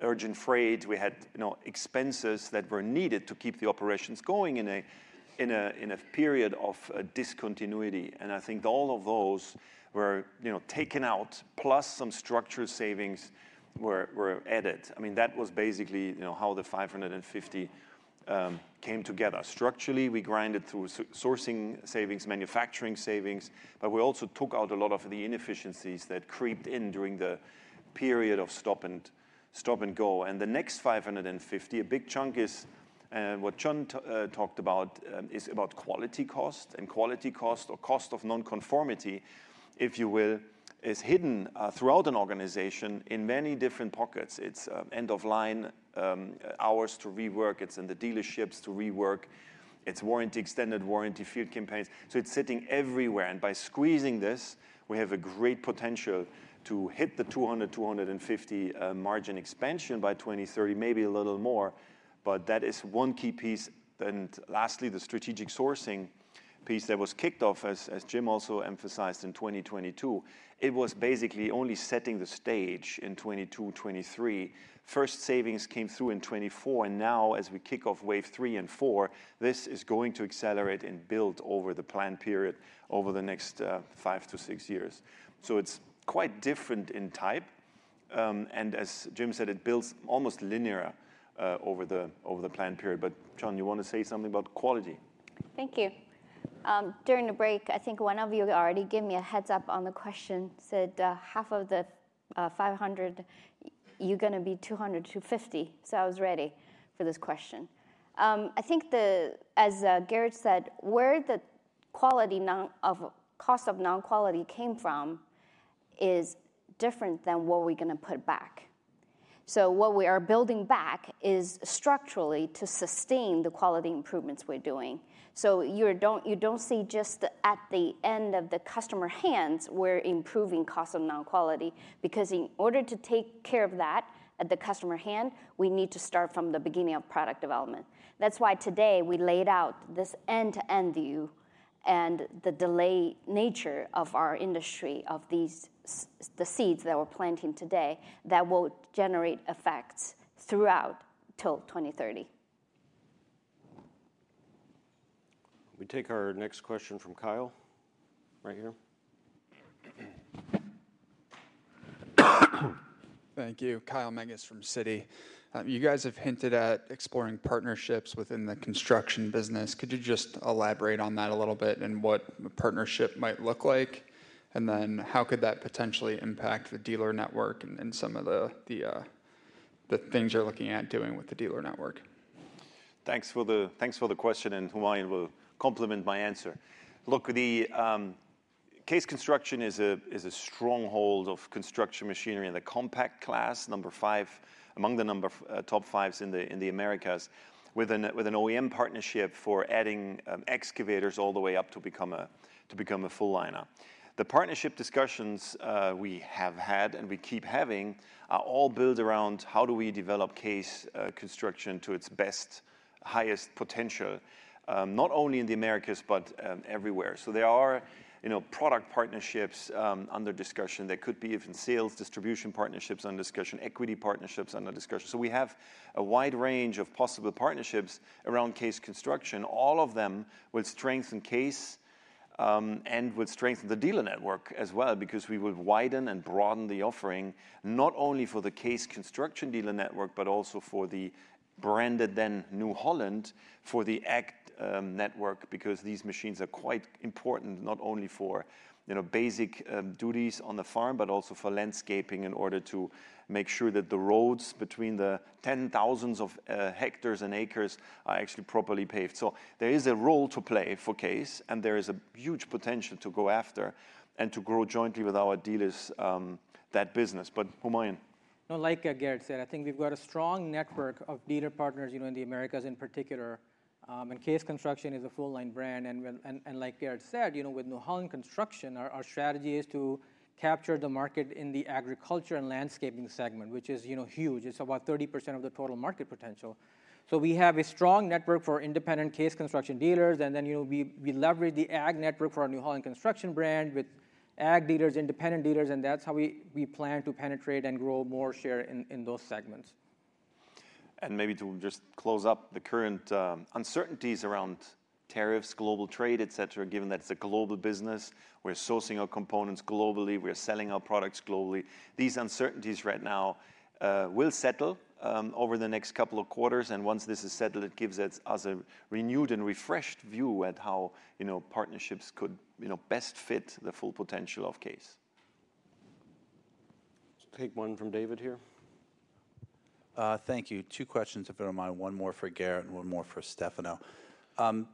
Speaker 2: urgent freight. We had expenses that were needed to keep the operations going in a period of discontinuity. I think all of those were taken out, plus some structural savings were added. I mean, that was basically how the $550 million came together. Structurally, we grinded through sourcing savings, manufacturing savings, but we also took out a lot of the inefficiencies that creeped in during the period of stop and go. The next $550 million, a big chunk is what John talked about, is about quality cost. Quality cost, or cost of non-conformity, if you will, is hidden throughout an organization in many different pockets. It's end-of-line hours to rework. It's in the dealerships to rework. It's extended warranty field campaigns. It is sitting everywhere. By squeezing this, we have a great potential to hit the $200 million-$250 million margin expansion by 2030, maybe a little more. That is one key piece. Lastly, the strategic sourcing piece that was kicked off, as Jim also emphasized in 2022, it was basically only setting the stage in 2022, 2023. First savings came through in 2024. Now, as we kick off wave three and four, this is going to accelerate and build over the planned period over the next five to six years. It is quite different in type. As Jim said, it builds almost linear over the planned period. John, you want to say something about quality?
Speaker 8: Thank you. During the break, I think one of you already gave me a heads-up on the question. Said half of the $500 million, you are going to be $200 million-$250 million. I was ready for this question. I think, as Gerrit said, where the cost of non-quality came from is different than what we are going to put back. What we are building back is structurally to sustain the quality improvements we're doing. You don't see just at the end of the customer hands we're improving cost of non-quality because in order to take care of that at the customer hand, we need to start from the beginning of product development. That's why today we laid out this end-to-end view and the delayed nature of our industry of the seeds that we're planting today that will generate effects throughout till 2030.
Speaker 18: We take our next question from Kyle right here.
Speaker 21: Thank you. Kyle Menges from Citi. You guys have hinted at exploring partnerships within the construction business. Could you just elaborate on that a little bit and what a partnership might look like? How could that potentially impact the dealer network and some of the things you're looking at doing with the dealer network?
Speaker 2: Thanks for the question, and Humayun will complement my answer. Look, Case Construction is a stronghold of construction machinery in the compact class, number five among the top fives in the Americas, with an OEM partnership for adding excavators all the way up to become a full-liner. The partnership discussions we have had and we keep having are all built around how do we develop Case Construction to its best, highest potential, not only in the Americas, but everywhere. There are product partnerships under discussion. There could be even sales distribution partnerships under discussion, equity partnerships under discussion. We have a wide range of possible partnerships around Case Construction. All of them will strengthen Case and will strengthen the dealer network as well because we will widen and broaden the offering not only for the Case Construction dealer network, but also for the branded then New Holland for the ag network because these machines are quite important not only for basic duties on the farm, but also for landscaping in order to make sure that the roads between the tens of thousands of hectares and acres are actually properly paved. There is a role to play for Case, and there is a huge potential to go after and to grow jointly with our dealers that business. Humayun?
Speaker 16: No, like Gerrit said, I think we've got a strong network of dealer partners in the Americas in particular. Case Construction is a full-line brand. Like Gerrit said, with New Holland Construction, our strategy is to capture the market in the agriculture and landscaping segment, which is huge. It is about 30% of the total market potential. We have a strong network for independent Case Construction dealers. We leverage the ag network for our New Holland Construction brand with ag dealers, independent dealers. That is how we plan to penetrate and grow more share in those segments.
Speaker 2: Maybe to just close up the current uncertainties around tariffs, global trade, et cetera, given that it is a global business. We are sourcing our components globally. We are selling our products globally. These uncertainties right now will settle over the next couple of quarters. Once this is settled, it gives us a renewed and refreshed view at how partnerships could best fit the full potential of Case.
Speaker 18: Let us take one from David here.
Speaker 22: Thank you. Two questions, if you don't mind. One more for Gerrit and one more for Stefano.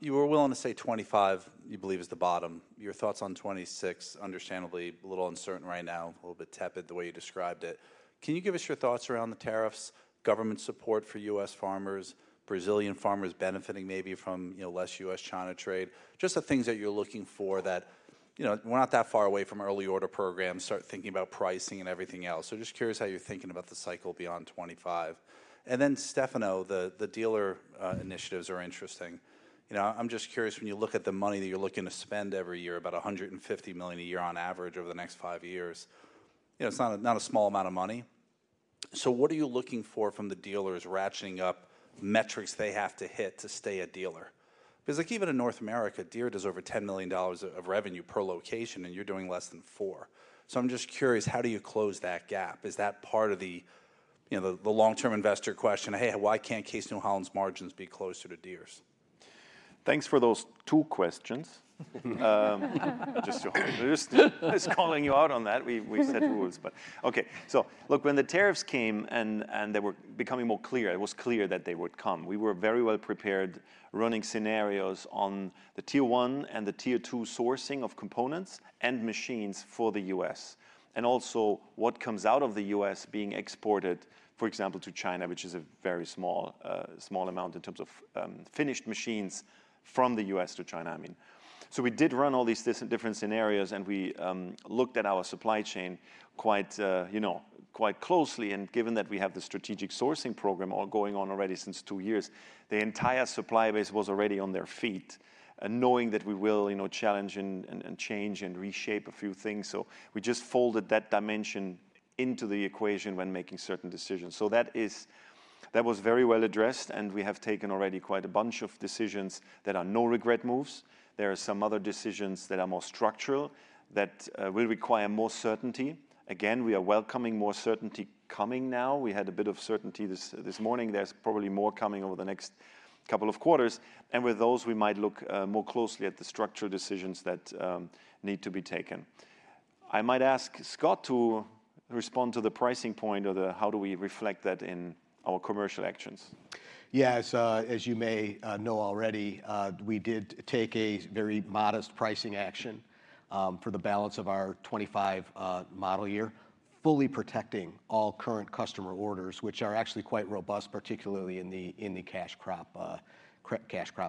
Speaker 22: You were willing to say 2025, you believe, is the bottom. Your thoughts on 2026, understandably a little uncertain right now, a little bit tepid the way you described it. Can you give us your thoughts around the tariffs, government support for U.S. farmers, Brazilian farmers benefiting maybe from less U.S.-China trade, just the things that you're looking for that we're not that far away from early order programs, start thinking about pricing and everything else. Just curious how you're thinking about the cycle beyond 2025. And then Stefano, the dealer initiatives are interesting. I'm just curious when you look at the money that you're looking to spend every year, about $150 million a year on average over the next five years. It's not a small amount of money. What are you looking for from the dealers, ratcheting up metrics they have to hit to stay a dealer? Because even in North America, Deere does over $10 million of revenue per location, and you're doing less than four. I'm just curious, how do you close that gap? Is that part of the long-term investor question, hey, why can't Case New Holland's margins be closer to Deere's?
Speaker 2: Thanks for those two questions. Just calling you out on that. We set rules. Okay. When the tariffs came and they were becoming more clear, it was clear that they would come. We were very well prepared, running scenarios on the tier one and the tier two sourcing of components and machines for the U.S., and also what comes out of the U.S. being exported, for example, to China, which is a very small amount in terms of finished machines from the U.S. to China. We did run all these different scenarios, and we looked at our supply chain quite closely. Given that we have the strategic sourcing program all going on already since two years, the entire supply base was already on their feet, knowing that we will challenge and change and reshape a few things. We just folded that dimension into the equation when making certain decisions. That was very well addressed, and we have taken already quite a bunch of decisions that are no regret moves. There are some other decisions that are more structural that will require more certainty. Again, we are welcoming more certainty coming now. We had a bit of certainty this morning. There is probably more coming over the next couple of quarters. With those, we might look more closely at the structural decisions that need to be taken. I might ask Scott to respond to the pricing point or how do we reflect that in our commercial actions?
Speaker 3: Yes, as you may know already, we did take a very modest pricing action for the balance of our 2025 model year, fully protecting all current customer orders, which are actually quite robust, particularly in the cash crop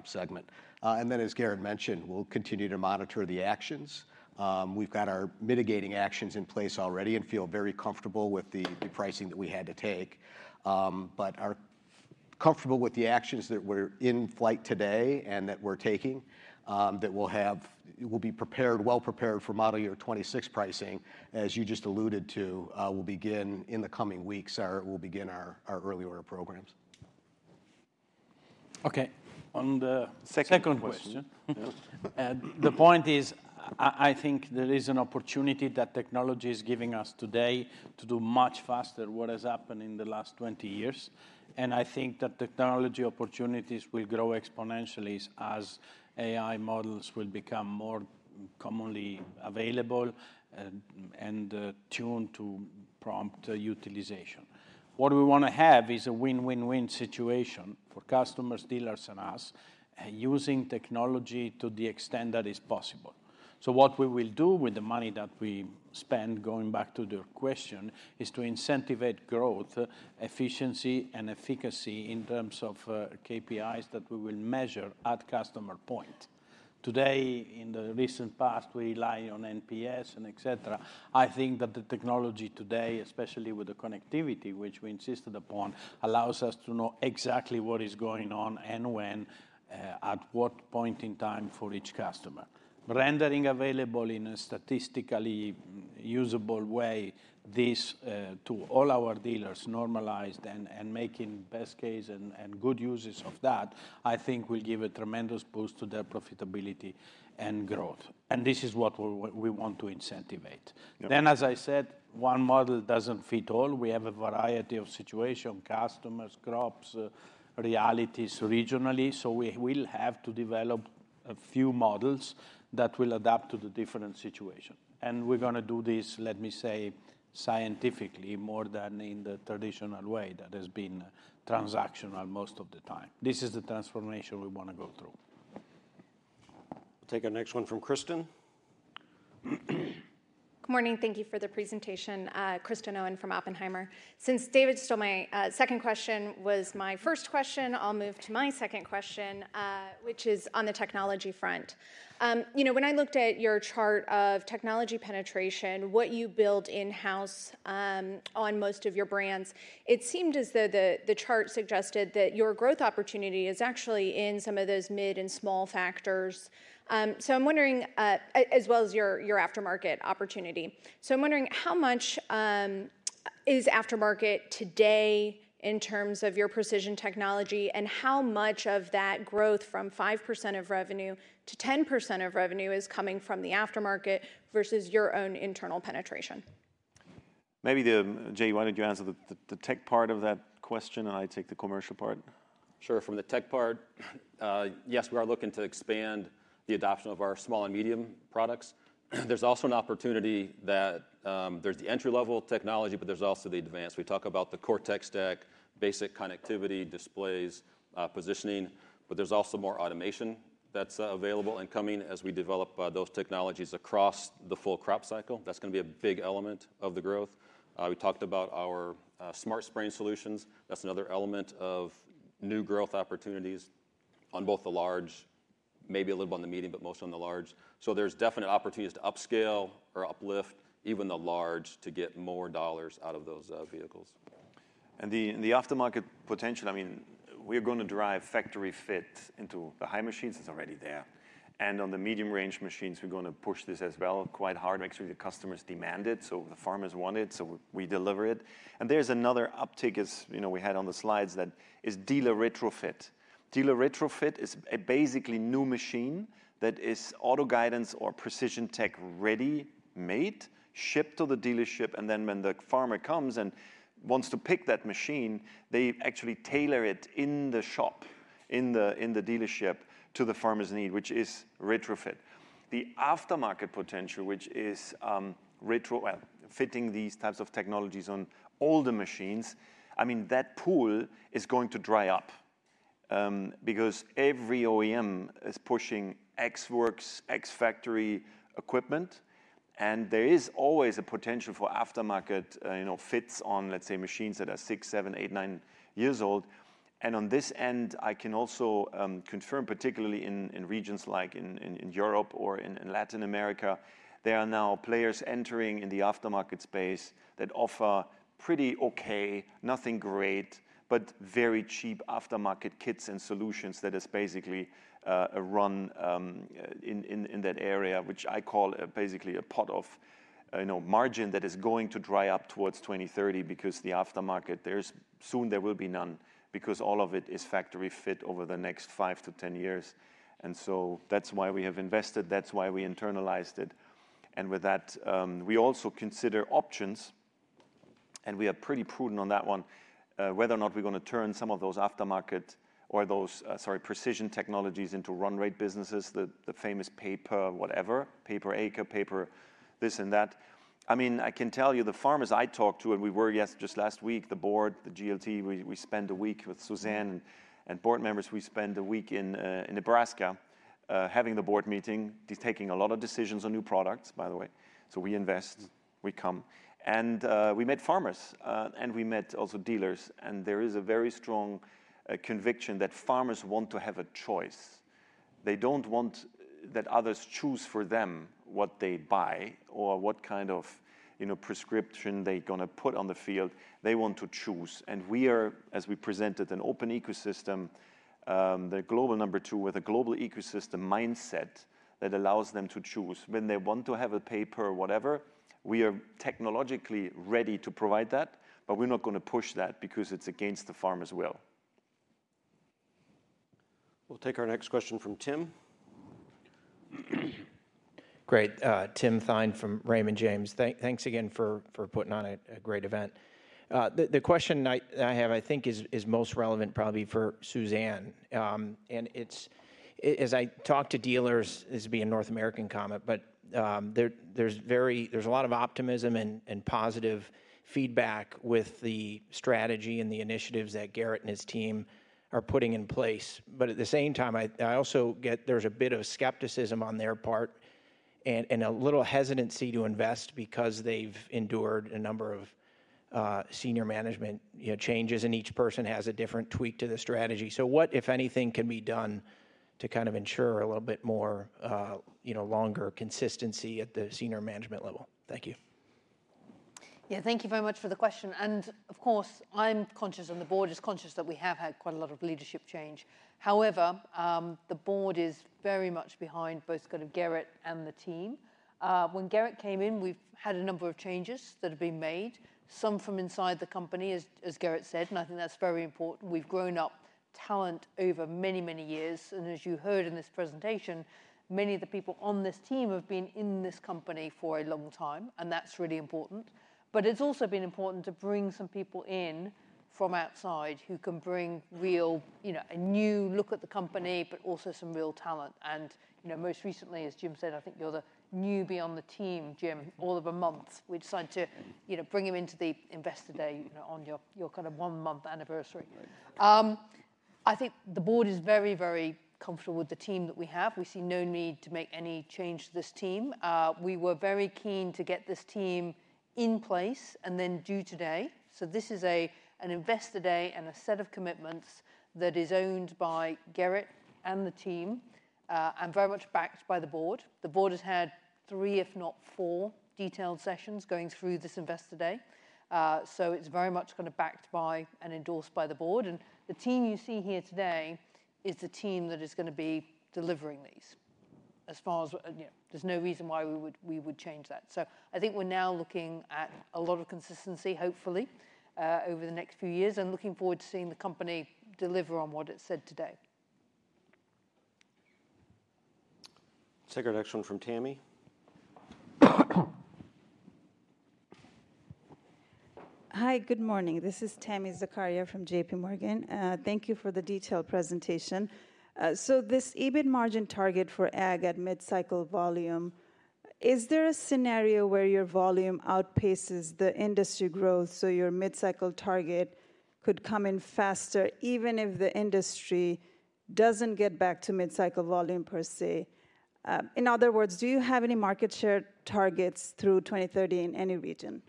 Speaker 3: segment. As Gerrit mentioned, we will continue to monitor the actions. We have got our mitigating actions in place already and feel very comfortable with the pricing that we had to take. Comfortable with the actions that we're in flight today and that we're taking, that we'll be well prepared for model year 2026. Pricing, as you just alluded to, will begin in the coming weeks. We'll begin our early order programs.
Speaker 7: Okay. On the second question. The point is, I think there is an opportunity that technology is giving us today to do much faster what has happened in the last 20 years. I think that technology opportunities will grow exponentially as AI models will become more commonly available and tuned to prompt utilization. What we want to have is a win-win-win situation for customers, dealers, and us using technology to the extent that is possible. What we will do with the money that we spend, going back to the question, is to incentivize growth, efficiency, and efficacy in terms of KPIs that we will measure at customer point. Today, in the recent past, we rely on NPS and et cetera. I think that the technology today, especially with the connectivity, which we insisted upon, allows us to know exactly what is going on and when, at what point in time for each customer. Rendering available in a statistically usable way this to all our dealers, normalized and making best case and good uses of that, I think will give a tremendous boost to their profitability and growth. This is what we want to incentivate. As I said, one model does not fit all. We have a variety of situations, customers, crops, realities regionally. We will have to develop a few models that will adapt to the different situation. We are going to do this, let me say, scientifically more than in the traditional way that has been transactional most of the time. This is the transformation we want to go through.
Speaker 18: We'll take our next one from Kristen.
Speaker 23: Good morning. Thank you for the presentation, Kristen Owen from Oppenheimer. Since David stole my second question, which was my first question, I'll move to my second question, which is on the technology front. When I looked at your chart of technology penetration, what you build in-house on most of your brands, it seemed as though the chart suggested that your growth opportunity is actually in some of those mid and small factors. I'm wondering, as well as your aftermarket opportunity, how much is aftermarket today in terms of your precision technology, and how much of that growth from 5% of revenue to 10% of revenue is coming from the aftermarket versus your own internal penetration?
Speaker 2: Maybe Jay, why don't you answer the tech part of that question, and I take the commercial part.
Speaker 4: Sure. From the tech part, yes, we are looking to expand the adoption of our small and medium products. There's also an opportunity that there's the entry-level technology, but there's also the advanced. We talk about the Cortex Deck, basic connectivity, displays, positioning. There's also more automation that's available and coming as we develop those technologies across the full crop cycle. That's going to be a big element of the growth. We talked about our smart spraying solutions. That's another element of new growth opportunities on both the large, maybe a little bit on the medium, but mostly on the large. There are definite opportunities to upscale or uplift even the large to get more dollars out of those vehicles.
Speaker 2: The aftermarket potential, I mean, we're going to drive factory fit into the high machines. It's already there. On the medium-range machines, we're going to push this as well quite hard, making sure the customers demand it. The farmers want it, so we deliver it. There's another uptick as we had on the slides that is dealer retrofit. Dealer retrofit is basically a new machine that is auto guidance or precision tech ready, made, shipped to the dealership. When the farmer comes and wants to pick that machine, they actually tailor it in the shop, in the dealership, to the farmer's need, which is retrofit. The aftermarket potential, which is fitting these types of technologies on all the machines, I mean, that pool is going to dry up because every OEM is pushing Ex Works, Ex Factory equipment. There is always a potential for aftermarket fits on, let's say, machines that are six, seven, eight, nine years old. On this end, I can also confirm, particularly in regions like in Europe or in Latin America, there are now players entering in the aftermarket space that offer pretty okay, nothing great, but very cheap aftermarket kits and solutions that are basically run in that area, which I call basically a pot of margin that is going to dry up towards 2030 because the aftermarket, there's soon there will be none because all of it is factory fit over the next 5-10 years. That is why we have invested. That is why we internalized it. With that, we also consider options. We are pretty prudent on that one, whether or not we're going to turn some of those aftermarket or those, sorry, precision technologies into run rate businesses, the famous paper, whatever, paper acre, paper this and that. I mean, I can tell you the farmers I talked to, and we were yesterday, just last week, the board, the GLT, we spent a week with Suzanne and board members. We spent a week in Nebraska having the board meeting, taking a lot of decisions on new products, by the way. We invest, we come. We met farmers, and we met also dealers. There is a very strong conviction that farmers want to have a choice. They do not want that others choose for them what they buy or what kind of prescription they are going to put on the field. They want to choose. We are, as we presented, an open ecosystem, the global number two with a global ecosystem mindset that allows them to choose. When they want to have a paper or whatever, we are technologically ready to provide that, but we're not going to push that because it's against the farmer's will.
Speaker 18: We'll take our next question from Tim.
Speaker 24: Great. Tim Thein from Raymond James. Thanks again for putting on a great event. The question I have, I think, is most relevant probably for Suzanne. And as I talk to dealers, this would be a North American comment, but there's a lot of optimism and positive feedback with the strategy and the initiatives that Gerrit and his team are putting in place. At the same time, I also get there's a bit of skepticism on their part and a little hesitancy to invest because they've endured a number of senior management changes, and each person has a different tweak to the strategy. What, if anything, can be done to kind of ensure a little bit more longer consistency at the senior management level? Thank you.
Speaker 1: Yeah, thank you very much for the question. Of course, I'm conscious, and the board is conscious that we have had quite a lot of leadership change. However, the board is very much behind both Gerrit and the team. When Gerrit came in, we've had a number of changes that have been made, some from inside the company, as Gerrit said, and I think that's very important. We've grown up talent over many, many years. As you heard in this presentation, many of the people on this team have been in this company for a long time, and that's really important. It's also been important to bring some people in from outside who can bring a new look at the company, but also some real talent. Most recently, as Jim said, I think you're the newbie on the team, Jim, all of a month. We decided to bring him into the Investor Day on your kind of one-month anniversary. I think the board is very, very comfortable with the team that we have. We see no need to make any change to this team. We were very keen to get this team in place and then due today. This is an Investor Day and a set of commitments that is owned by Gerrit and the team and very much backed by the board. The board has had three, if not four, detailed sessions going through this Investor Day. It is very much kind of backed by and endorsed by the board. The team you see here today is the team that is going to be delivering these. As far as there's no reason why we would change that. I think we're now looking at a lot of consistency, hopefully, over the next few years and looking forward to seeing the company deliver on what it said today.
Speaker 18: Take our next one from Tami.
Speaker 25: Hi, good morning. This is Tami Zakaria from JPMorgan. Thank you for the detailed presentation. This EBIT margin target for ag at mid-cycle volume, is there a scenario where your volume outpaces the industry growth so your mid-cycle target could come in faster, even if the industry doesn't get back to mid-cycle volume per se? In other words, do you have any market share targets through 2030 in any region?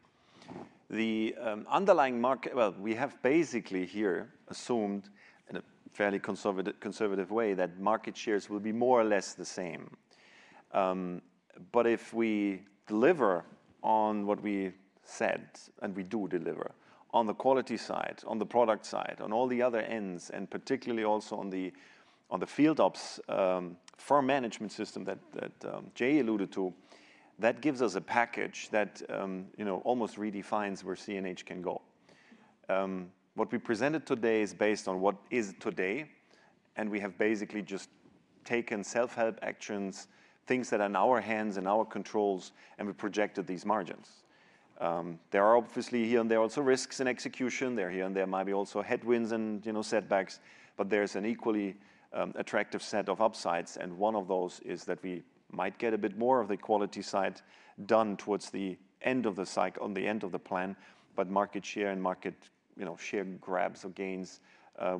Speaker 2: The underlying market, we have basically here assumed in a fairly conservative way that market shares will be more or less the same. If we deliver on what we said, and we do deliver on the quality side, on the product side, on all the other ends, and particularly also on the FieldOps farm management system that Jay alluded to, that gives us a package that almost redefines where CNH can go. What we presented today is based on what is today, and we have basically just taken self-help actions, things that are in our hands and our controls, and we projected these margins. There are obviously here and there also risks in execution. Here and there might be also headwinds and setbacks, but there is an equally attractive set of upsides. One of those is that we might get a bit more of the quality side done towards the end of the cycle, on the end of the plan. Market share and market share grabs or gains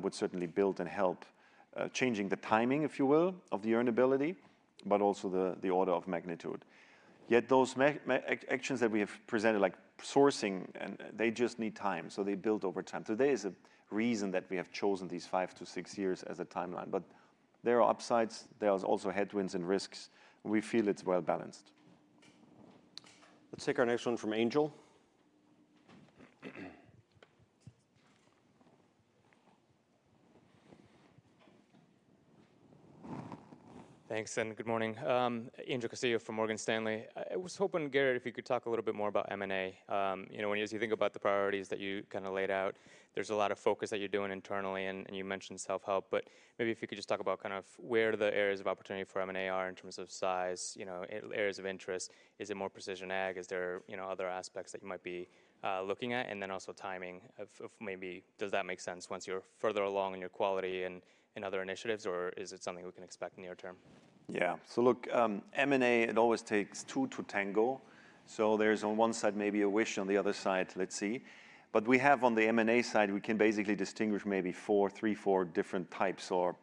Speaker 2: would certainly build and help changing the timing, if you will, of the earnability, but also the order of magnitude. Yet those actions that we have presented, like sourcing, they just need time. They build over time. There is a reason that we have chosen these five to six years as a timeline. There are upsides. There are also headwinds and risks. We feel it's well balanced.
Speaker 18: Let's take our next one from Angel.
Speaker 26: Thanks, and good morning. Angel Castillo from Morgan Stanley. I was hoping, Gerrit, if you could talk a little bit more about M&A. When you think about the priorities that you kind of laid out, there's a lot of focus that you're doing internally, and you mentioned self-help. But maybe if you could just talk about kind of where the areas of opportunity for M&A are in terms of size, areas of interest. Is it more precision ag? Is there other aspects that you might be looking at? And then also timing of maybe, does that make sense once you're further along in your quality and other initiatives, or is it something we can expect in the near term?
Speaker 2: Yeah. So look, M&A, it always takes two to tango. So there's on one side maybe a wish, on the other side, let's see. But we have on the M&A side, we can basically distinguish maybe three, four different types or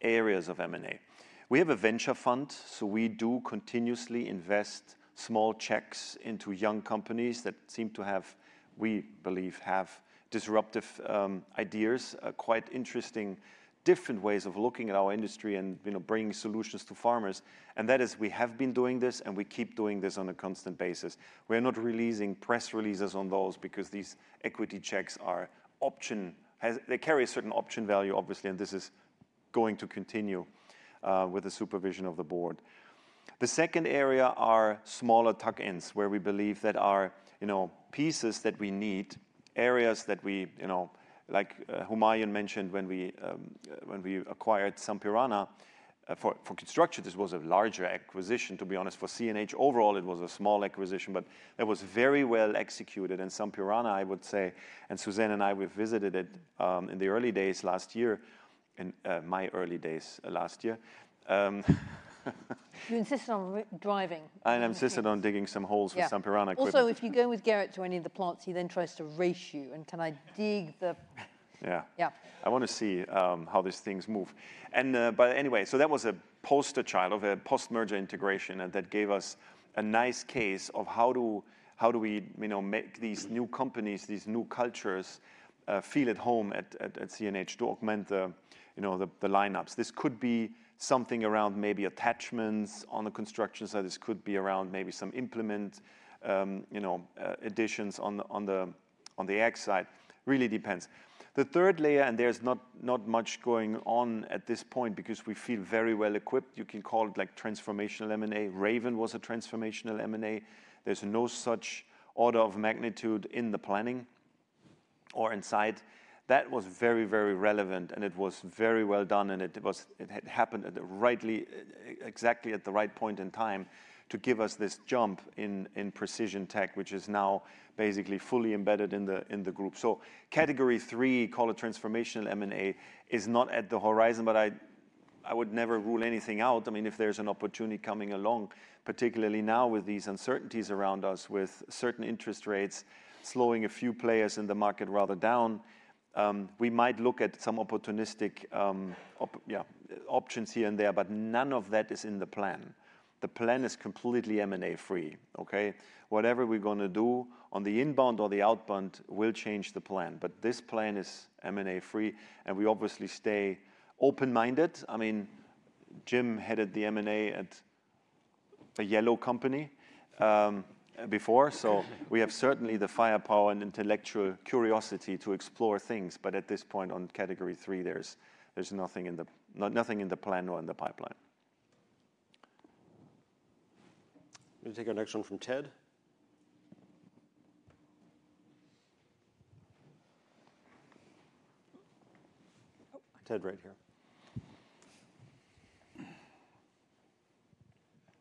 Speaker 2: areas of M&A. We have a venture fund, so we do continuously invest small checks into young companies that seem to have, we believe, have disruptive ideas, quite interesting different ways of looking at our industry and bringing solutions to farmers. That is, we have been doing this, and we keep doing this on a constant basis. We are not releasing press releases on those because these equity checks are option. They carry a certain option value, obviously, and this is going to continue with the supervision of the board. The second area are smaller tuck-ins where we believe that our pieces that we need, areas that we, like Humayun mentioned when we acquired Sampierana for construction, this was a larger acquisition, to be honest. For CNH overall, it was a small acquisition, but it was very well executed in Sampierana, I would say. Suzanne and I, we visited it in the early days last year, in my early days last year. You insisted on driving. I insisted on digging some holes with Sampierana.
Speaker 1: Also, if you go with Gerrit to any of the plants, he then tries to race you and can I dig the.
Speaker 2: Yeah.
Speaker 1: Yeah.
Speaker 2: I want to see how these things move. Anyway, that was a poster child of a post-merger integration, and that gave us a nice case of how do we make these new companies, these new cultures feel at home at CNH to augment the lineups. This could be something around maybe attachments on the construction side. This could be around maybe some implement additions on the ag side. Really depends. The third layer, and there's not much going on at this point because we feel very well equipped. You can call it like transformational M&A. Raven was a transformational M&A. There's no such order of magnitude in the planning or inside. That was very, very relevant, and it was very well done, and it had happened exactly at the right point in time to give us this jump in precision tech, which is now basically fully embedded in the group. Category three, call it transformational M&A, is not at the horizon, but I would never rule anything out. I mean, if there's an opportunity coming along, particularly now with these uncertainties around us, with certain interest rates slowing a few players in the market rather down, we might look at some opportunistic options here and there, but none of that is in the plan. The plan is completely M&A free, okay? Whatever we're going to do on the inbound or the outbound will change the plan, but this plan is M&A free, and we obviously stay open-minded. I mean, Jim headed the M&A at a yellow company before, so we have certainly the firepower and intellectual curiosity to explore things. At this point on category three, there's nothing in the plan or in the pipeline.
Speaker 18: We'll take our next one from Ted. Ted right here.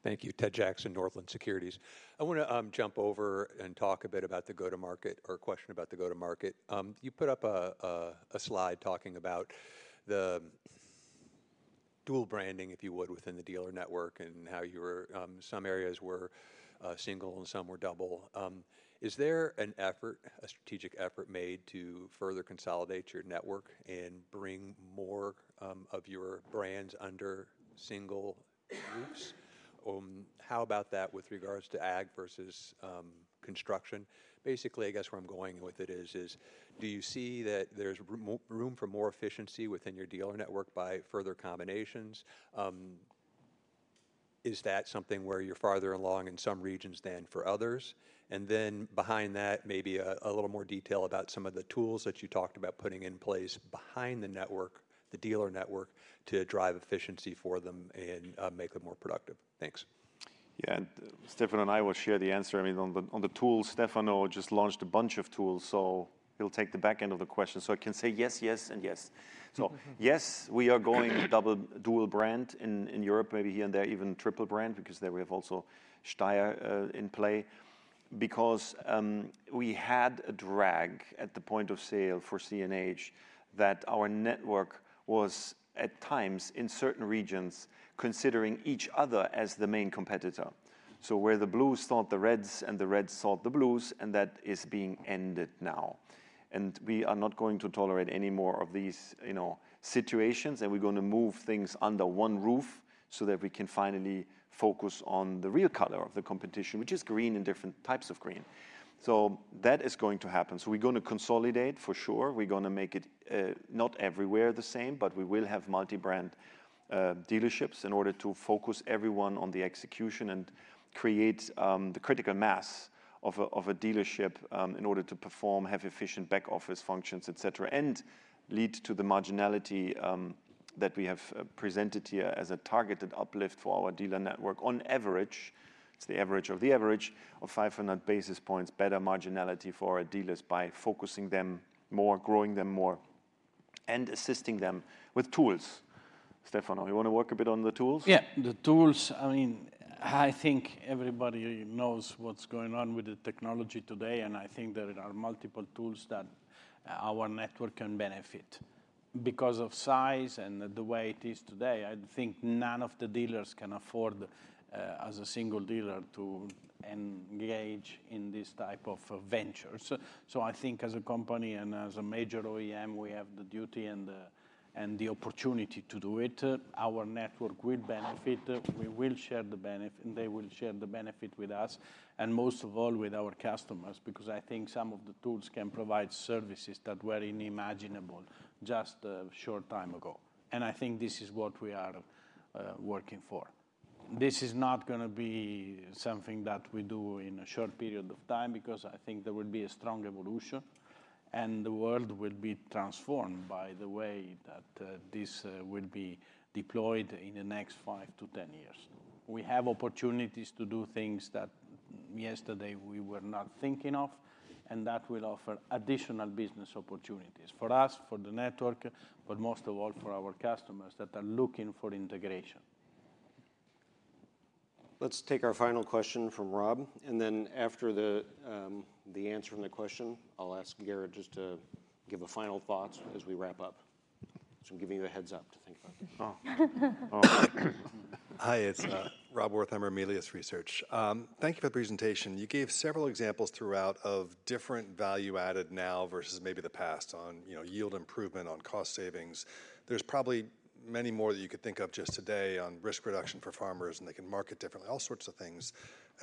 Speaker 27: Thank you. Ted Jackson, Northland Securities. I want to jump over and talk a bit about the go-to-market or question about the go-to-market. You put up a slide talking about the dual branding, if you would, within the dealer network and how some areas were single and some were double. Is there an effort, a strategic effort made to further consolidate your network and bring more of your brands under single groups? How about that with regards to ag versus construction? Basically, I guess where I'm going with it is, do you see that there's room for more efficiency within your dealer network by further combinations? Is that something where you're farther along in some regions than for others? Then behind that, maybe a little more detail about some of the tools that you talked about putting in place behind the network, the dealer network, to drive efficiency for them and make them more productive. Thanks.
Speaker 2: Yeah, and Stefano and I will share the answer. I mean, on the tools, Stefano just launched a bunch of tools, so he'll take the back end of the question. I can say yes, yes, and yes. Yes, we are going dual brand in Europe, maybe here and there even triple brand because there we have also Steyr in play because we had a drag at the point of sale for CNH that our network was at times in certain regions considering each other as the main competitor. Where the blues thought the reds and the reds thought the blues, and that is being ended now. We are not going to tolerate any more of these situations, and we're going to move things under one roof so that we can finally focus on the real color of the competition, which is green and different types of green. That is going to happen. We are going to consolidate for sure. We're going to make it not everywhere the same, but we will have multi-brand dealerships in order to focus everyone on the execution and create the critical mass of a dealership in order to perform, have efficient back office functions, etc., and lead to the marginality that we have presented here as a targeted uplift for our dealer network on average. It's the average of the average of 500 basis points better marginality for our dealers by focusing them more, growing them more, and assisting them with tools. Stefano, you want to work a bit on the tools?
Speaker 7: Yeah, the tools, I mean, I think everybody knows what's going on with the technology today, and I think there are multiple tools that our network can benefit. Because of size and the way it is today, I think none of the dealers can afford as a single dealer to engage in this type of ventures. I think as a company and as a major OEM, we have the duty and the opportunity to do it. Our network will benefit. We will share the benefit, and they will share the benefit with us, and most of all with our customers because I think some of the tools can provide services that were unimaginable just a short time ago. I think this is what we are working for. This is not going to be something that we do in a short period of time because I think there will be a strong evolution, and the world will be transformed by the way that this will be deployed in the next five to ten years. We have opportunities to do things that yesterday we were not thinking of, and that will offer additional business opportunities for us, for the network, but most of all for our customers that are looking for integration.
Speaker 18: Let's take our final question from Rob, and then after the answer from the question, I'll ask Gerrit just to give final thoughts as we wrap up. I'm giving you a heads up to think about this.
Speaker 28: Hi, it's Rob Wirthamer, Melius Research. Thank you for the presentation. You gave several examples throughout of different value added now versus maybe the past on yield improvement, on cost savings. There's probably many more that you could think of just today on risk reduction for farmers, and they can market differently, all sorts of things.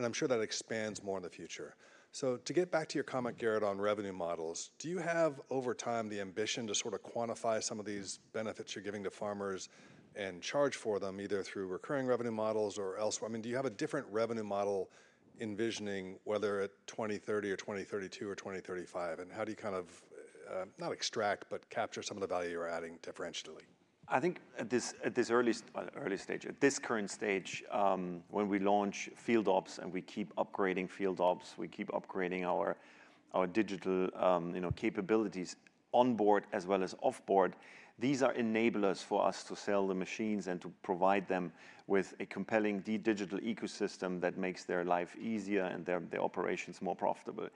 Speaker 28: I'm sure that expands more in the future. To get back to your comment, Gerrit, on revenue models, do you have over time the ambition to sort of quantify some of these benefits you're giving to farmers and charge for them either through recurring revenue models or elsewhere? I mean, do you have a different revenue model envisioning whether at 2030 or 2032 or 2035? How do you kind of not extract, but capture some of the value you're adding differentially?
Speaker 2: I think at this early stage, at this current stage, when we launch FieldOps and we keep upgrading FieldOps, we keep upgrading our digital capabilities onboard as well as offboard, these are enablers for us to sell the machines and to provide them with a compelling digital ecosystem that makes their life easier and their operations more profitable.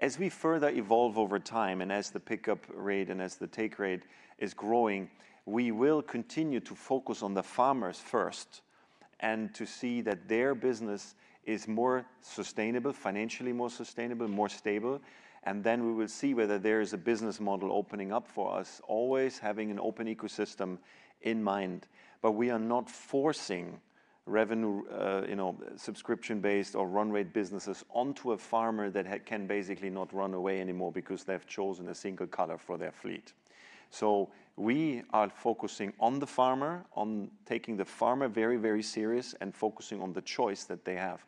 Speaker 2: As we further evolve over time and as the pickup rate and as the take rate is growing, we will continue to focus on the farmers first and to see that their business is more sustainable, financially more sustainable, more stable. We will see whether there is a business model opening up for us, always having an open ecosystem in mind. We are not forcing revenue subscription-based or run rate businesses onto a farmer that can basically not run away anymore because they have chosen a single color for their fleet. We are focusing on the farmer, on taking the farmer very, very serious and focusing on the choice that they have.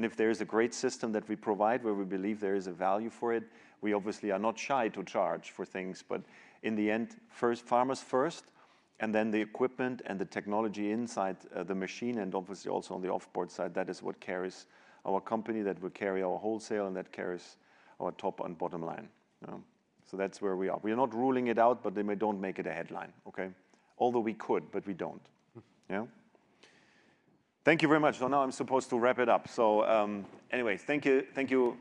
Speaker 2: If there is a great system that we provide where we believe there is a value for it, we obviously are not shy to charge for things. But in the end, farmers first, and then the equipment and the technology inside the machine, and obviously also on the offboard side, that is what carries our company, that will carry our wholesale, and that carries our top and bottom line. That is where we are. We are not ruling it out, but then we do not make it a headline, okay? Although we could, but we do not. Yeah. Thank you very much. Now I am supposed to wrap it up. Anyway, thank you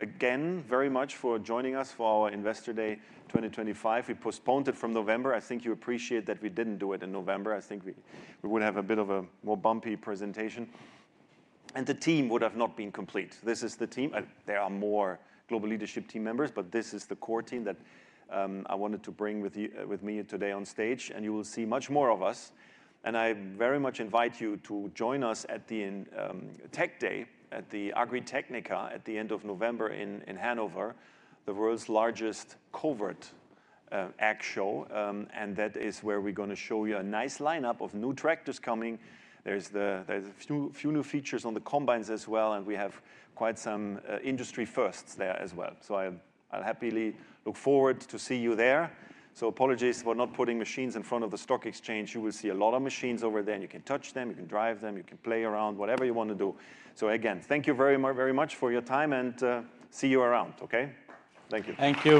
Speaker 2: again very much for joining us for our Investor Day 2025. We postponed it from November. I think you appreciate that we did not do it in November. I think we would have a bit of a more bumpy presentation, and the team would have not been complete. This is the team. There are more global leadership team members, but this is the core team that I wanted to bring with me today on stage. You will see much more of us. I very much invite you to join us at the Tech Day at the Agritechnica at the end of November in Hanover, the world's largest covert ag show. That is where we're going to show you a nice lineup of new tractors coming. There are a few new features on the combines as well, and we have quite some industry firsts there as well. I will happily look forward to see you there. Apologies for not putting machines in front of the stock exchange. You will see a lot of machines over there, and you can touch them, you can drive them, you can play around, whatever you want to do. Again, thank you very much for your time, and see you around, okay? Thank you.
Speaker 7: Thank you.